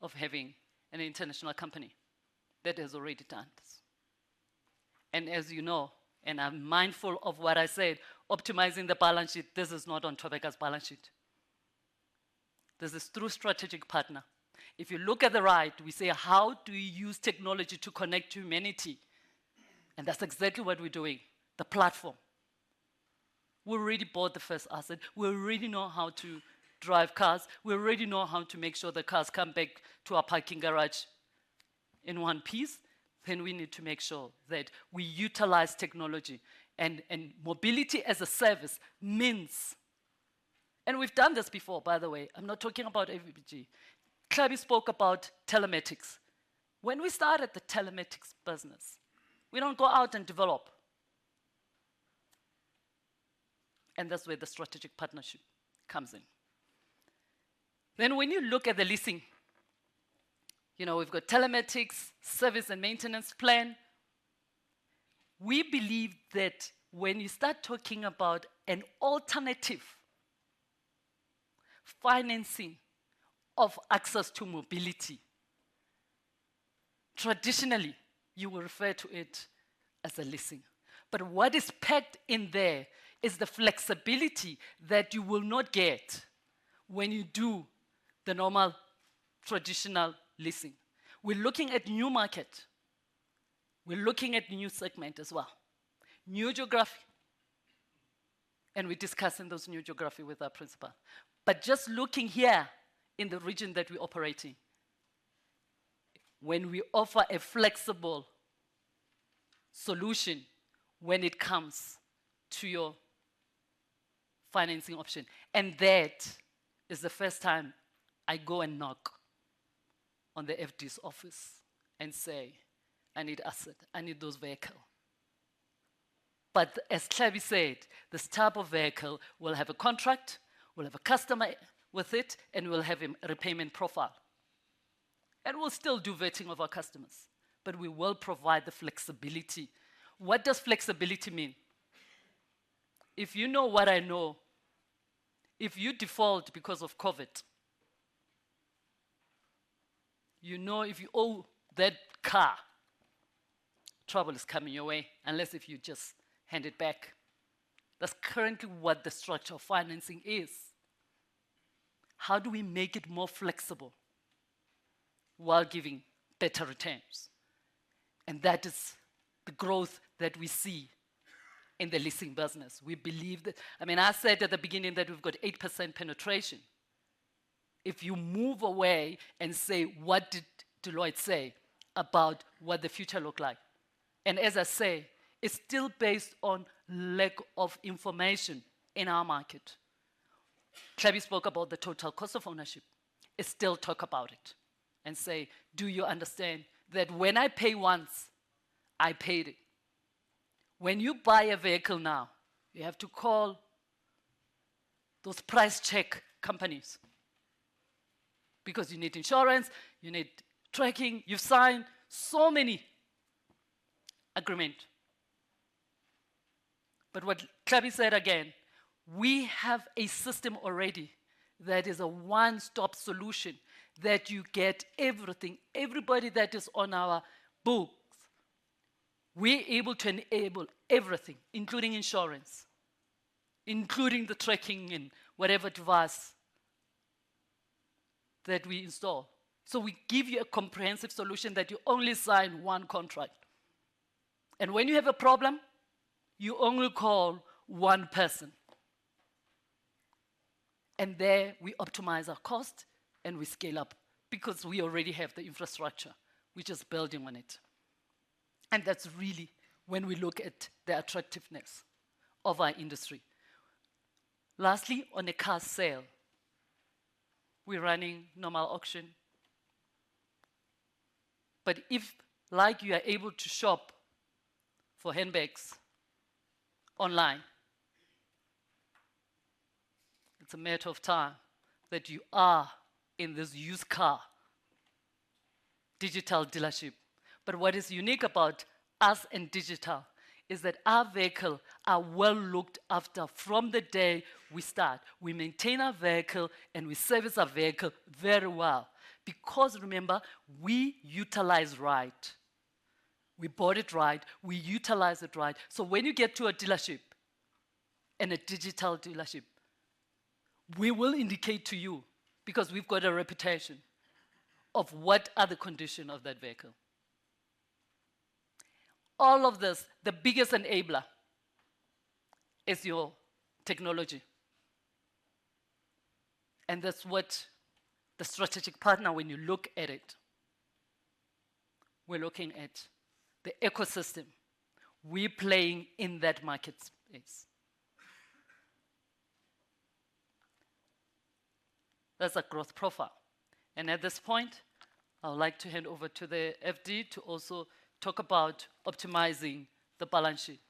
of having an international company that has already done this. As you know, and I'm mindful of what I said, optimizing the balance sheet, this is not on Thobeka's balance sheet. This is through strategic partner. If you look at the right, we say how do we use technology to connect humanity? That's exactly what we're doing, the platform. We already bought the first asset. We already know how to drive cars. We already know how to make sure the cars come back to our parking garage in one piece. We need to make sure that we utilize technology and Mobility as a Service means. We've done this before, by the way. I'm not talking about ABG. Tlhabi spoke about telematics. When we started the telematics business, we don't go out and develop. That's where the strategic partnership comes in. When you look at the leasing, you know, we've got telematics, service and maintenance plan. We believe that when you start talking about an alternative financing of access to mobility, traditionally, you will refer to it as a leasing. What is packed in there is the flexibility that you will not get when you do the normal traditional leasing. We're looking at new market. We're looking at new segment as well. New geography, and we're discussing those new geography with our principal. Just looking here in the region that we operate in, when we offer a flexible solution when it comes to your financing option. That is the first time I go and knock on the FD's office and say, "I need asset. I need those vehicle." As Tlhabi said, this type of vehicle will have a contract, will have a customer with it, and will have a repayment profile. We'll still do vetting of our customers, but we will provide the flexibility. What does flexibility mean? If you know what I know, if you default because of COVID, you know if you owe that car, trouble is coming your way unless if you just hand it back. That's currently what the structure of financing is. How do we make it more flexible while giving better returns? That is the growth that we see in the leasing business. We believe I mean, I said at the beginning that we've got 8% penetration. If you move away and say, "What did Deloitte say about what the future look like?" As I say, it's still based on lack of information in our market. Tlhabi spoke about the total cost of ownership. I still talk about it and say, "Do you understand that when I pay once, I paid it." When you buy a vehicle now, you have to call those price check companies because you need insurance, you need tracking, you sign so many agreement. What Tlhabi said again, we have a system already that is a one-stop solution that you get everything. Everybody that is on our books, we're able to enable everything, including insurance, including the tracking and whatever device that we install. We give you a comprehensive solution that you only sign one contract. When you have a problem, you only call one person. There we optimize our cost, and we scale up because we already have the infrastructure. We're just building on it. That's really when we look at the attractiveness of our industry. Lastly, on a car sale, we're running normal auction. If, like you are able to shop for handbags online, it's a matter of time that you are in this used car digital dealership. What is unique about us and digital is that our vehicle are well looked after from the day we start. We maintain our vehicle, and we service our vehicle very well because remember, we utilize right. We bought it right. We utilize it right. When you get to a dealership and a digital dealership, we will indicate to you because we've got a reputation of what are the condition of that vehicle. All of this, the biggest enabler is your technology. That's what the strategic partner when you look at it, we're looking at the ecosystem. We're playing in that market space. That's our growth profile. At this point, I would like to hand over to the FD to also talk about optimizing the balance sheet.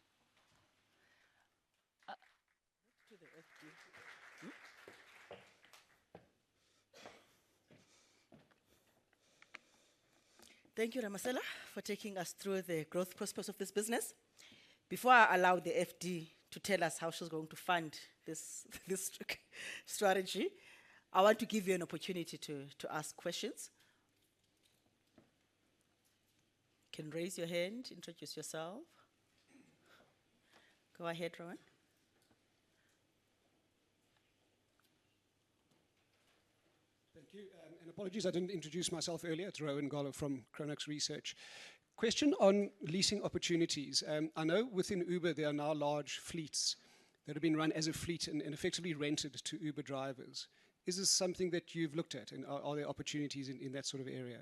To the FD. Thank you, Ramasela, for taking us through the growth prospects of this business. Before I allow the FD to tell us how she's going to fund this strategy, I want to give you an opportunity to ask questions. You can raise your hand, introduce yourself. Go ahead, Rowan. Thank you. Apologies I didn't introduce myself earlier. It's Rowan Goeller from Chronux Research. Question on leasing opportunities. I know within Uber there are now large fleets that have been run as a fleet and effectively rented to Uber drivers. Is this something that you've looked at, and are there opportunities in that sort of area?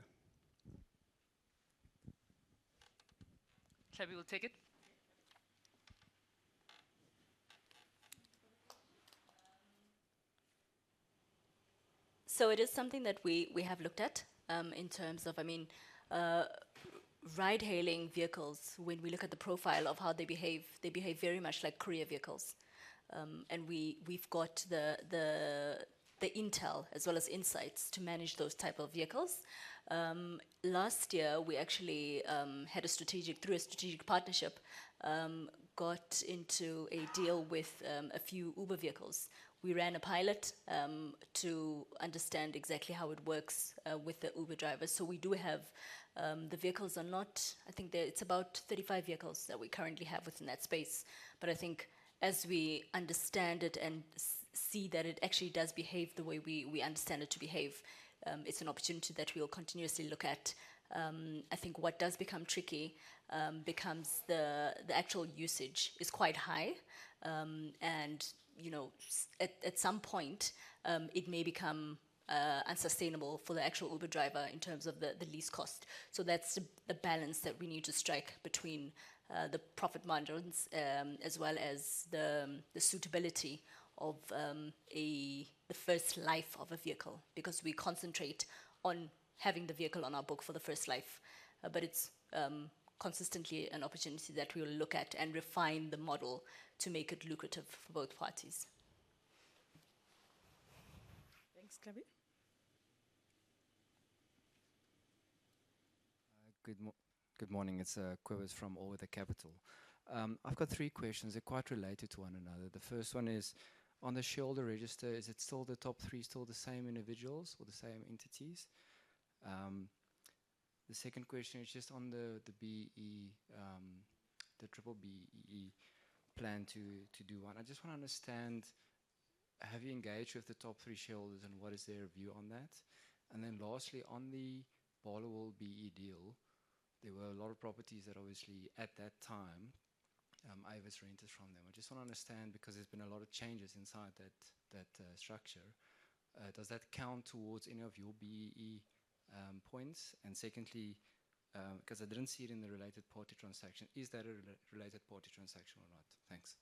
Tlhabi will take it. It is something that we have looked at in terms of ride-hailing vehicles, when we look at the profile of how they behave, they behave very much like courier vehicles. We've got the intel as well as insights to manage those type of vehicles. Last year, through a strategic partnership, got into a deal with a few Uber vehicles. We ran a pilot to understand exactly how it works with the Uber drivers. We do have it's about 35 vehicles that we currently have within that space. I think as we understand it and see that it does behave the way we understand it to behave, it's an opportunity that we will continuously look at. I think what does become tricky, becomes the actual usage is quite high. You know, at some point, it may become unsustainable for the actual Uber driver in terms of the lease cost. That's a balance that we need to strike between the profit margins, as well as the suitability of the first life of a vehicle, because we concentrate on having the vehicle on our book for the first life. It's consistently an opportunity that we'll look at and refine the model to make it lucrative for both parties. Thanks, Tlhabi. Good morning. It's Cobus from All Weather Capital. I've got three questions. They're quite related to one another. The first one is, on the shareholder register, is it still the top three, still the same individuals or the same entities? The second question is just on the BEE, the B-BBEE plan to do one. I just wanna understand, have you engaged with the top three shareholders, what is their view on that? Then lastly, on the Barloworld BEE deal, there were a lot of properties that obviously, at that time, [Ires] rented from them. I just wanna understand, because there's been a lot of changes inside that structure, does that count towards any of your BEE points? Secondly, 'cause I didn't see it in the related party transaction, is that a related party transaction or not? Thanks.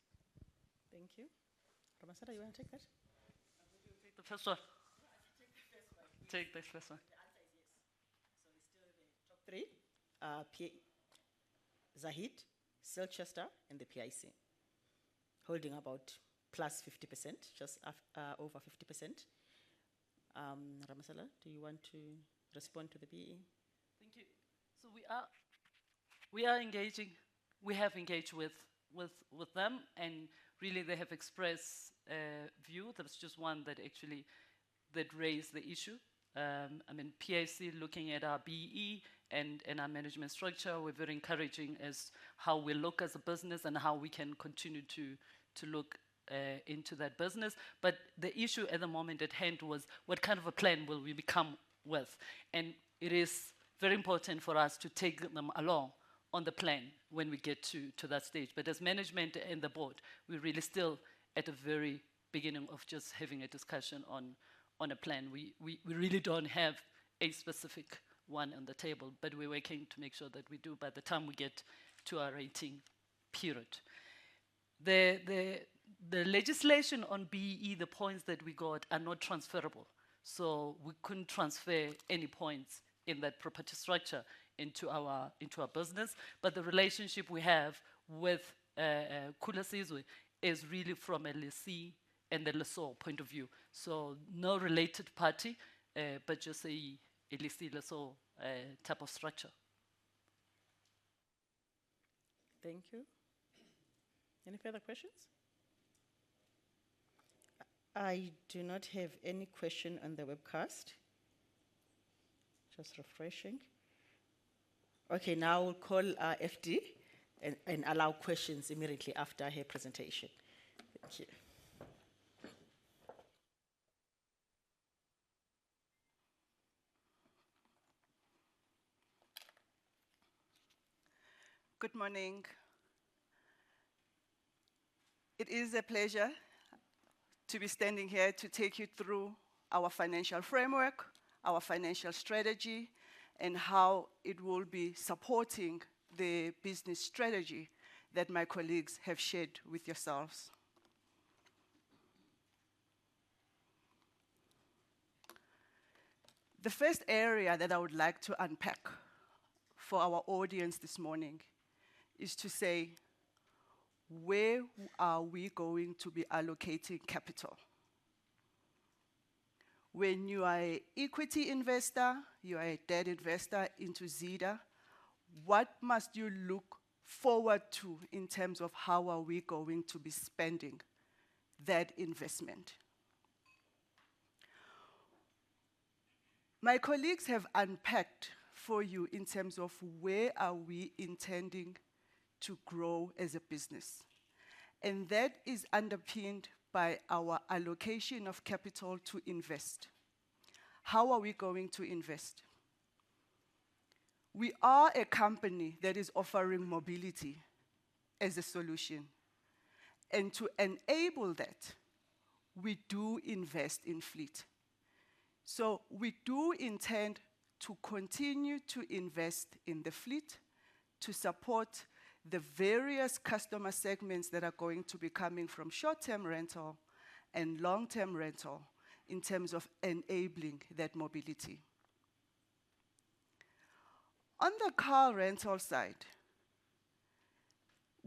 Thank you. Ramasela, you wanna take that? I'm going to take the first one. Take the first one. Take the first one. The answer is yes. They're still the top three, Zahid, Silchester, and the P.I.C. holding about +50%, just over 50%. Ramasela, do you want to respond to the BEE? Thank you. We are engaging. We have engaged with them, and really, they have expressed a view. There was just one that actually raised the issue. I mean, PIC looking at our BEE and our management structure, we're very encouraging as how we look as a business and how we can continue to look into that business. The issue at the moment at hand was: What kind of a plan will we become with? It is very important for us to take them along on the plan when we get to that stage. As management and the board, we're really still at the very beginning of just having a discussion on a plan. We really don't have a specific one on the table, but we're working to make sure that we do by the time we get to our rating period. The legislation on BEE, the points that we got are not transferable, so we couldn't transfer any points in that property structure into our business. The relationship we have with Khula Sizwe is really from a lessee and the lessor point of view. No related party, but just a lessee-lessor type of structure. Thank you. Any further questions? I do not have any question on the webcast. Just refreshing. Okay, now we'll call our FD and allow questions immediately after her presentation. Thank you. Good morning. It is a pleasure to be standing here to take you through our financial framework. Our financial strategy and how it will be supporting the business strategy that my colleagues have shared with yourselves. The first area that I would like to unpack for our audience this morning is to say, where are we going to be allocating capital? When you are a equity investor, you are a debt investor into Zeda, what must you look forward to in terms of how are we going to be spending that investment? My colleagues have unpacked for you in terms of where are we intending to grow as a business, and that is underpinned by our allocation of capital to invest. How are we going to invest? We are a company that is offering mobility as a solution, and to enable that, we do invest in fleet. We do intend to continue to invest in the fleet to support the various customer segments that are going to be coming from short-term rental and long-term rental in terms of enabling that mobility. On the car rental side,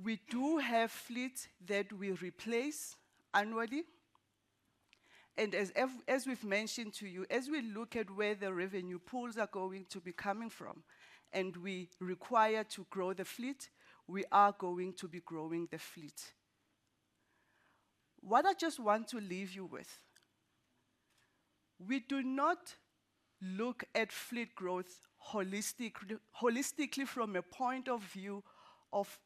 we do have fleet that we replace annually, and as we've mentioned to you, as we look at where the revenue pools are going to be coming from, and we require to grow the fleet, we are going to be growing the fleet. What I just want to leave you with, we do not look at fleet growth holistically from a point of view of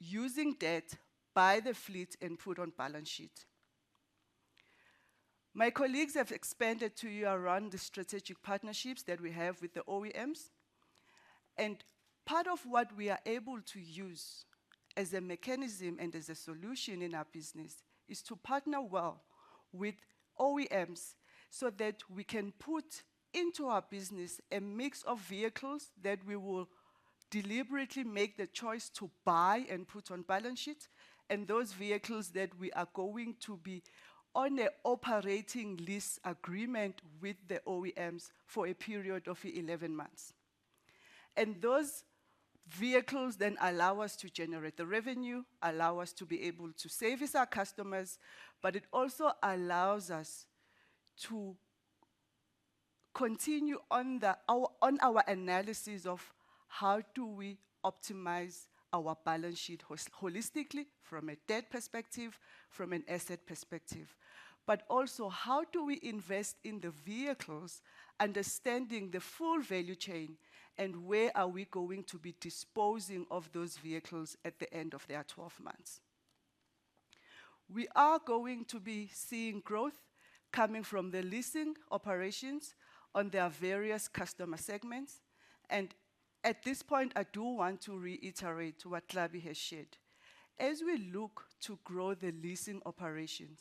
using debt, buy the fleet, and put on balance sheet. My colleagues have expanded to you around the strategic partnerships that we have with the OEMs. Part of what we are able to use as a mechanism and as a solution in our business is to partner well with OEMs so that we can put into our business a mix of vehicles that we will deliberately make the choice to buy and put on balance sheet, and those vehicles that we are going to be on an operating lease agreement with the OEMs for a period of 11 months. Those vehicles then allow us to generate the revenue, allow us to be able to service our customers, but it also allows us to continue on our analysis of how do we optimize our balance sheet holistically from a debt perspective, from an asset perspective. Also, how do we invest in the vehicles, understanding the full value chain, and where are we going to be disposing of those vehicles at the end of their 12 months? We are going to be seeing growth coming from the leasing operations on their various customer segments. At this point, I do want to reiterate what Tlhabi has shared. As we look to grow the leasing operations,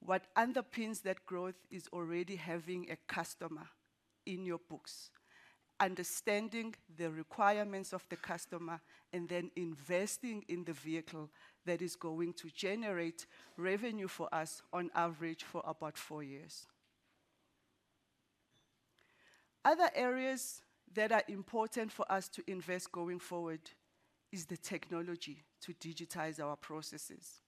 what underpins that growth is already having a customer in your books, understanding the requirements of the customer, and then investing in the vehicle that is going to generate revenue for us on average for about four years. Other areas that are important for us to invest going forward is the technology to digitize our processes.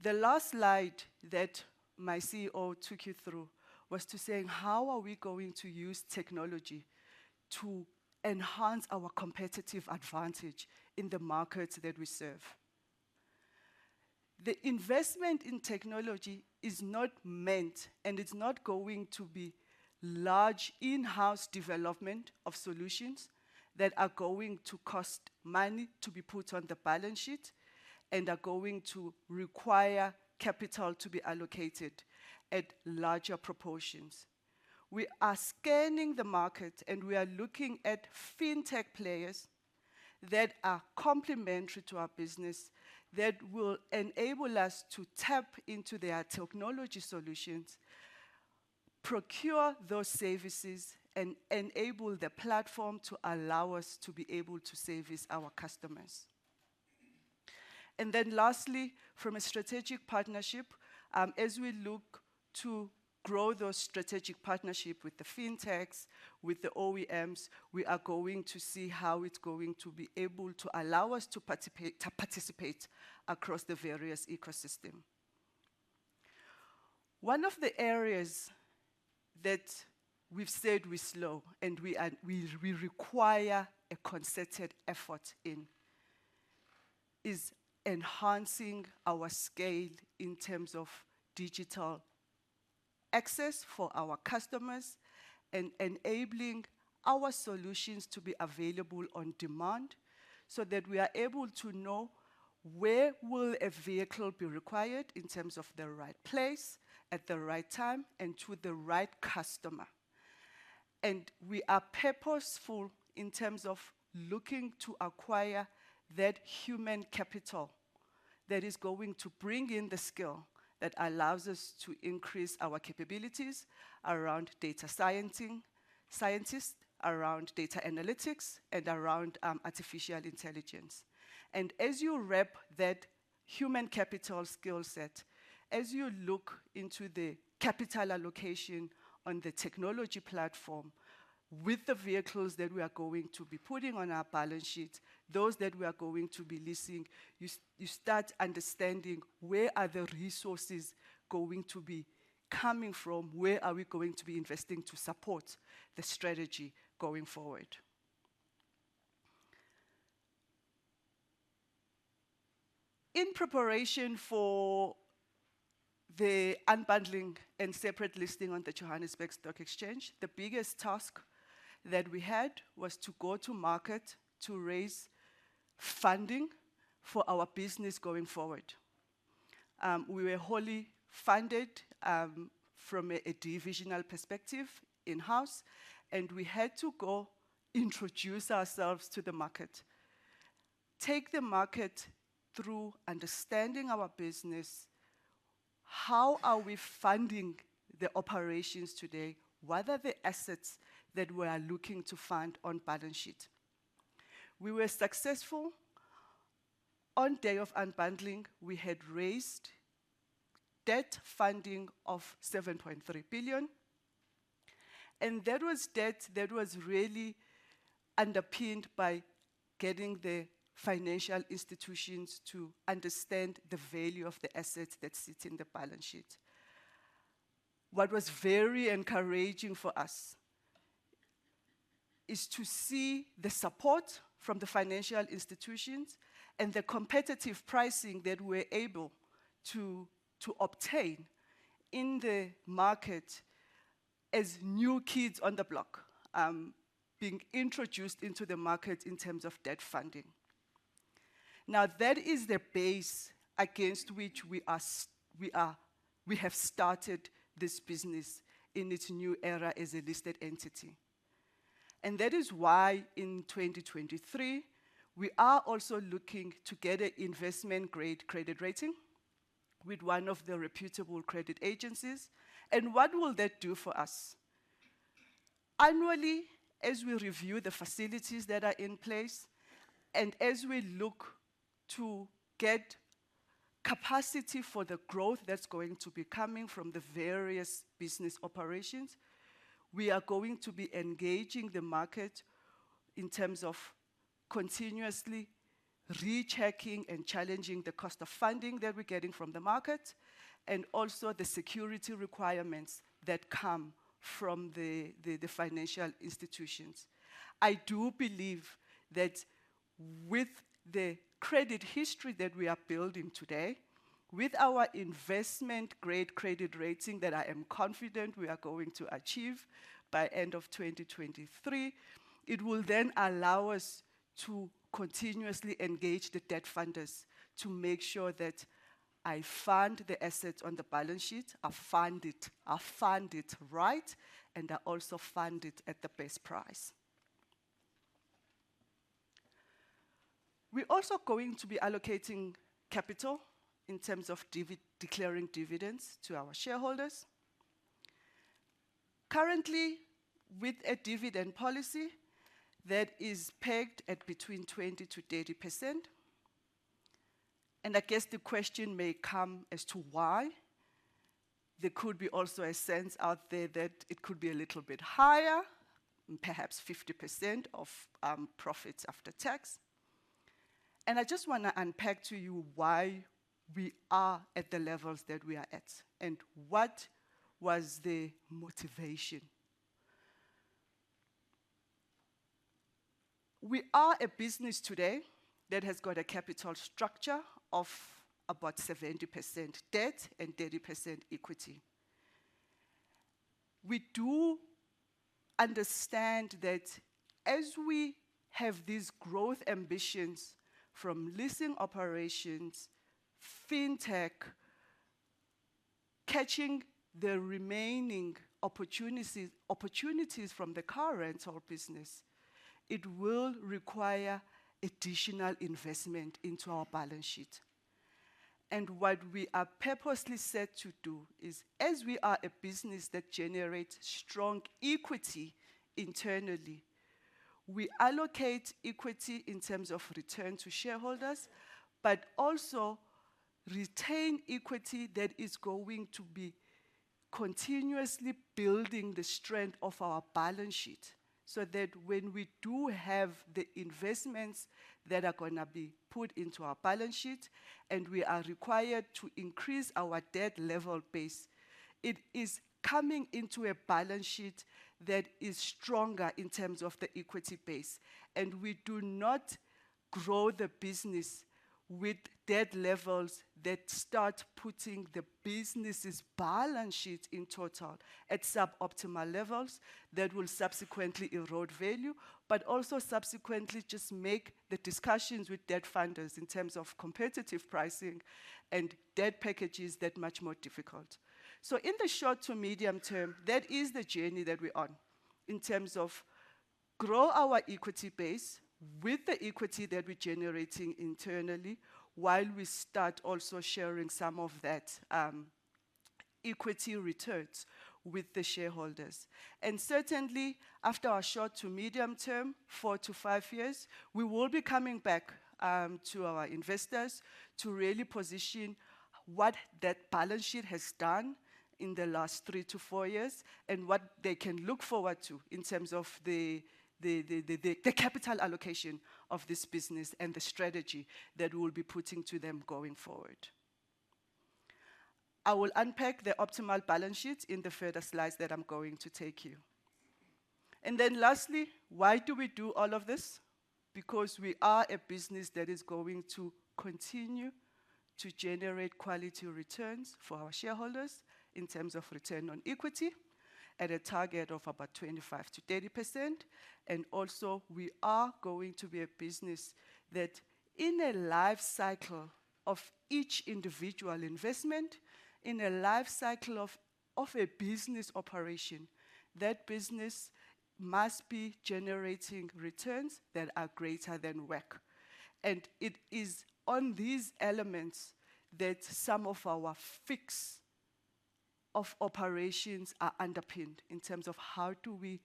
The last slide that my CEO took you through was to say, how are we going to use technology to enhance our competitive advantage in the markets that we serve? The investment in technology is not meant, and it's not going to be large in-house development of solutions that are going to cost money to be put on the balance sheet and are going to require capital to be allocated at larger proportions. We are scanning the market, and we are looking at fintech players that are complementary to our business, that will enable us to tap into their technology solutions, procure those services, and enable the platform to allow us to be able to service our customers. Lastly, from a strategic partnership, as we look to grow those strategic partnership with the fintechs, with the OEMs, we are going to see how it's going to be able to allow us to participate across the various ecosystem. One of the areas that we've said we're slow and we require a concerted effort in, is enhancing our scale in terms of digital access for our customers and enabling our solutions to be available on demand so that we are able to know where will a vehicle be required in terms of the right place, at the right time, and to the right customer. We are purposeful in terms of looking to acquire that human capital that is going to bring in the skill that allows us to increase our capabilities around data scientists, around data analytics, and around artificial intelligence. As you rep that human capital skill set, as you look into the capital allocation on the technology platform with the vehicles that we are going to be putting on our balance sheet, those that we are going to be leasing, you start understanding where are the resources going to be coming from, where are we going to be investing to support the strategy going forward. In preparation for the unbundling and separate listing on the Johannesburg Stock Exchange, the biggest task that we had was to go to market to raise funding for our business going forward. We were wholly funded from a divisional perspective in-house, we had to go introduce ourselves to the market, take the market through understanding our business, how are we funding the operations today, what are the assets that we are looking to fund on balance sheet. We were successful. On day of unbundling, we had raised debt funding of 7.3 billion, that was debt that was really underpinned by getting the financial institutions to understand the value of the assets that sit in the balance sheet. What was very encouraging for us is to see the support from the financial institutions and the competitive pricing that we're able to obtain in the market as new kids on the block, being introduced into the market in terms of debt funding. That is the base against which we have started this business in its new era as a listed entity. That is why in 2023 we are also looking to get a investment-grade credit rating with one of the reputable credit agencies. What will that do for us? Annually, as we review the facilities that are in place, and as we look to get capacity for the growth that's going to be coming from the various business operations, we are going to be engaging the market in terms of continuously rechecking and challenging the cost of funding that we're getting from the market, and also the security requirements that come from the financial institutions. I do believe that with the credit history that we are building today, with our investment-grade credit rating that I am confident we are going to achieve by end of 2023, it will then allow us to continuously engage the debt funders to make sure that I fund the assets on the balance sheet, I fund it right, and I also fund it at the best price. We're also going to be allocating capital in terms of declaring dividends to our shareholders. Currently, with a dividend policy that is pegged at between 20%-30%, I guess the question may come as to why. There could be also a sense out there that it could be a little bit higher, perhaps 50% of profits after tax. I just wanna unpack to you why we are at the levels that we are at and what was the motivation. We are a business today that has got a capital structure of about 70% debt and 30% equity. We do understand that as we have these growth ambitions from leasing operations, fintech, catching the remaining opportunities from the car rental business, it will require additional investment into our balance sheet. What we are purposely set to do is, as we are a business that generates strong equity internally, we allocate equity in terms of return to shareholders, but also retain equity that is going to be continuously building the strength of our balance sheet, so that when we do have the investments that are gonna be put into our balance sheet and we are required to increase our debt level base, it is coming into a balance sheet that is stronger in terms of the equity base. We do not grow the business with debt levels that start putting the business's balance sheet in total at sub-optimal levels that will subsequently erode value, but also subsequently just make the discussions with debt funders in terms of competitive pricing and debt packages that much more difficult. In the short to medium term, that is the journey that we're on in terms of. Grow our equity base with the equity that we're generating internally while we start also sharing some of that equity returns with the shareholders. Certainly, after our short to medium term, four to five years, we will be coming back to our investors to really position what that balance sheet has done in the last three to four years and what they can look forward to in terms of the capital allocation of this business and the strategy that we'll be putting to them going forward. I will unpack the optimal balance sheet in the further slides that I'm going to take you. Lastly, why do we do all of this? Because we are a business that is going to continue to generate quality returns for our shareholders in terms of return on equity at a target of about 25%-30%. Also, we are going to be a business that in a life cycle of each individual investment, in a life cycle of a business operation, that business must be generating returns that are greater than WACC. It is on these elements that some of our fix of operations are underpinned in terms of how do we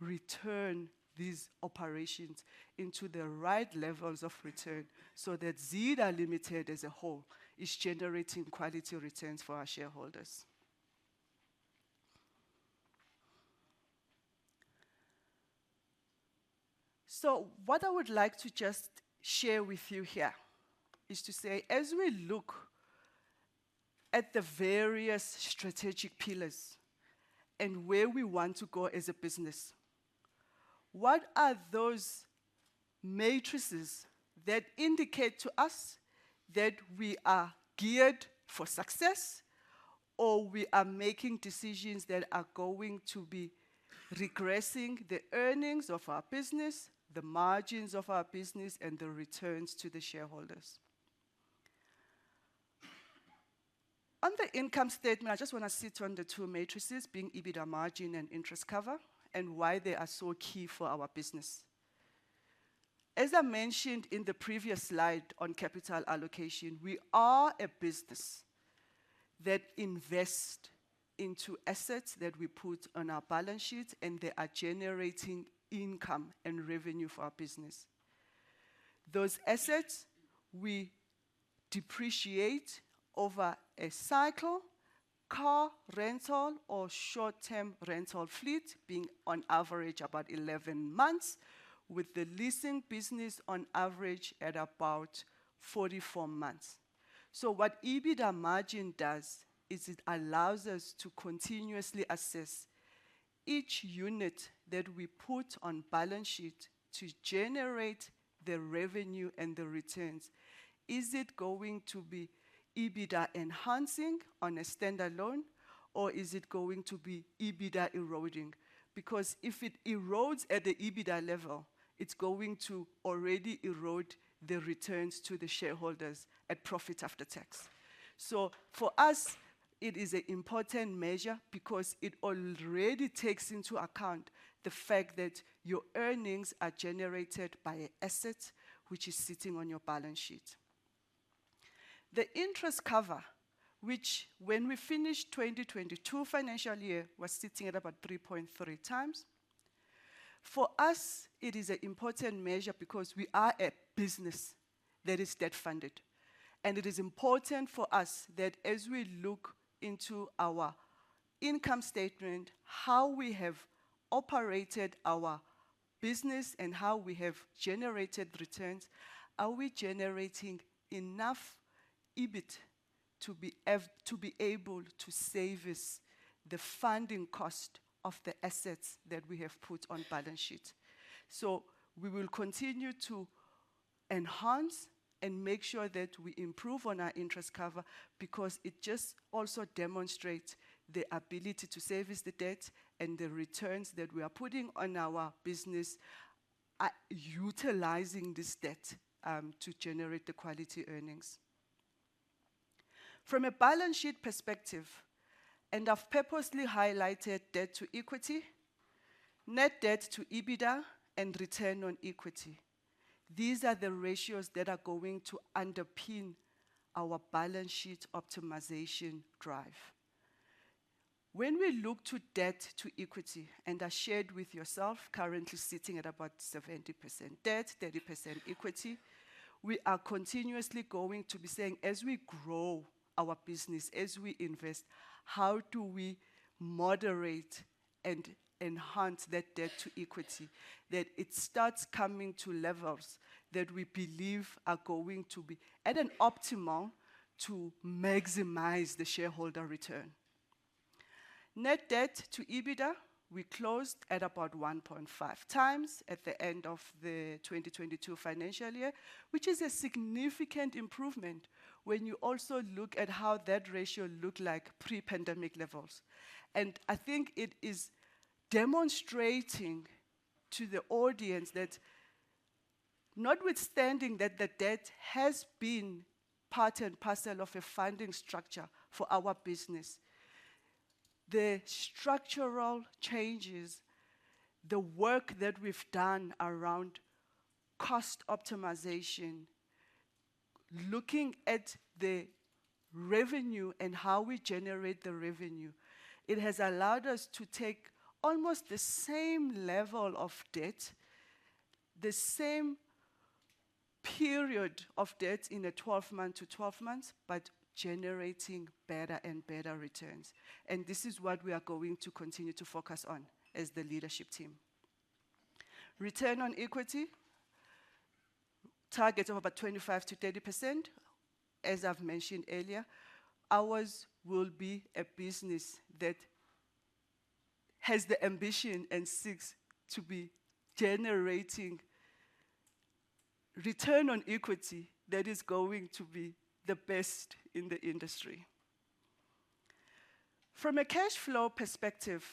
return these operations into the right levels of return so that Zeda Limited as a whole is generating quality returns for our shareholders. What I would like to just share with you here is to say, as we look at the various strategic pillars and where we want to go as a business, what are those matrices that indicate to us that we are geared for success, or we are making decisions that are going to be regressing the earnings of our business, the margins of our business, and the returns to the shareholders? On the income statement, I just wanna sit on the two matrices being EBITDA margin and interest cover and why they are so key for our business. As I mentioned in the previous slide on capital allocation, we are a business that invest into assets that we put on our balance sheet, and they are generating income and revenue for our business. Those assets we depreciate over a cycle, car rental or short-term rental fleet being on average about 11 months, with the leasing business on average at about 44 months. What EBITDA margin does is it allows us to continuously assess each unit that we put on balance sheet to generate the revenue and the returns. Is it going to be EBITDA enhancing on a stand-alone, or is it going to be EBITDA eroding? If it erodes at the EBITDA level, it's going to already erode the returns to the shareholders at profit after tax. For us, it is an important measure because it already takes into account the fact that your earnings are generated by assets, which is sitting on your balance sheet. The interest cover, which when we finished 2022 financial year, was sitting at about 3.3x. For us, it is an important measure because we are a business that is debt-funded, and it is important for us that as we look into our income statement, how we have operated our business and how we have generated returns, are we generating enough EBIT to be able to service the funding cost of the assets that we have put on balance sheet? We will continue to enhance and make sure that we improve on our interest cover because it just also demonstrates the ability to service the debt and the returns that we are putting on our business, utilizing this debt to generate the quality earnings. From a balance sheet perspective, I've purposely highlighted debt to equity, net debt to EBITDA, and return on equity. These are the ratios that are going to underpin our balance sheet optimization drive. When we look to debt to equity, I shared with yourself currently sitting at about 70% debt, 30% equity, we are continuously going to be saying, as we grow our business, as we invest, how do we moderate and enhance that debt to equity, that it starts coming to levels that we believe are going to be at an optimal to maximize the shareholder return. Net debt to EBITDA, we closed at about 1.5x at the end of the 2022 financial year, which is a significant improvement when you also look at how that ratio looked like pre-pandemic levels. I think it is demonstrating to the audience that Notwithstanding that the debt has been part and parcel of a funding structure for our business, the structural changes, the work that we've done around cost optimization, looking at the revenue and how we generate the revenue, it has allowed us to take almost the same level of debt, the same period of debt in a 12-month to 12 months, but generating better and better returns. This is what we are going to continue to focus on as the leadership team. Return on equity target of about 25% to 30%. As I've mentioned earlier, ours will be a business that has the ambition and seeks to be generating return on equity that is going to be the best in the industry. From a cash flow perspective,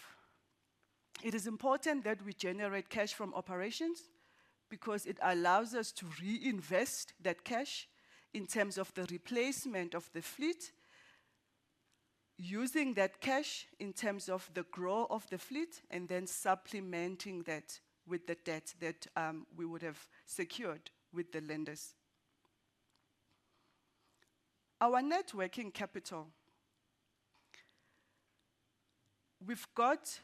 it is important that we generate cash from operations because it allows us to reinvest that cash in terms of the replacement of the fleet, using that cash in terms of the grow of the fleet, and then supplementing that with the debt that we would have secured with the lenders. Our net working capital. We've got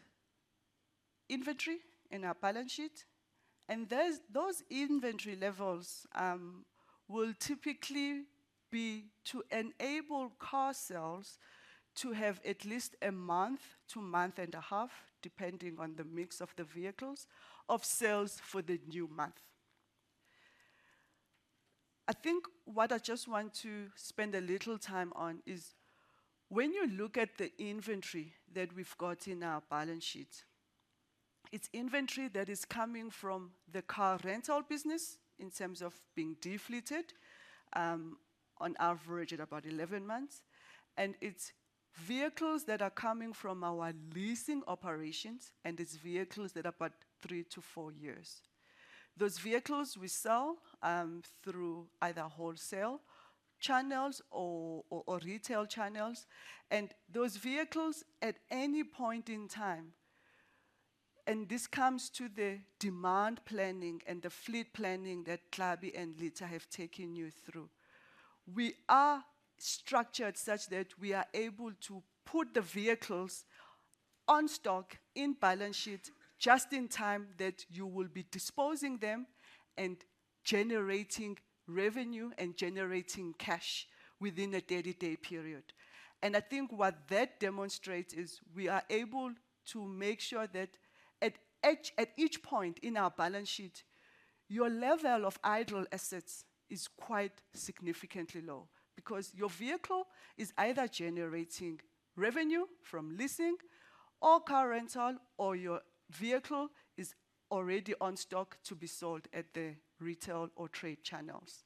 inventory in our balance sheet, and those inventory levels will typically be to enable car sales to have at least a month to 1.5 months, depending on the mix of the vehicles of sales for the new month. I think what I just want to spend a little time on is when you look at the inventory that we've got in our balance sheet, it's inventory that is coming from the car rental business in terms of being defleeted, on average at about 11 months. It's vehicles that are coming from our leasing operations, and it's vehicles that are about three to four years. Those vehicles we sell through either wholesale channels or retail channels. Those vehicles at any point in time, and this comes to the demand planning and the fleet planning that Tlhabi and Litha have taken you through. We are structured such that we are able to put the vehicles on stock in balance sheet just in time that you will be disposing them and generating revenue and generating cash within a 30-day period. I think what that demonstrates is we are able to make sure that at each point in our balance sheet, your level of idle assets is quite significantly low because your vehicle is either generating revenue from leasing or car rental, or your vehicle is already on stock to be sold at the retail or trade channels.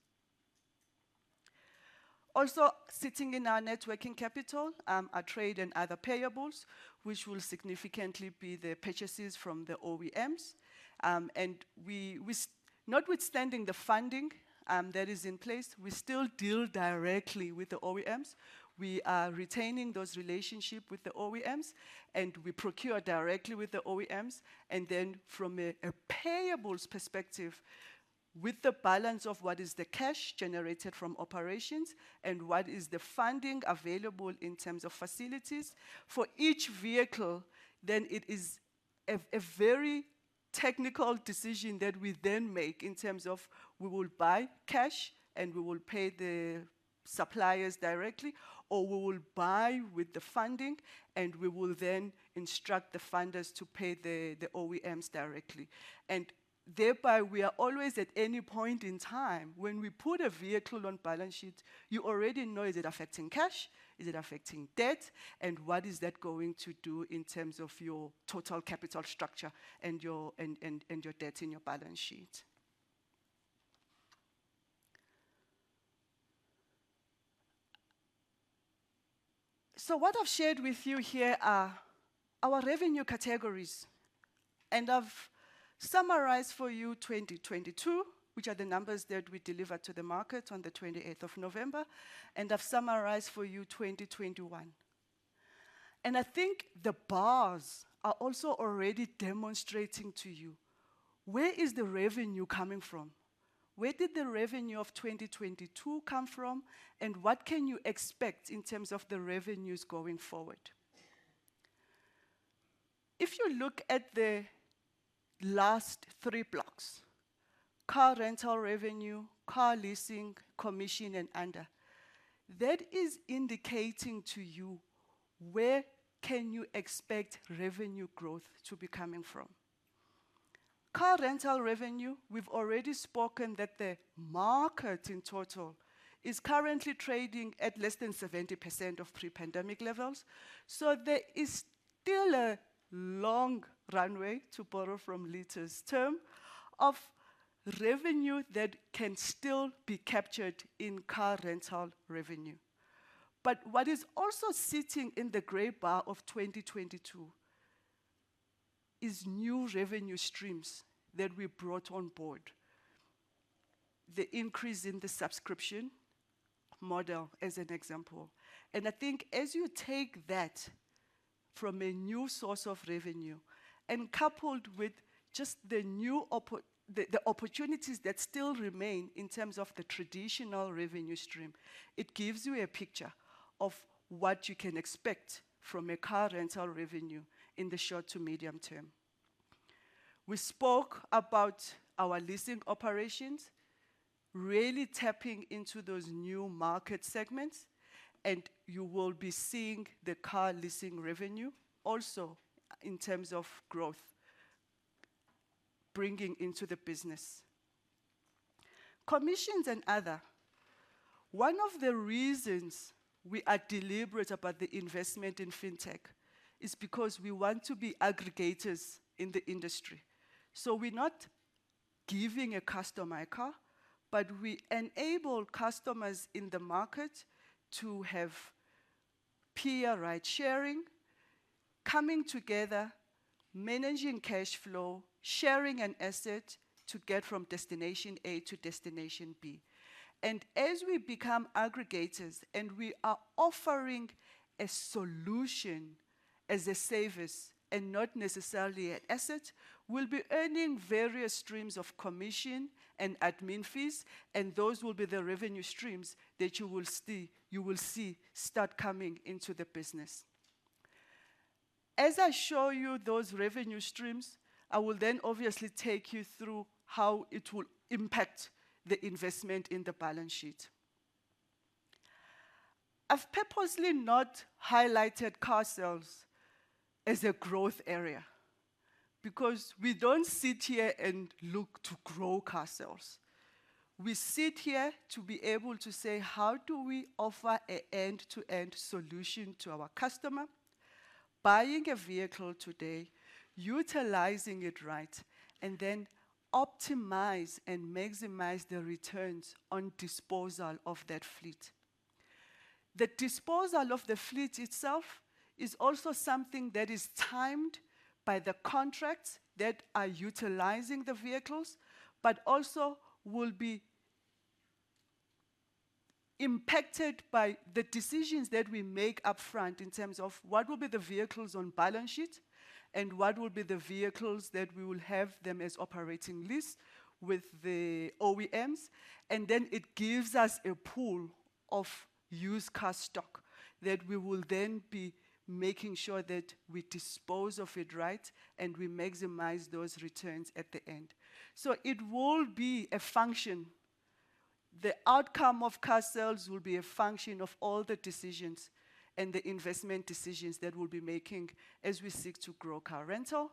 Also sitting in our net working capital are trade and other payables, which will significantly be the purchases from the OEMs. Notwithstanding the funding that is in place, we still deal directly with the OEMs. We are retaining those relationship with the OEMs, and we procure directly with the OEMs. From a payables perspective, with the balance of what is the cash generated from operations and what is the funding available in terms of facilities for each vehicle, then it is a very technical decision that we then make in terms of we will buy cash, and we will pay the suppliers directly, or we will buy with the funding, and we will then instruct the funders to pay the OEMs directly. Thereby, we are always, at any point in time, when we put a vehicle on balance sheet, you already know, is it affecting cash? Is it affecting debt? And what is that going to do in terms of your total capital structure and your debt in your balance sheet? What I've shared with you here are our revenue categories, and I've summarized for you 2022, which are the numbers that we delivered to the market on the 28th of November, and I've summarized for you 2021. I think the bars are also already demonstrating to you, where is the revenue coming from? Where did the revenue of 2022 come from, and what can you expect in terms of the revenues going forward? If you look at the last three blocks, car rental revenue, car leasing, commission and other, that is indicating to you where can you expect revenue growth to be coming from. Car rental revenue, we've already spoken that the market in total is currently trading at less than 70% of pre-pandemic levels. There is still a long runway, to borrow from Litha's term, of revenue that can still be captured in car rental revenue. What is also sitting in the gray bar of 2022 is new revenue streams that we brought on board. The increase in the subscription model as an example. I think as you take that from a new source of revenue and coupled with just the opportunities that still remain in terms of the traditional revenue stream, it gives you a picture of what you can expect from a car rental revenue in the short to medium term. We spoke about our leasing operations really tapping into those new market segments, and you will be seeing the car leasing revenue also in terms of growth bringing into the business. Commissions and other. One of the reasons we are deliberate about the investment in fintech is because we want to be aggregators in the industry. We're not giving a customer a car, but we enable customers in the market to have peer ride sharing, coming together, managing cash flow, sharing an asset to get from destination A to destination B. As we become aggregators and we are offering a solution as a service and not necessarily an asset, we'll be earning various streams of commission and admin fees, and those will be the revenue streams that you will see start coming into the business. As I show you those revenue streams, I will then obviously take you through how it will impact the investment in the balance sheet. I've purposely not highlighted car sales as a growth area because we don't sit here and look to grow car sales. We sit here to be able to say, "How do we offer a end-to-end solution to our customer buying a vehicle today, utilizing it right, and then optimize and maximize the returns on disposal of that fleet?" The disposal of the fleet itself is also something that is timed by the contracts that are utilizing the vehicles, but also will be impacted by the decisions that we make upfront in terms of what will be the vehicles on balance sheet and what will be the vehicles that we will have them as operating lease with the OEMs. It gives us a pool of used car stock that we will then be making sure that we dispose of it right and we maximize those returns at the end. It will be a function. The outcome of car sales will be a function of all the decisions and the investment decisions that we'll be making as we seek to grow car rental,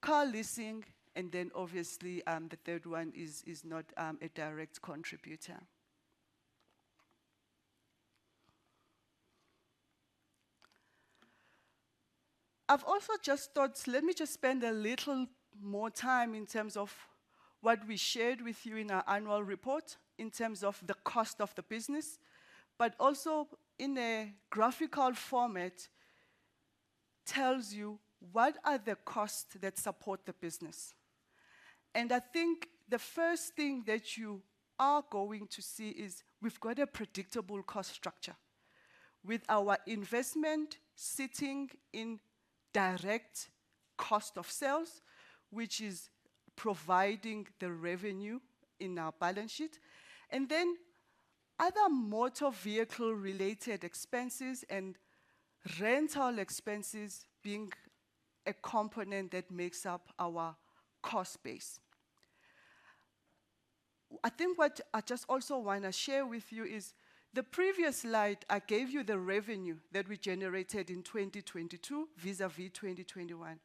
car leasing, and then obviously, the third one is not a direct contributor. I've also just thought, let me just spend a little more time in terms of what we shared with you in our annual report in terms of the cost of the business, but also in a graphical format tells you what are the costs that support the business. I think the first thing that you are going to see is we've got a predictable cost structure with our investment sitting in direct cost of sales, which is providing the revenue in our balance sheet, and then other motor vehicle related expenses and rental expenses being a component that makes up our cost base. I think what I just also wanna share with you is the previous slide I gave you the revenue that we generated in 2022 vis-à-vis 2021,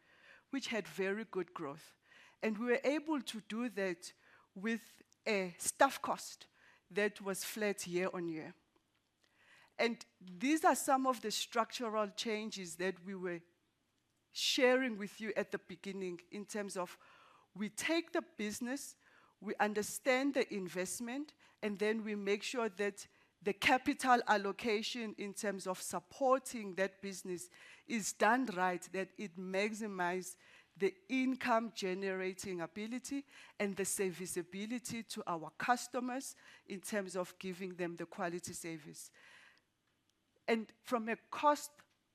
which had very good growth. We were able to do that with a staff cost that was flat year-on-year. These are some of the structural changes that we were sharing with you at the beginning in terms of we take the business, we understand the investment, and then we make sure that the capital allocation in terms of supporting that business is done right, that it maximize the income generating ability and the service ability to our customers in terms of giving them the quality service. From a cost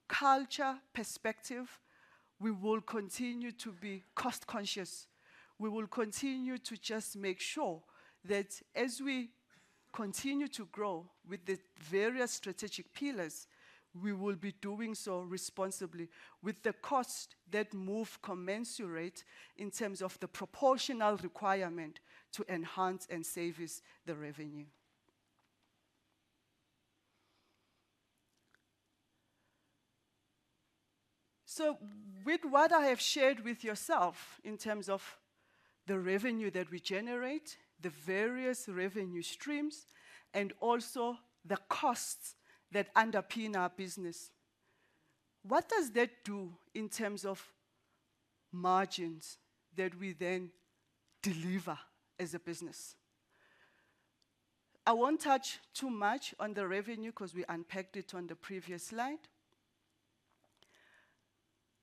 culture perspective, we will continue to be cost-conscious. We will continue to just make sure that as we continue to grow with the various strategic pillars, we will be doing so responsibly with the cost that move commensurate in terms of the proportional requirement to enhance and service the revenue. With what I have shared with yourself in terms of the revenue that we generate, the various revenue streams, and also the costs that underpin our business, what does that do in terms of margins that we then deliver as a business? I won't touch too much on the revenue 'cause we unpacked it on the previous slide.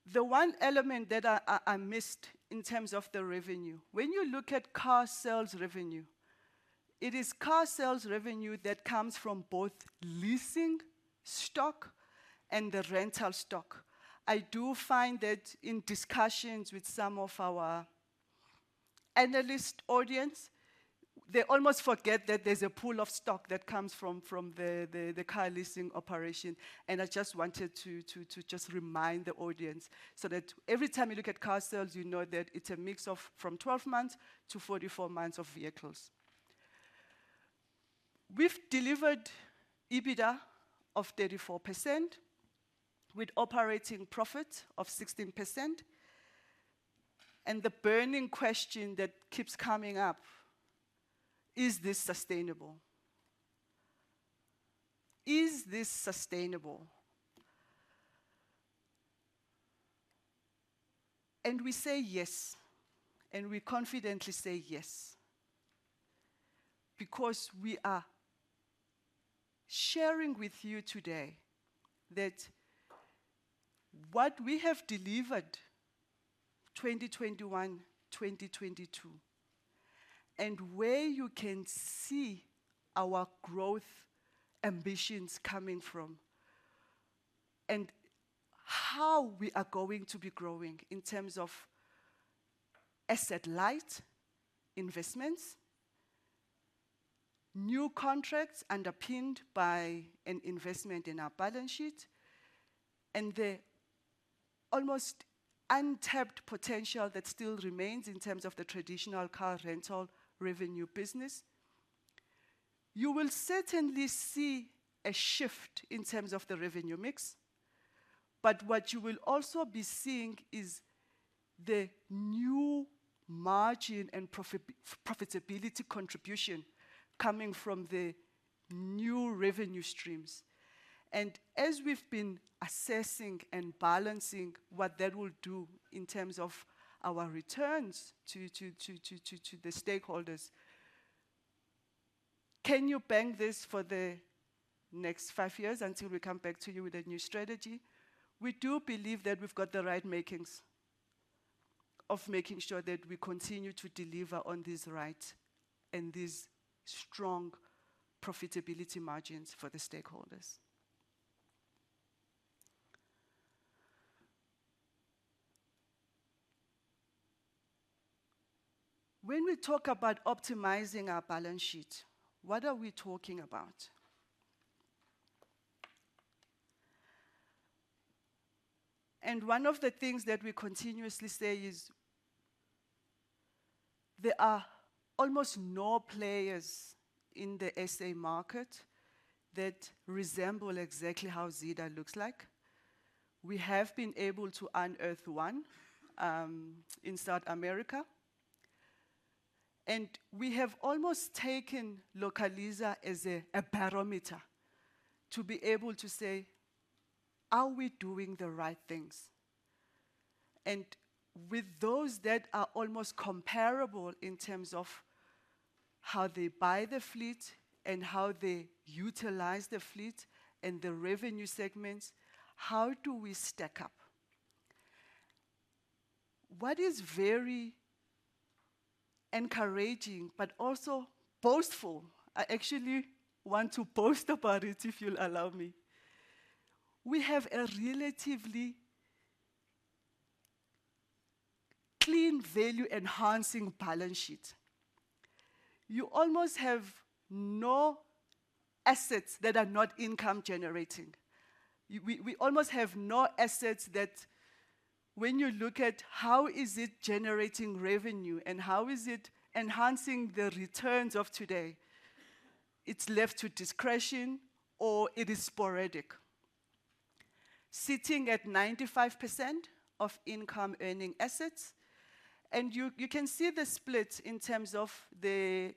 The one element that I missed in terms of the revenue, when you look at car sales revenue, it is car sales revenue that comes from both leasing stock and the rental stock. I do find that in discussions with some of our analyst audience, they almost forget that there's a pool of stock that comes from the car leasing operation, and I just wanted to just remind the audience so that every time you look at car sales, you know that it's a mix of from 12 months to 44 months of vehicles. We've delivered EBITDA of 34% with operating profit of 16%, and the burning question that keeps coming up, is this sustainable? Is this sustainable? We say yes, and we confidently say yes because we are sharing with you today that what we have delivered 2021, 2022, and where you can see our growth ambitions coming from and how we are going to be growing in terms of asset-light investments, new contracts underpinned by an investment in our balance sheet, and the almost untapped potential that still remains in terms of the traditional car rental revenue business. You will certainly see a shift in terms of the revenue mix, but what you will also be seeing is the new margin and profitability contribution coming from the new revenue streams. As we've been assessing and balancing what that will do in terms of our returns to the stakeholders, can you bank this for the next five years until we come back to you with a new strategy? We do believe that we've got the right makings of making sure that we continue to deliver on this right and these strong profitability margins for the stakeholders. When we talk about optimizing our balance sheet, what are we talking about? One of the things that we continuously say is there are almost no players in the S.A. market that resemble exactly how Zeda looks like. We have been able to unearth one in South America, and we have almost taken Localiza as a barometer to be able to say, "Are we doing the right things?" With those that are almost comparable in terms of how they buy the fleet and how they utilize the fleet and the revenue segments, how do we stack up? What is very encouraging but also boastful, I actually want to boast about it if you'll allow me, we have a relatively clean value-enhancing balance sheet. You almost have no assets that are not income generating. We almost have no assets that when you look at how is it generating revenue and how is it enhancing the returns of today, it's left to discretion or it is sporadic. Sitting at 95% of income-earning assets, you can see the split in terms of the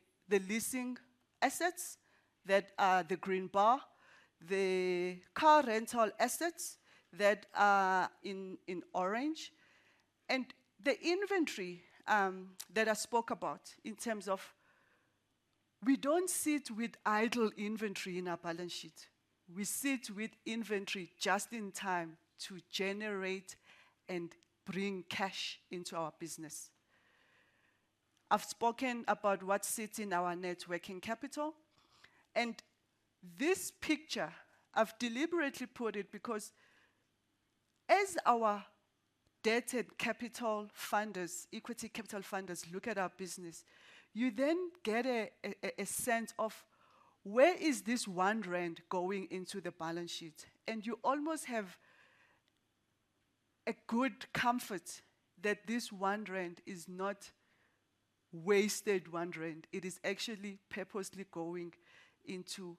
leasing assets that are the green bar, the car rental assets that are in orange, and the inventory that I spoke about in terms of we don't sit with idle inventory in our balance sheet. We sit with inventory just in time to generate and bring cash into our business. I've spoken about what sits in our net working capital. This picture I've deliberately put it because as our debt and capital funders, equity capital funders look at our business, you then get a sense of where is this 1 rand going into the balance sheet? You almost have a good comfort that this 1 rand is not wasted 1 rand. It is actually purposely going into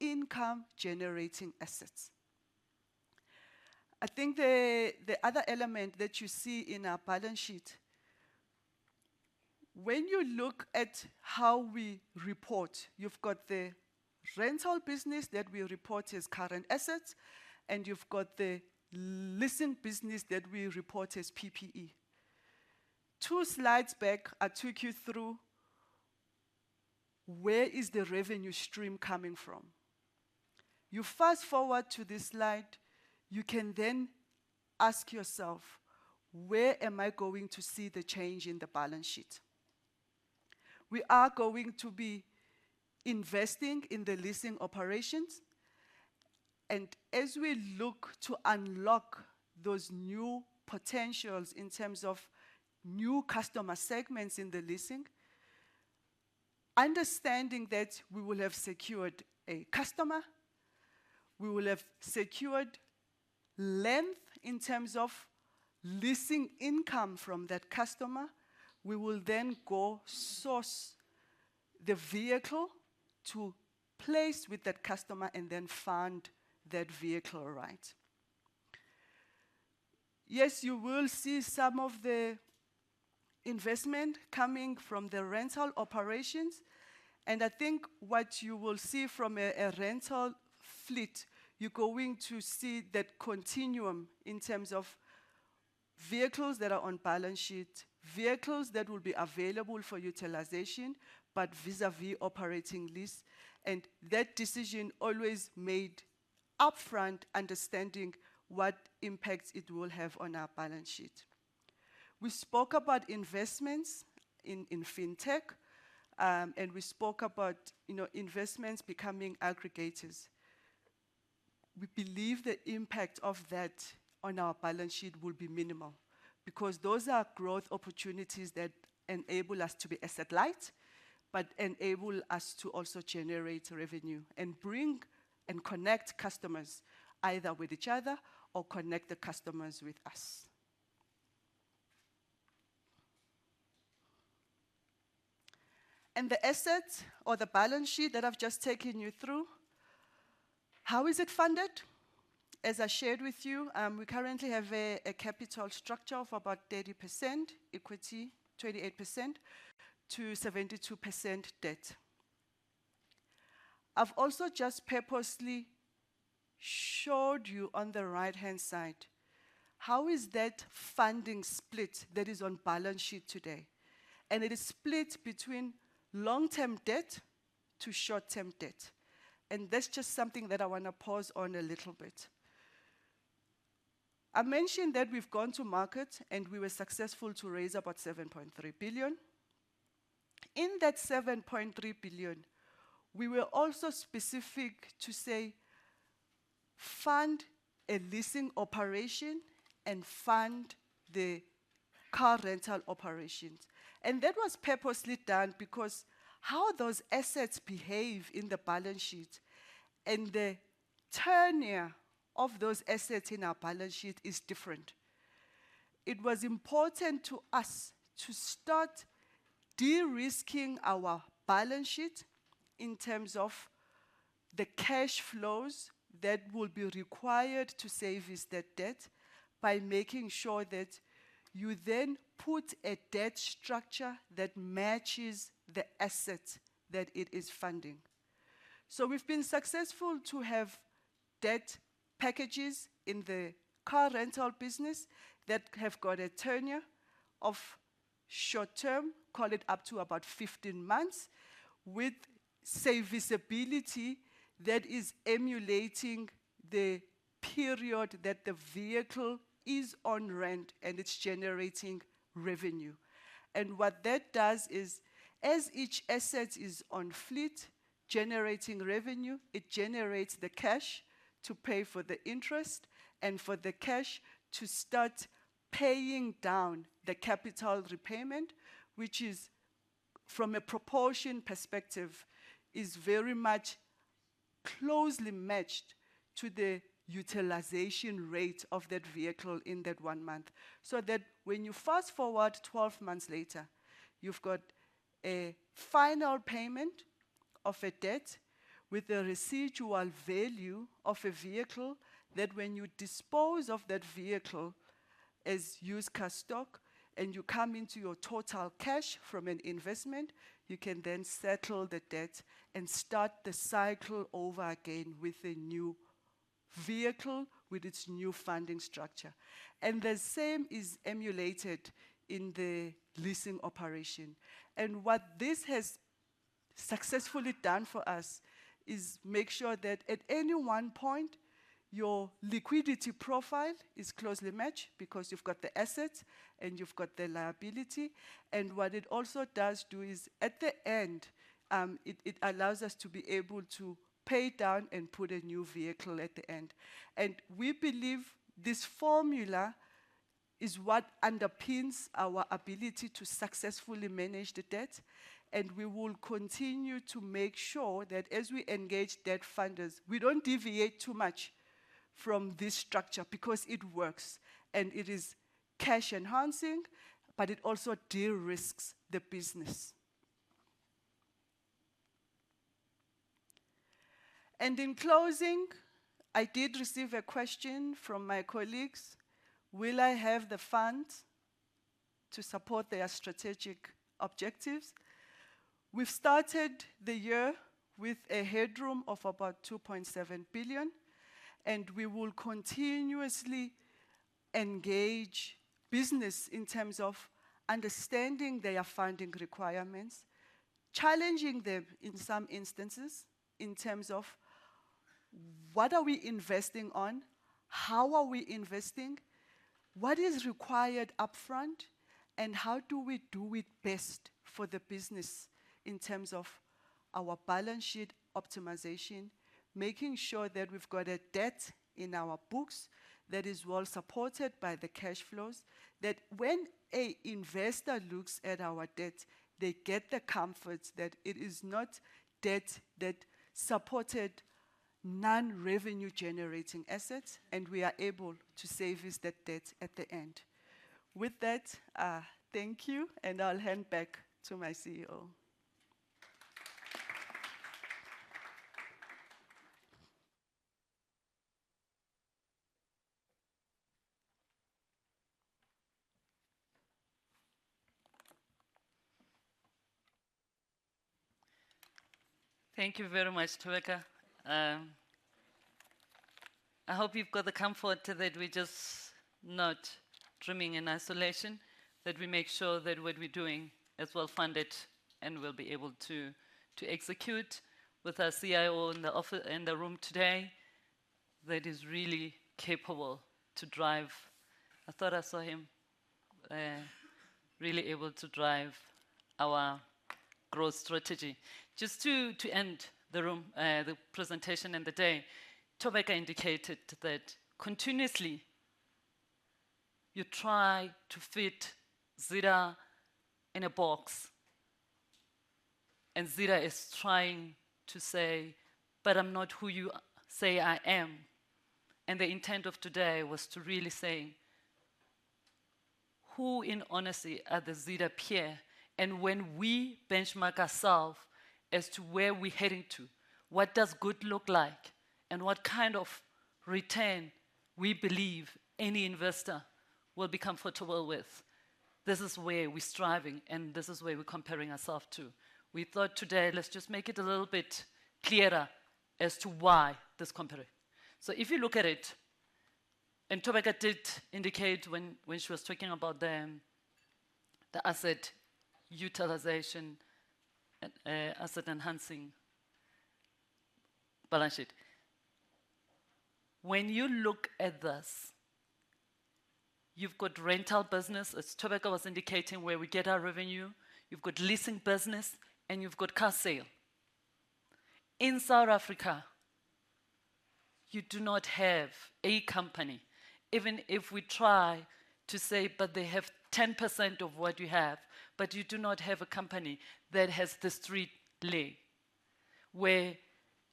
income-generating assets. I think the other element that you see in our balance sheet, when you look at how we report, you've got the rental business that we report as current assets, and you've got the leasing business that we report as PPE. Two slides back, I took you through where is the revenue stream coming from. You fast forward to this slide, you can then ask yourself, "Where am I going to see the change in the balance sheet?" We are going to be investing in the leasing operations. As we look to unlock those new potentials in terms of new customer segments in the leasing, understanding that we will have secured a customer, we will have secured length in terms of leasing income from that customer. We will then go source the vehicle to place with that customer and then fund that vehicle right. You will see some of the investment coming from the rental operations, and I think what you will see from a rental fleet, you're going to see that continuum in terms of vehicles that are on balance sheet, vehicles that will be available for utilization, but vis-à-vis operating lease and that decision always made upfront understanding what impact it will have on our balance sheet. We spoke about investments in fintech, and we spoke about, you know, investments becoming aggregators. We believe the impact of that on our balance sheet will be minimal because those are growth opportunities that enable us to be asset light, but enable us to also generate revenue and bring and connect customers either with each other or connect the customers with us. The assets or the balance sheet that I've just taken you through, how is it funded? As I shared with you, we currently have a capital structure of about 30% equity, 28%-72% debt. I've also just purposely showed you on the right-hand side how is that funding split that is on balance sheet today. It is split between long-term debt to short-term debt. That's just something that I wanna pause on a little bit. I mentioned that we've gone to market. We were successful to raise about 7.3 billion. In that 7.3 billion, we were also specific to say, "Fund a leasing operation and fund the car rental operations." That was purposely done because how those assets behave in the balance sheet and the tenure of those assets in our balance sheet is different. It was important to us to start de-risking our balance sheet in terms of the cash flows that will be required to service that debt by making sure that you then put a debt structure that matches the asset that it is funding. We've been successful to have debt packages in the car rental business that have got a tenure of short term, call it up to about 15 months, with, say, visibility that is emulating the period that the vehicle is on rent and it's generating revenue. What that does is, as each asset is on fleet generating revenue, it generates the cash to pay for the interest and for the cash to start paying down the capital repayment, which is, from a proportion perspective, is very much closely matched to the utilization rate of that vehicle in that one month. That when you fast forward 12 months later, you've got a final payment of a debt with a residual value of a vehicle, that when you dispose of that vehicle as used car stock and you come into your total cash from an investment, you can then settle the debt and start the cycle over again with a new vehicle, with its new funding structure. The same is emulated in the leasing operation. What this has successfully done for us is make sure that at any one point, your liquidity profile is closely matched because you've got the asset and you've got the liability. What it also does do is, at the end, it allows us to be able to pay down and put a new vehicle at the end. We believe this formula is what underpins our ability to successfully manage the debt, and we will continue to make sure that as we engage debt funders, we don't deviate too much from this structure because it works and it is cash enhancing, but it also de-risks the business. In closing, I did receive a question from my colleagues. Will I have the funds to support their strategic objectives? We've started the year with a headroom of about 2.7 billion, and we will continuously engage business in terms of understanding their funding requirements, challenging them in some instances in terms of what are we investing on, how are we investing, what is required upfront, and how do we do it best for the business in terms of our balance sheet optimization. Making sure that we've got a debt in our books that is well supported by the cash flows, that when a investor looks at our debt, they get the comfort that it is not debt that supported non-revenue generating assets. We are able to service that debt at the end. With that, thank you. I'll hand back to my CEO. Thank you very much, Thobeka. I hope you've got the comfort that we're just not dreaming in isolation, that we make sure that what we're doing is well-funded and we'll be able to execute with our CIO in the room today that is really capable to drive. I thought I saw him, really able to drive our growth strategy. Just to end the room, the presentation and the day, Thobeka indicated that continuously you try to fit Zeda in a box, Zeda is trying to say, "But I'm not who you say I am." The intent of today was to really say, "Who in honesty are the Zeda peer?" When we benchmark ourself as to where we're heading to, what does good look like, and what kind of return we believe any investor will be comfortable with, this is where we're striving and this is where we're comparing ourself to. We thought today let's just make it a little bit clearer as to why this compare. If you look at it, Thobeka did indicate when she was talking about the asset utilization and asset enhancing balance sheet. When you look at this, you've got rental business, as Thobeka was indicating, where we get our revenue, you've got leasing business, and you've got car sale. In South Africa, you do not have a company, even if we try to say, "But they have 10% of what you have," but you do not have a company that has this three play, where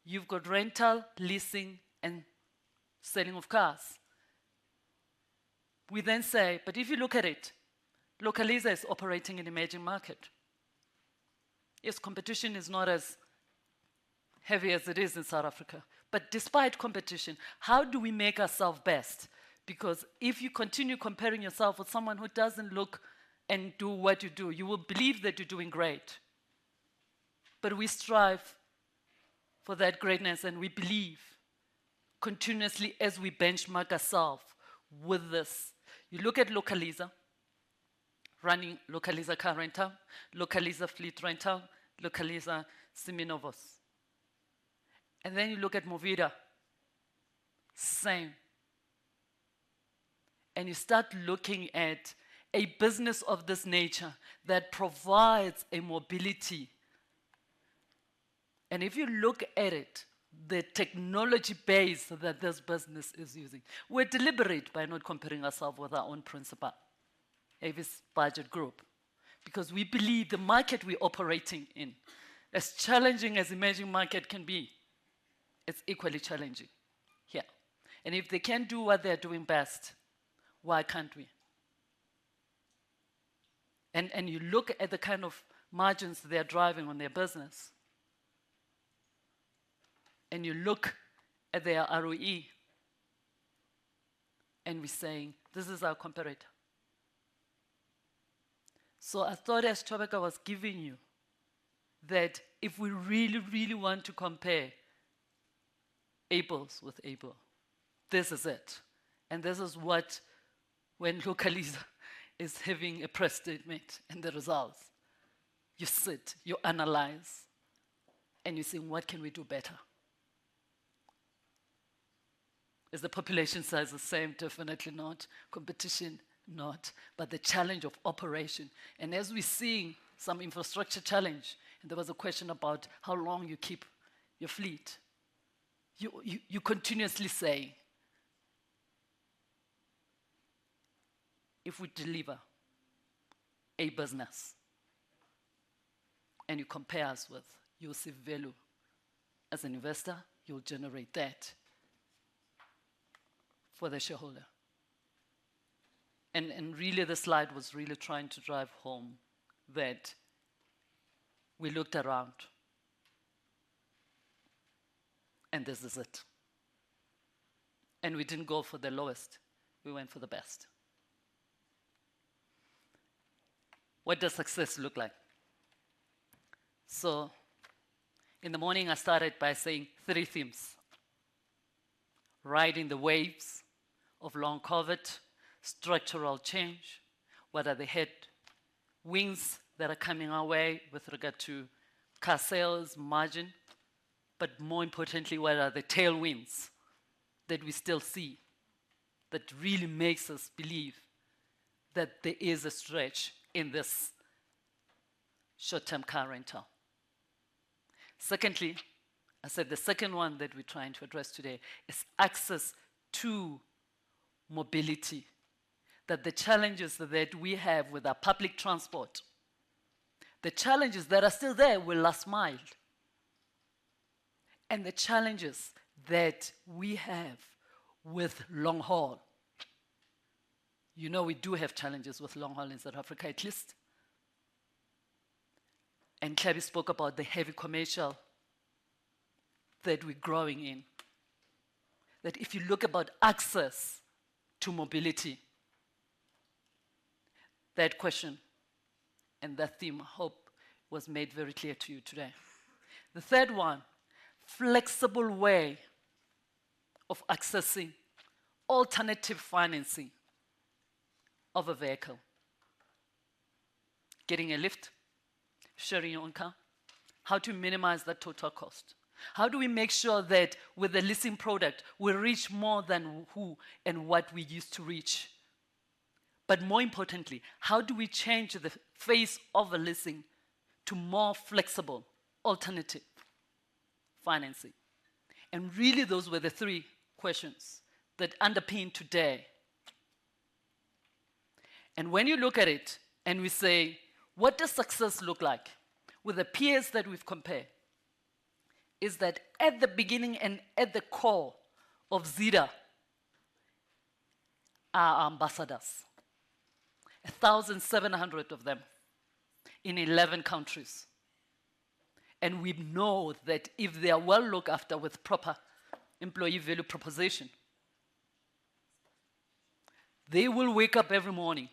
you've got rental, leasing, and selling of cars. We say, but if you look at it, Localiza is operating in emerging market. Yes, competition is not as heavy as it is in South Africa, but despite competition, how do we make ourself best? If you continue comparing yourself with someone who doesn't look and do what you do, you will believe that you're doing great. We strive for that greatness, and we believe continuously as we benchmark ourself with this. You look at Localiza running Localiza car rental, Localiza fleet rental, Localiza Seminovos. You look at Movida. Same. You start looking at a business of this nature that provides a mobility. If you look at it, the technology base that this business is using. We're deliberate by not comparing ourself with our own principal, Avis Budget Group, because we believe the market we're operating in, as challenging as emerging market can be, it's equally challenging here. If they can do what they're doing best, why can't we? You look at the kind of margins they're driving on their business. You look at their ROE. We're saying, "This is our comparator." A thought as Thobeka was giving you, that if we really, really want to compare apples with apple, this is it. This is what when Localiza is having a press statement and the results, you sit, you analyze, and you say, "What can we do better?" Is the population size the same? Definitely not. Competition, not. The challenge of operation. As we're seeing some infrastructure challenge, and there was a question about how long you keep your fleet, you continuously saying, "If we deliver a business and you compare us with your self-value as an investor, you'll generate that for the shareholder." Really this slide was really trying to drive home that we looked around. And this is it. We didn't go for the lowest, we went for the best. What does success look like? In the morning I started by saying three themes. Riding the waves of long COVID, structural change. What are the head winds that are coming our way with regard to car sales margin, but more importantly, what are the tailwinds that we still see that really makes us believe that there is a stretch in this short-term car rental? Secondly, I said the second one that we're trying to address today is access to mobility. The challenges that we have with our public transport, the challenges that are still there with last mile, and the challenges that we have with long haul. You know we do have challenges with long haul in South Africa at least. Tlhabi spoke about the heavy commercial that we're growing in. If you look about access to mobility, that question and that theme, hope, was made very clear to you today. The third one, flexible way of accessing alternative financing of a vehicle. Getting a lift, sharing your car, how to minimize the total cost. How do we make sure that with the leasing product we reach more than who and what we used to reach? More importantly, how do we change the face of the leasing to more flexible alternative financing? Really those were the three questions that underpin today. When you look at it and we say, "What does success look like with the peers that we've compare?" Is that at the beginning and at the core of Zeda are ambassadors. 1,700 of them in 11 countries. We know that if they are well looked after with proper employee value proposition, they will wake up every morning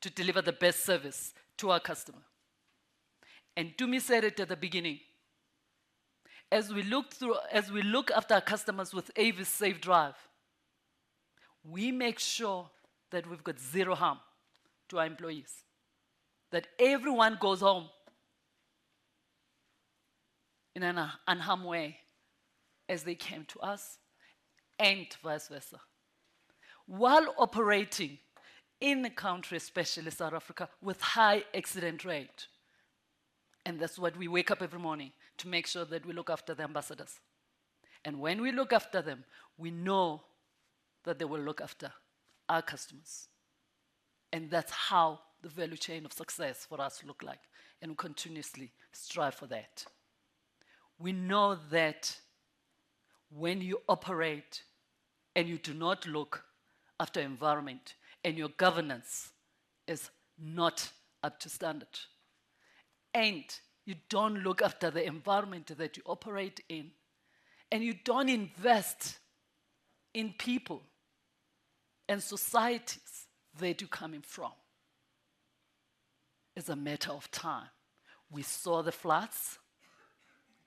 to deliver the best service to our customer. Tumi said it at the beginning. As we look after our customers with Avis SafeDrive, we make sure that we've got zero harm to our employees, that everyone goes home in an unharm way as they came to us and vice versa. While operating in the country, especially South Africa, with high accident rate, and that's what we wake up every morning to make sure that we look after the ambassadors. When we look after them, we know that they will look after our customers, and that's how the value chain of success for us look like, and we continuously strive for that. We know that when you operate and you do not look after environment and your governance is not up to standard, and you don't look after the environment that you operate in, and you don't invest in people and societies where you're coming from, it's a matter of time. We saw the floods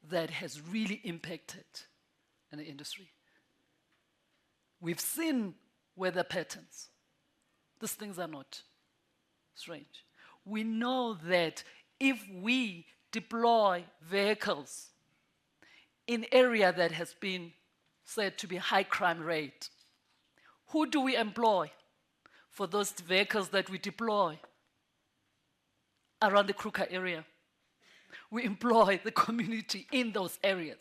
that has really impacted an industry. We've seen weather patterns. These things are not strange. We know that if we deploy vehicles in area that has been said to be high crime rate, who do we employ for those vehicles that we deploy around the Kruger area? We employ the community in those areas.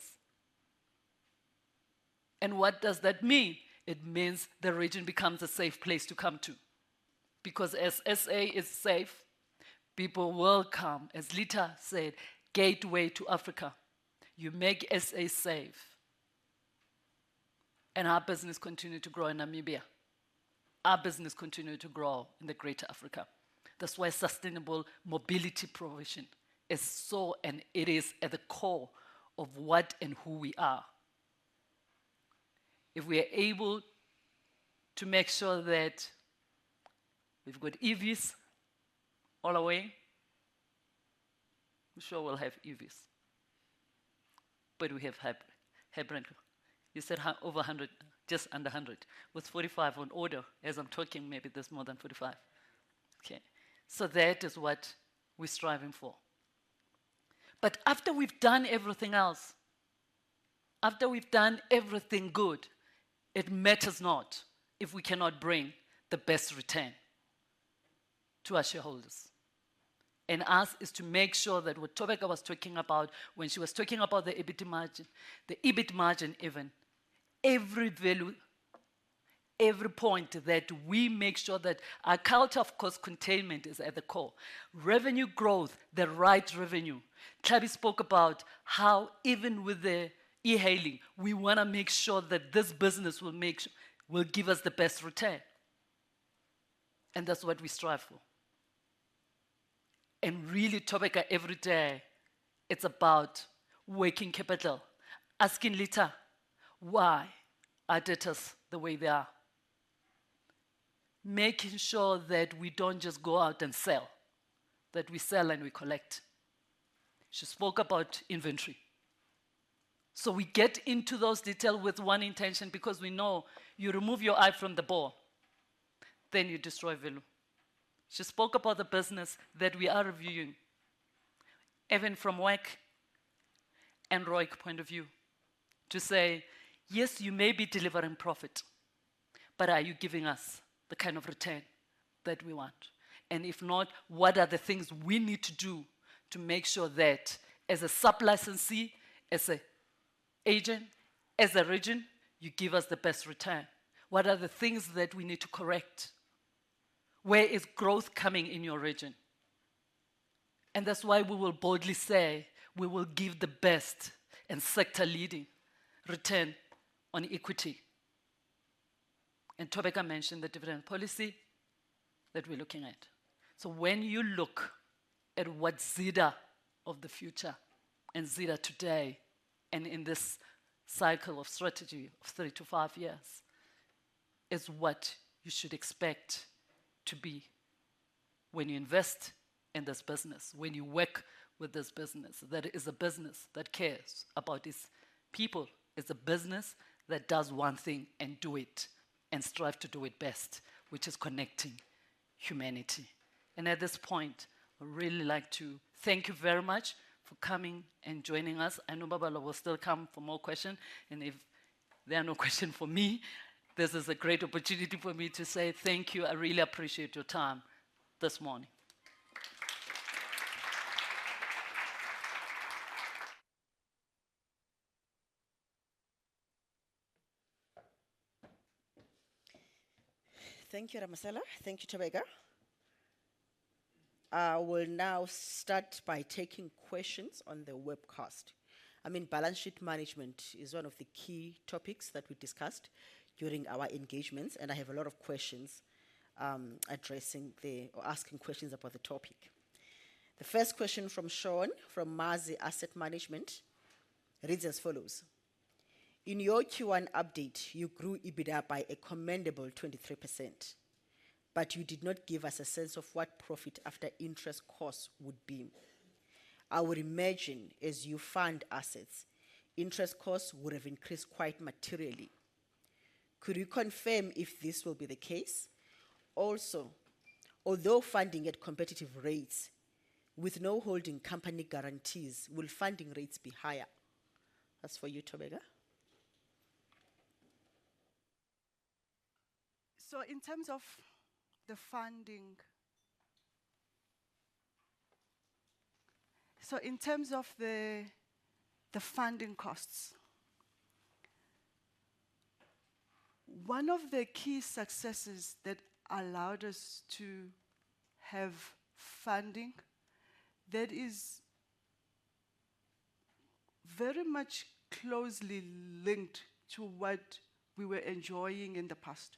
What does that mean? It means the region becomes a safe place to come to. As S.A. Is safe, people will come. Litha said, gateway to Africa. You make S.A. safe, our business continue to grow in Namibia, our business continue to grow in the Greater Africa. That's why sustainable mobility provision is so, and it is at the core of what and who we are. If we are able to make sure that we've got EVs all the way, I'm sure we'll have EVs. We have hybrid. You said over 100, just under 100. With 45 on order. As I'm talking, maybe there's more than 45. Okay. That is what we're striving for. After we've done everything else, after we've done everything good, it matters not if we cannot bring the best return to our shareholders. Us is to make sure that what Thobeka was talking about when she was talking about the EBIT margin, even, every value, every point that we make sure that our culture of cost containment is at the core. Revenue growth, the right revenue. Tlhabi spoke about how even with the e-hailing, we wanna make sure that this business will give us the best return. That's what we strive for. Really, Thobeka, every day it's about working capital, asking later why our debtors the way they are. Making sure that we don't just go out and sell, that we sell and we collect. She spoke about inventory. We get into those detail with one intention because we know you remove your eye from the ball, then you destroy value. She spoke about the business that we are reviewing, even from WACC and ROIC point of view, to say, "Yes, you may be delivering profit, but are you giving us the kind of return that we want?" If not, what are the things we need to do to make sure that as a sub-licensee, as a agent, as a region, you give us the best return. What are the things that we need to correct? Where is growth coming in your region?" That's why we will boldly say we will give the best and sector-leading return on equity. Thobeka mentioned the dividend policy that we're looking at. When you look at what Zeda of the future and Zeda today, and in this cycle of strategy of three to five years, is what you should expect to be when you invest in this business, when you work with this business. That it is a business that cares about its people. It's a business that does one thing and do it and strive to do it best, which is connecting humanity. At this point, I'd really like to thank you very much for coming and joining us. I know Babalwa will still come for more question, and if there are no question for me, this is a great opportunity for me to say thank you. I really appreciate your time this morning. Thank you, Ramasela. Thank you, Thobeka. I will now start by taking questions on the webcast. I mean, balance sheet management is one of the key topics that we discussed during our engagements, and I have a lot of questions asking questions about the topic. The first question from Sean from Mazi Asset Management reads as follows: In your Q1 update, you grew EBITDA by a commendable 23%, but you did not give us a sense of what profit after interest costs would be. I would imagine as you fund assets, interest costs would have increased quite materially. Could you confirm if this will be the case? Also, although funding at competitive rates with no holding company guarantees, will funding rates be higher? That's for you, Thobeka. In terms of the funding costs, one of the key successes that allowed us to have funding that is very much closely linked to what we were enjoying in the past.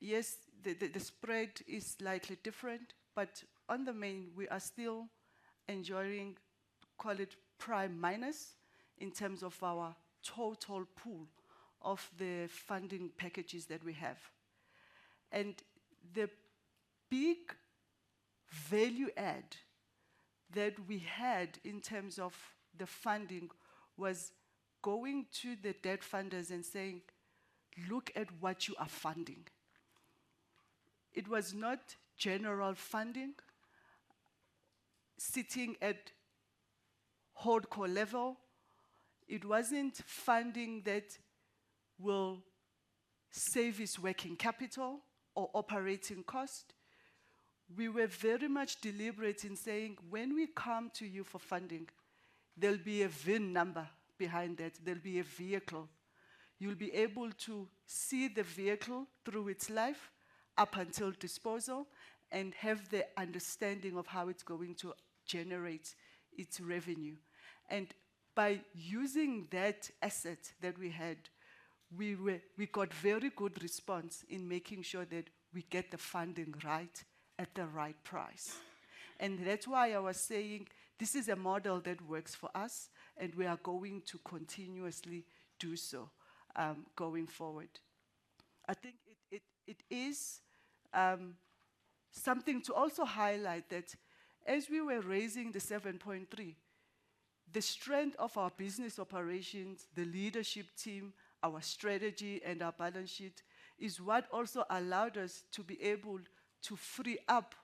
Yes, the spread is slightly different, but on the main, we are still enjoying, call it prime minus in terms of our total pool of the funding packages that we have. The big value add that we had in terms of the funding was going to the debt funders and saying, "Look at what you are funding." It was not general funding sitting at hardcore level. It wasn't funding that will save its working capital or operating cost. We were very much deliberate in saying, "When we come to you for funding, there'll be a VIN number behind that. There'll be a vehicle. You'll be able to see the vehicle through its life up until disposal and have the understanding of how it's going to generate its revenue. By using that asset that we had, we got very good response in making sure that we get the funding right at the right price. That's why I was saying this is a model that works for us, and we are going to continuously do so going forward. I think it, it is something to also highlight that as we were raising the 7.3, the strength of our business operations, the leadership team, our strategy, and our balance sheet is what also allowed us to be able to free up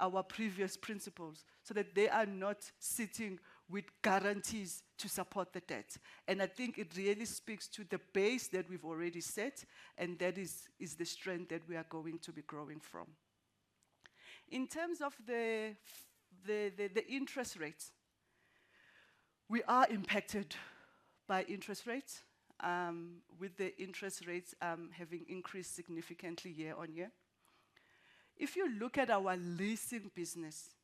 our previous principals so that they are not sitting with guarantees to support the debt. I think it really speaks to the base that we've already set, and that is the strength that we are going to be growing from. In terms of the interest rates, we are impacted by interest rates, with the interest rates having increased significantly year-on-year. If you look at our leasing business.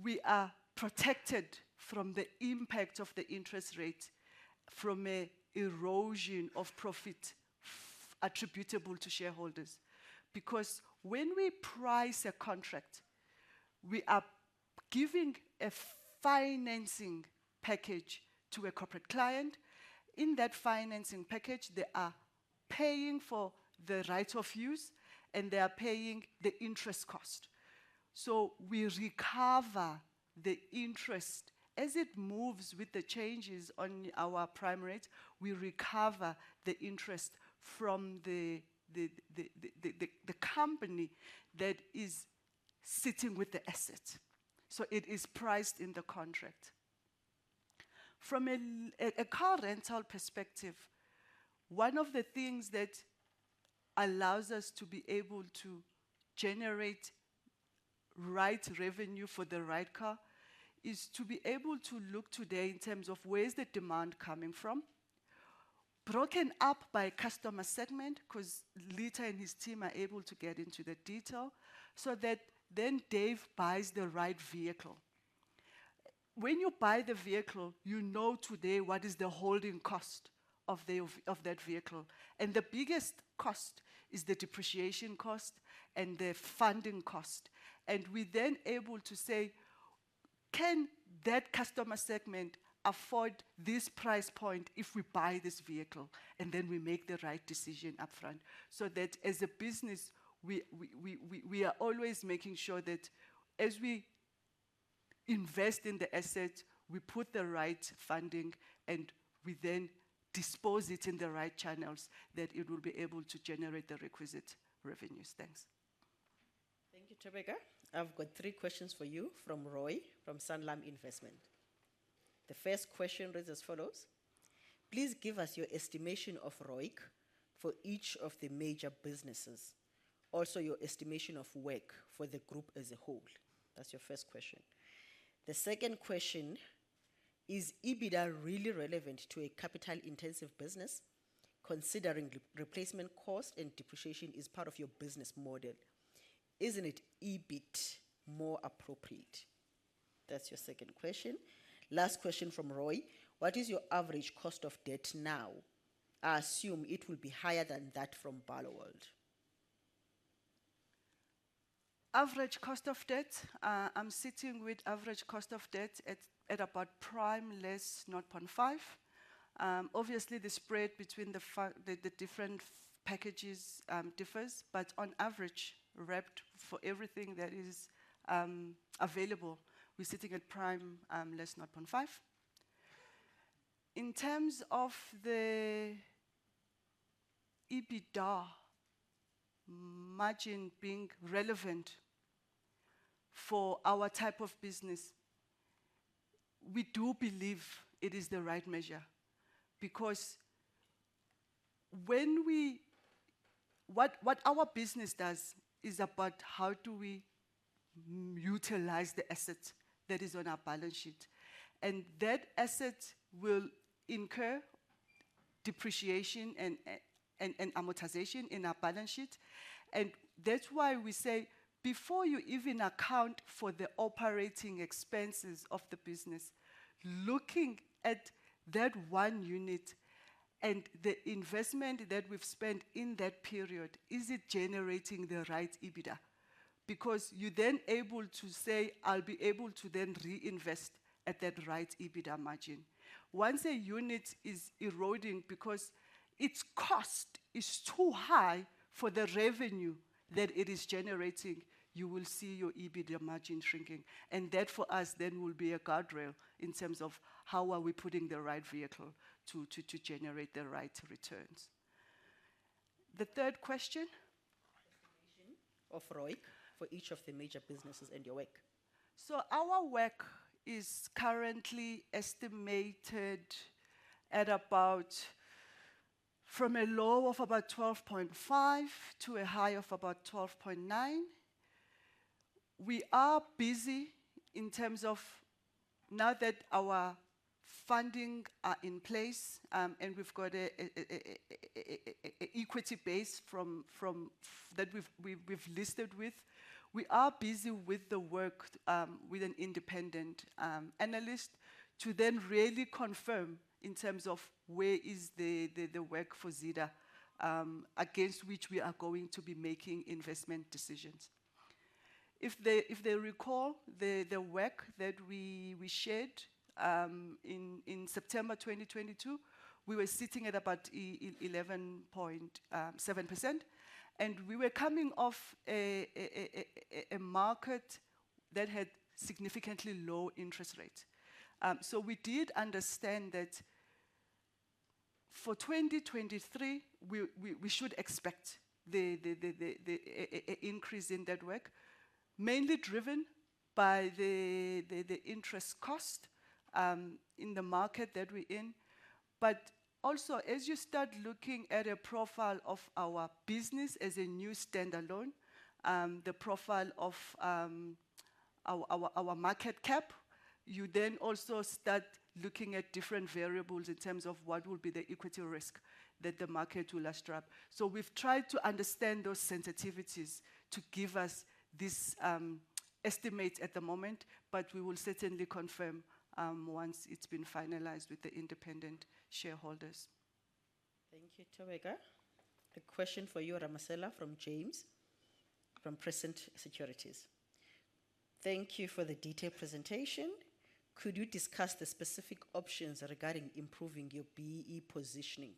We are protected from the impact of the interest rate from a erosion of profit attributable to shareholders. When we price a contract, we are giving a financing package to a corporate client. In that financing package, they are paying for the right of use, and they are paying the interest cost. We recover the interest as it moves with the changes on our prime rate, we recover the interest from the company that is sitting with the asset. It is priced in the contract. From a car rental perspective, one of the things that allows us to be able to generate right revenue for the right car is to be able to look today in terms of where is the demand coming from, broken up by customer segment, 'cause Litha and his team are able to get into the detail, so that then Dave buys the right vehicle. When you buy the vehicle, you know today what is the holding cost of the vehicle, and the biggest cost is the depreciation cost and the funding cost. We're then able to say, "Can that customer segment afford this price point if we buy this vehicle?" Then we make the right decision upfront, so that as a business, we are always making sure that as we invest in the asset, we put the right funding, and we then dispose it in the right channels that it will be able to generate the requisite revenues. Thanks. Thank you, Thobeka. I've got three questions for you from Roy from Sanlam Investments. The first question reads as follows: Please give us your estimation of ROIC for each of the major businesses. Also, your estimation of WACC for the group as a whole. That's your first question. The second question: Is EBITDA really relevant to a capital-intensive business considering re-replacement cost and depreciation is part of your business model? Isn't it EBIT more appropriate? That's your second question. Last question from Roy: What is your average cost of debt now? I assume it will be higher than that from Barloworld. Average cost of debt, I'm sitting with average cost of debt at about prime minus 0.5%. Obviously the spread between the different packages differs, but on average, revved for everything that is available, we're sitting at prime minus 0.5%. In terms of the EBITDA margin being relevant for our type of business, we do believe it is the right measure because when we. What our business does is about how do we utilize the asset that is on our balance sheet, and that asset will incur depreciation and amortization in our balance sheet. That's why we say, before you even account for the operating expenses of the business, looking at that one unit and the investment that we've spent in that period, is it generating the right EBITDA? You're then able to say, "I'll be able to then reinvest at that right EBITDA margin." Once a unit is eroding because its cost is too high for the revenue that it is generating, you will see your EBITDA margin shrinking, that for us then will be a guardrail in terms of how are we putting the right vehicle to generate the right returns. The third question? Estimation of ROIC for each of the major businesses and your WACC. Our WACC is currently estimated at about, from a low of about 12.5% to a high of about 12.9%. We are busy in terms of now that our funding are in place, and we've got a equity base from that we've listed with. We are busy with the work with an independent analyst to really confirm in terms of where is the WACC for Zeda against which we are going to be making investment decisions. If they recall, the WACC that we shared in September 2022, we were sitting at about 11.7%, and we were coming off a market that had significantly low interest rate. We did understand that for 2023, we should expect the increase in that WACC, mainly driven by the interest cost in the market that we're in. Also, as you start looking at a profile of our business as a new standalone, the profile of our market cap. You also start looking at different variables in terms of what will be the equity risk that the market will attract. We've tried to understand those sensitivities to give us this estimate at the moment, but we will certainly confirm once it's been finalized with the independent shareholders. Thank you, Thobeka. A question for you, Ramasela from James from Prescient Securities. Thank you for the detailed presentation. Could you discuss the specific options regarding improving your BEE positioning?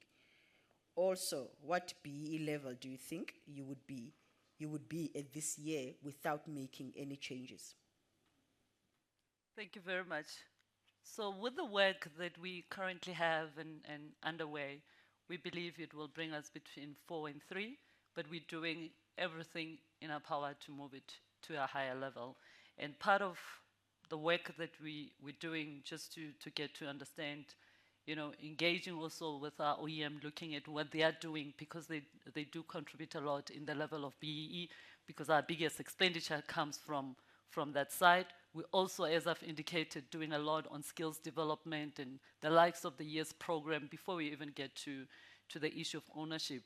Also, what BEE level do you think you would be at this year without making any changes? Thank you very much. With the work that we currently have and underway, we believe it will bring us between four and three, but we're doing everything in our power to move it to a higher level. Part of the work that we're doing to get to understand, you know, engaging also with our OEM, looking at what they are doing because they do contribute a lot in the level of BEE because our biggest expenditure comes from that side. We're also, as I've indicated, doing a lot on skills development and the likes of the years program before we even get to the issue of ownership.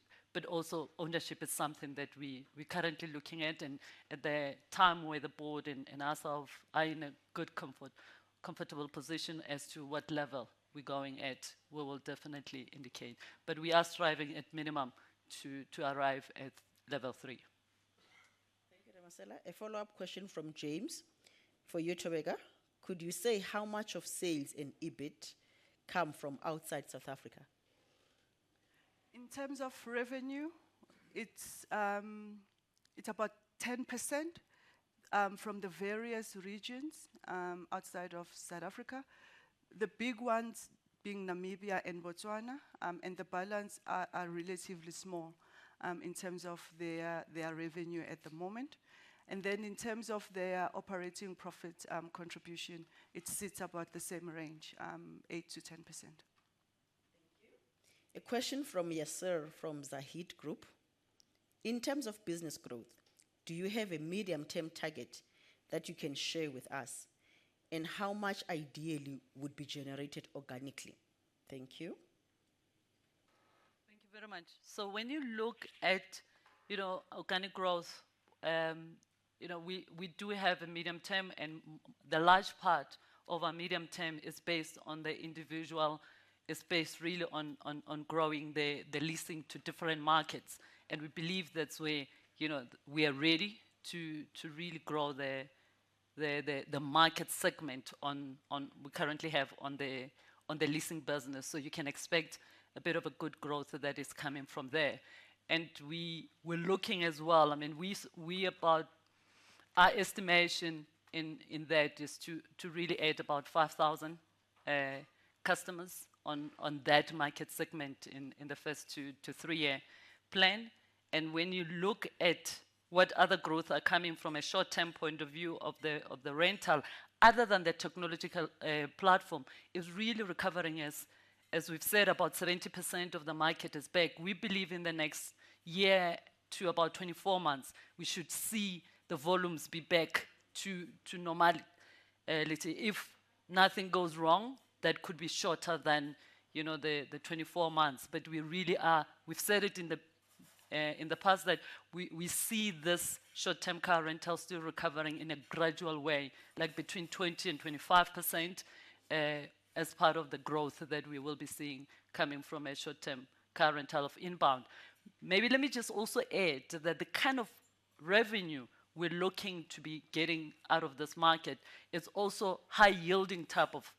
Also ownership is something that we currently looking at and at the time where the board and ourselves are in a good comfortable position as to what level we're going at, we will definitely indicate. We are striving at minimum to arrive at level three. Thank you, Ramasela. A follow-up question from James for you, Thobeka. Could you say how much of sales in EBIT come from outside South Africa? In terms of revenue, it's about 10% from the various regions outside of South Africa, the big ones being Namibia and Botswana. The balance are relatively small in terms of their revenue at the moment. In terms of their operating profit contribution, it sits about the same range, 8%-10%. Thank you. A question from Yasser from Zahid Group. In terms of business growth, do you have a medium-term target that you can share with us, and how much ideally would be generated organically? Thank you. Thank you very much. When you look at, you know, organic growth, you know, we do have a medium term, the large part of our medium term is based on the individual. It's based really on growing the leasing to different markets. We believe that's where, you know, we are ready to really grow the market segment on we currently have on the leasing business. You can expect a bit of a good growth that is coming from there. We were looking as well. I mean, we about our estimation in that is to really add about 5,000 customers on that market segment in the first two to three year plan. When you look at what other growth are coming from a short-term point of view of the rental, other than the technological platform, is really recovering, as we've said, about 70% of the market is back. We believe in the next year to about 24 months, we should see the volumes be back to normality. If nothing goes wrong, that could be shorter than, you know, the 24 months. We really are. We've said it in the past that we see this short-term car rental still recovering in a gradual way, like between 20% and 25%, as part of the growth that we will be seeing coming from a short-term car rental of inbound. Maybe let me just also add that the kind of revenue we're looking to be getting out of this market is also high yielding type of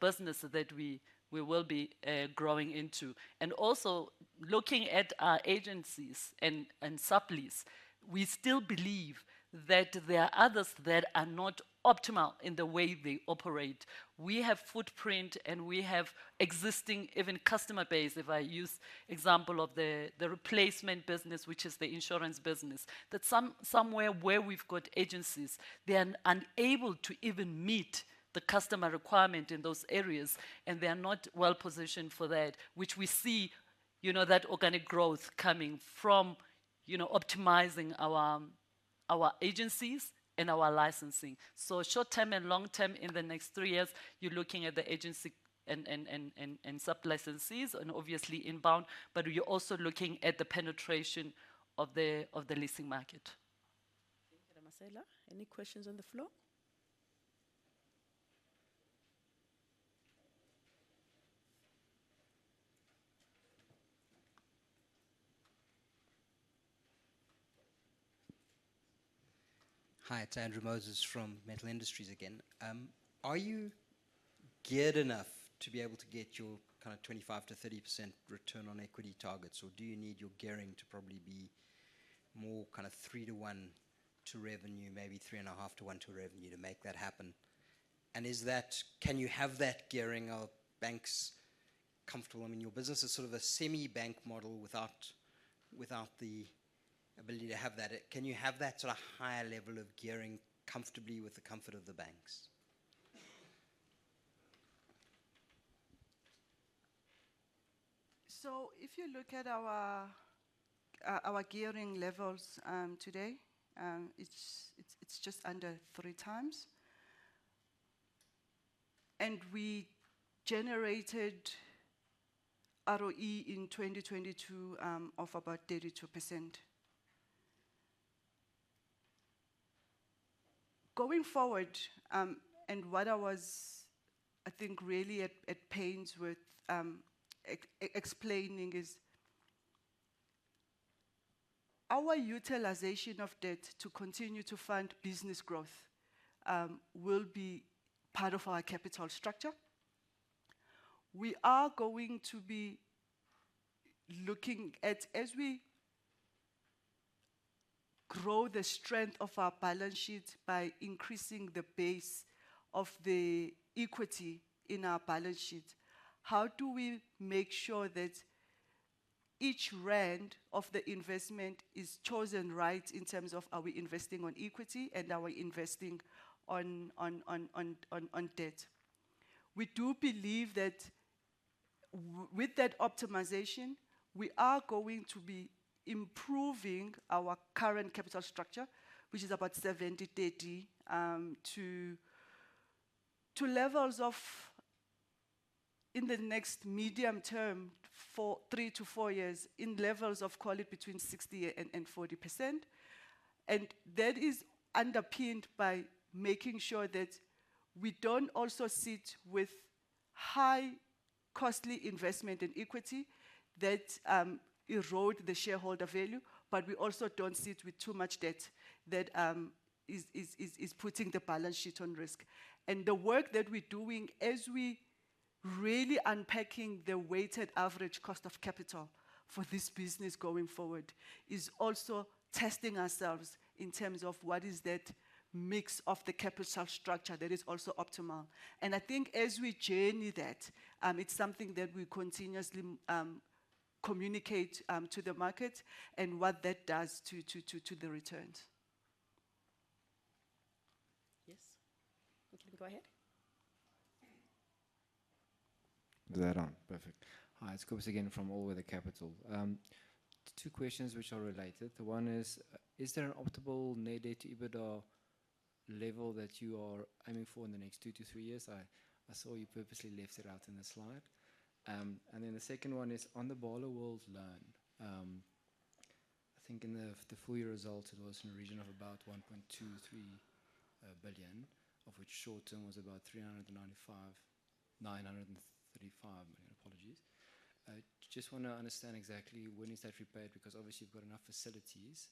business that we will be growing into. Also looking at our agencies and sublease, we still believe that there are others that are not optimal in the way they operate. We have footprint and we have existing even customer base. If I use example of the replacement business, which is the insurance business, that somewhere where we've got agencies, they're unable to even meet the customer requirement in those areas, and they are not well positioned for that, which we see, you know, that organic growth coming from, you know, optimizing our agencies and our licensing. Short-term and long-term in the next three years, you're looking at the agency and sub-licensees and obviously inbound, but you're also looking at the penetration of the leasing market. Thank you, Ramasela. Any questions on the floor? Hi, it's Andrew Moses from Metal Industries again. Are you geared enough to be able to get your kind of 25%-30% return on equity targets, or do you need your gearing to probably be more kind of 3:1 to revenue, maybe 3.5:1 to revenue to make that happen? Can you have that gearing? Are banks comfortable? I mean, your business is sort of a semi-bank model without the ability to have that. Can you have that sort of higher level of gearing comfortably with the comfort of the banks? If you look at our gearing levels today, it's just under 3x. We generated ROE in 2022 of about 32%. Going forward, what I was, I think really at pains with explaining is our utilization of debt to continue to fund business growth will be part of our capital structure. We are going to be looking at as we grow the strength of our balance sheet by increasing the base of the equity in our balance sheet, how do we make sure that each rand of the investment is chosen right in terms of are we investing on equity and are we investing on debt? We do believe that with that optimization, we are going to be improving our current capital structure, which is about 70/30, to levels of in the next medium term, three to four years, in levels of quality between 60% and 40%. That is underpinned by making sure that we don't also sit with high costly investment in equity that erode the shareholder value, but we also don't sit with too much debt that is putting the balance sheet on risk. The work that we're doing as we really unpacking the weighted average cost of capital for this business going forward, is also testing ourselves in terms of what is that mix of the capital structure that is also optimal. I think as we journey that, it's something that we continuously communicate to the market and what that does to the returns. Yes. You can go ahead. Is that on? Perfect. Hi, it's Cobus again from All Weather Capital. Two questions which are related. One is there an optimal net debt to EBITDA level that you are aiming for in the next two to three years? I saw you purposely left it out in the slide. The second one is on the Barloworld loan. I think in the full year results, it was in a region of about 1.23 billion, of which short term was about 395,935 million. Apologies. I just want to understand exactly when is that repaid, because obviously you've got enough facilities.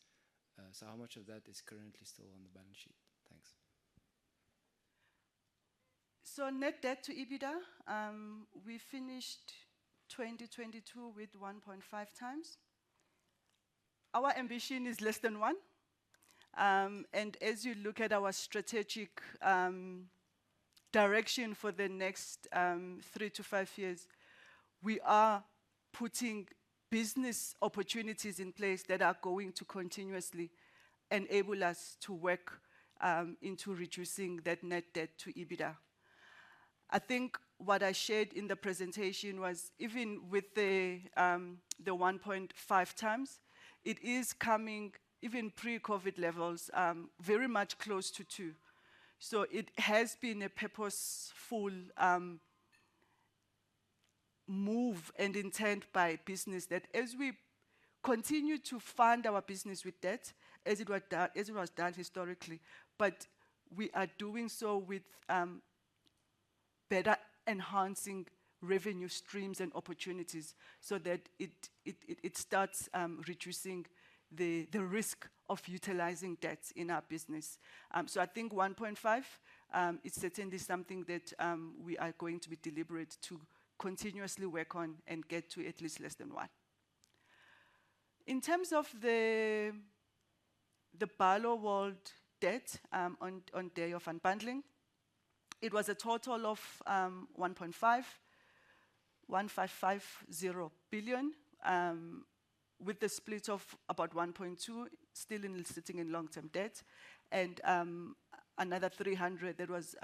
How much of that is currently still on the balance sheet? Thanks. Net debt to EBITDA, we finished 2022 with 1.5x. Our ambition is less than one, and as you look at our strategic direction for the next three to five years, we are putting business opportunities in place that are going to continuously enable us to work into reducing that net debt to EBITDA. I think what I shared in the presentation was even with the 1.5x, it is coming even pre-COVID levels, very much close to 2x. It has been a purposeful move and intent by business that as we continue to fund our business with debt as it were done, as it was done historically, but we are doing so with better enhancing revenue streams and opportunities so that it starts reducing the risk of utilizing debts in our business. I think 1.5 is certainly something that we are going to be deliberate to continuously work on and get to at least less than one. In terms of the Barloworld debt, on day of unbundling, it was a total of 1.5, 1,550 billion, with the split of about 1.2 billion still sitting in long-term debt and another 300 million that was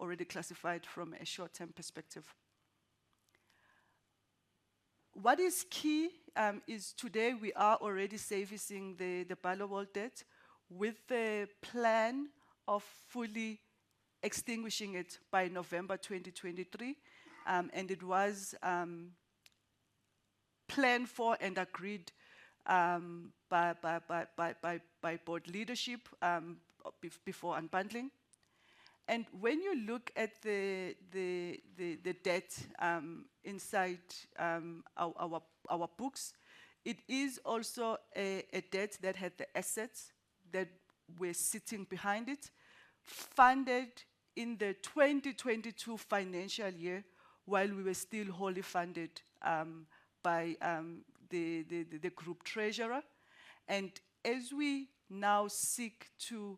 already classified from a short-term perspective. What is key, is today we are already servicing the Barloworld debt with the plan of fully extinguishing it by November 2023. It was planned for and agreed by board leadership before unbundling. When you look at the debt inside our books, it is also a debt that had the assets that were sitting behind it, funded in the 2022 financial year while we were still wholly funded by the group treasurer. As we now seek to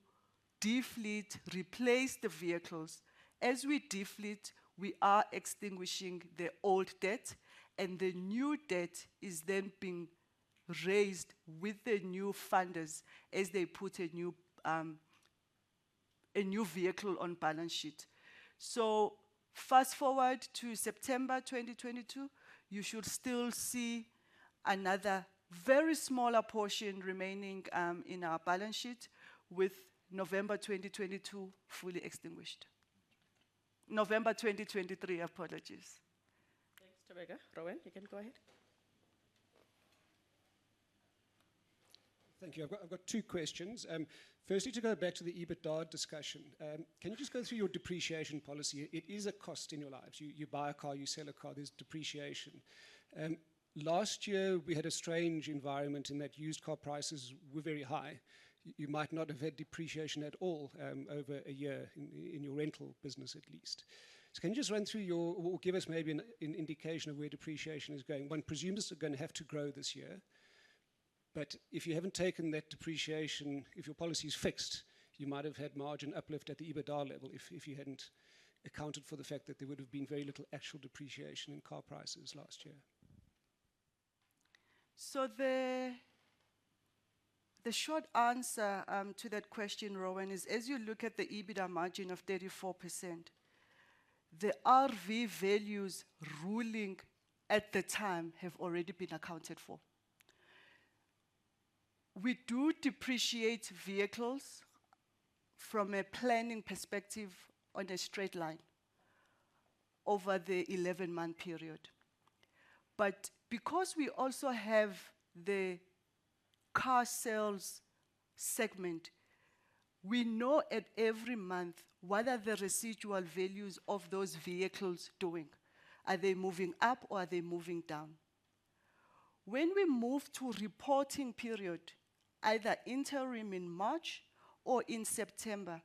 deflate, replace the vehicles, as we deflate, we are extinguishing the old debt, and the new debt is then being raised with the new funders as they put a new vehicle on balance sheet. Fast forward to September 2022, you should still see another very smaller portion remaining in our balance sheet with November 2022 fully extinguished. November 2023, apologies. Thanks, Thobeka. Rowan, you can go ahead. Thank you. I've got two questions. Firstly, to go back to the EBITDA discussion, can you just go through your depreciation policy? It is a cost in your lives. You buy a car, you sell a car, there's depreciation. Last year we had a strange environment in that used car prices were very high. You might not have had depreciation at all over a year in your rental business at least. Can you just run through your, or give us maybe an indication of where depreciation is going? One presumes it's gonna have to grow this year, if you haven't taken that depreciation, if your policy is fixed, you might have had margin uplift at the EBITDA level if you hadn't accounted for the fact that there would've been very little actual depreciation in car prices last year. The short answer to that question, Rowan, is as you look at the EBITDA margin of 34%, the RV values ruling at the time have already been accounted for. We do depreciate vehicles from a planning perspective on a straight line over the 11-month period. Because we also have the car sales segment, we know at every month what are the residual values of those vehicles doing. Are they moving up or are they moving down? When we move to reporting period, either interim in March or in September,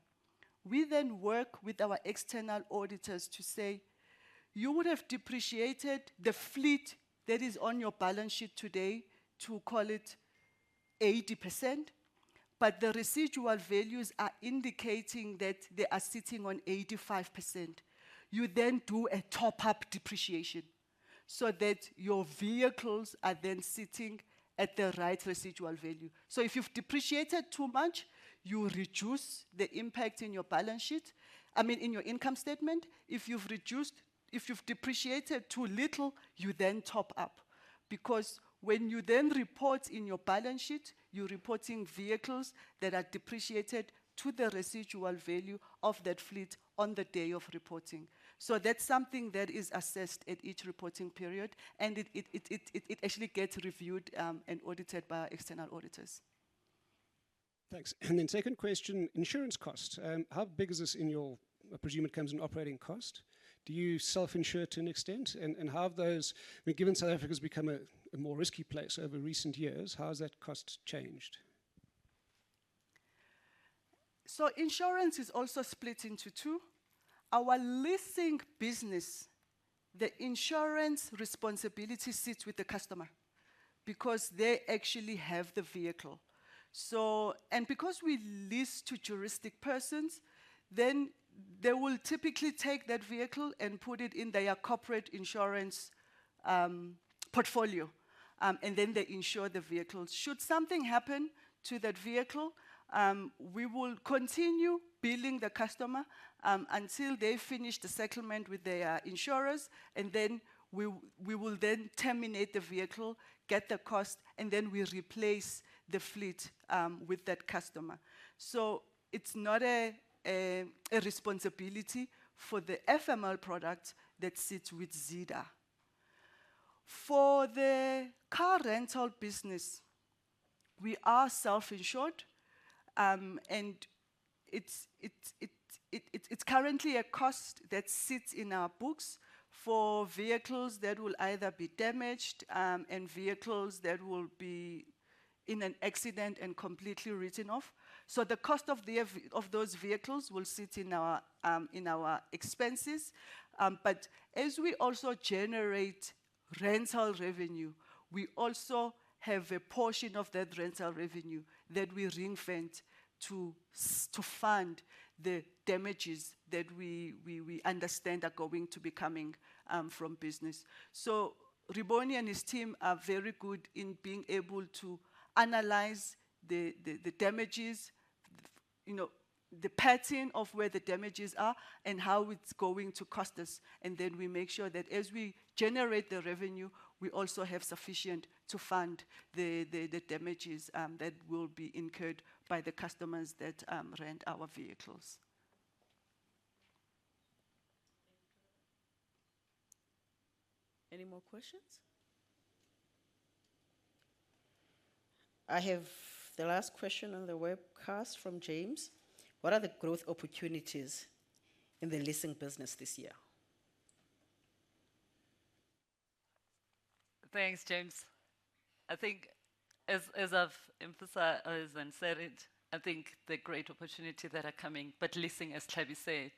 we then work with our external auditors to say, "You would've depreciated the fleet that is on your balance sheet today, to call it 80%, but the residual values are indicating that they are sitting on 85%." You do a top-up depreciation so that your vehicles are then sitting at the right residual value. If you've depreciated too much, you reduce the impact in your balance sheet. I mean, in your income statement. If you've depreciated too little, you then top up, because when you then report in your balance sheet, you're reporting vehicles that are depreciated to the residual value of that fleet on the day of reporting. That's something that is assessed at each reporting period, and it actually gets reviewed, and audited by our external auditors. Thanks. Second question, insurance costs. How big is this in your, I presume it comes in operating cost. Do you self-insure to an extent? I mean, given South Africa's become a more risky place over recent years, how has that cost changed? Insurance is also split into two. Our leasing business, the insurance responsibility sits with the customer because they actually have the vehicle. Because we lease to juristic persons, then they will typically take that vehicle and put it in their corporate insurance portfolio, and then they insure the vehicle. Should something happen to that vehicle, we will continue billing the customer until they finish the settlement with their insurers, and then we will then terminate the vehicle, get the cost, and then we replace the fleet with that customer. It's not a responsibility for the FML product that sits with Zeda. For the car rental business, we are self-insured, it's currently a cost that sits in our books for vehicles that will either be damaged, and vehicles that will be in an accident and completely written off. The cost of those vehicles will sit in our expenses. As we also generate rental revenue, we also have a portion of that rental revenue that we ring-fence to fund the damages that we understand are going to be coming from business. Rebone and his team are very good in being able to analyze the damages, you know, the pattern of where the damages are and how it's going to cost us, and then we make sure that as we generate the revenue, we also have sufficient to fund the damages that will be incurred by the customers that rent our vehicles. Thank you. Any more questions? I have the last question on the webcast from James. What are the growth opportunities in the leasing business this year? Thanks, James. I think as I've emphasized and said it, I think the great opportunity that are coming. Leasing, as Tlhabi said,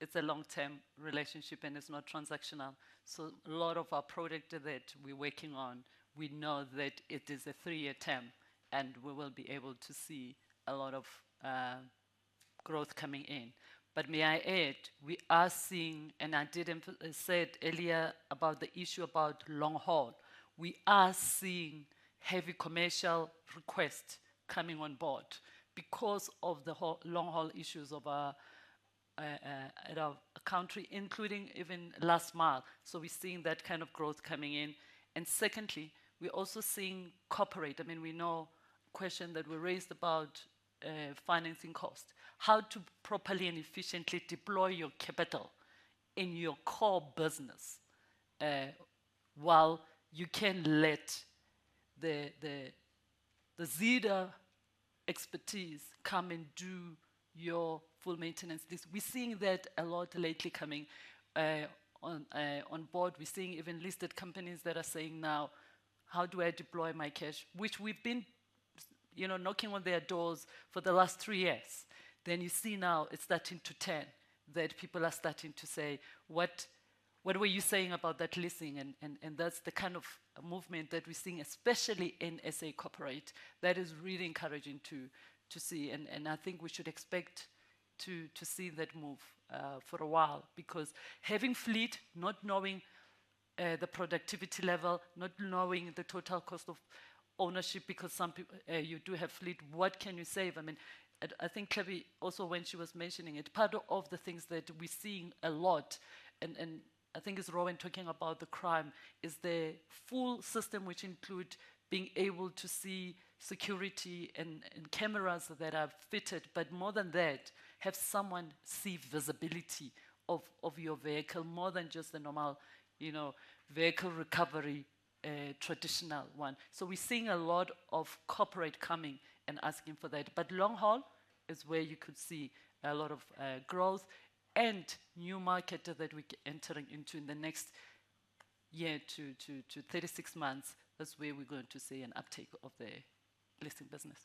it's a long-term relationship and it's not transactional. A lot of our product that we're working on, we know that it is a three-year term, and we will be able to see a lot of growth coming in. May I add, we are seeing, and I did emphasize earlier about the issue about long haul. We are seeing heavy commercial requests coming on board because of the long haul issues of at our country, including even last mile. We're seeing that kind of growth coming in. Secondly, we're also seeing corporate. I mean, we know question that we raised about financing cost, how to properly and efficiently deploy your capital in your core business, while you can let the Zeda expertise come and do your full maintenance. We're seeing that a lot lately coming on board. We're seeing even listed companies that are saying now, "How do I deploy my cash?" Which we've been you know, knocking on their doors for the last three years. You see now it's starting to turn, that people are starting to say, "What were you saying about that leasing?" That's the kind of movement that we're seeing, especially in S.A. corporate that is really encouraging to see. I think we should expect to see that move for a while, because having fleet, not knowing the productivity level, not knowing the total cost of ownership, because you do have fleet, what can you save? I mean, I think Tlhabi also when she was mentioning it, part of the things that we're seeing a lot, and I think as Rowan talking about the crime, is the full system which include being able to see security and cameras that are fitted, but more than that, have someone see visibility of your vehicle more than just the normal, you know, vehicle recovery traditional one. We're seeing a lot of corporate coming and asking for that. Long haul is where you could see a lot of growth and new market that we entering into in the next year to 36 months. That's where we're going to see an uptick of the leasing business.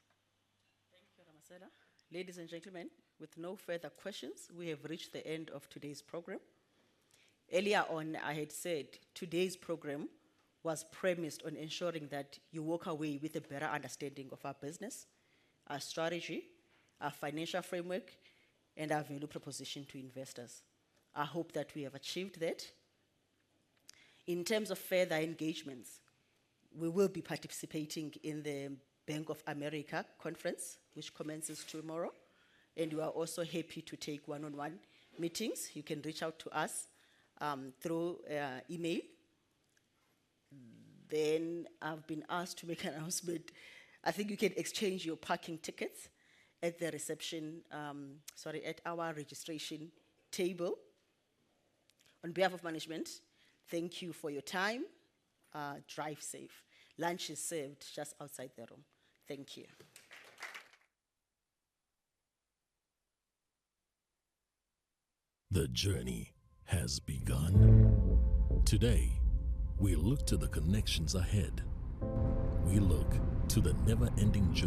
Thank you, Ramasela. Ladies and gentlemen, with no further questions, we have reached the end of today's program. Earlier on, I had said today's program was premised on ensuring that you walk away with a better understanding of our business, our strategy, our financial framework, and our value proposition to investors. I hope that we have achieved that. In terms of further engagements, we will be participating in the Bank of America conference, which commences tomorrow, and we are also happy to take one-on-one meetings. You can reach out to us through email. I've been asked to make an announcement. I think you can exchange your parking tickets at the reception, sorry, at our registration table. On behalf of management, thank you for your time. Drive safe. Lunch is served just outside the room. Thank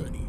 you.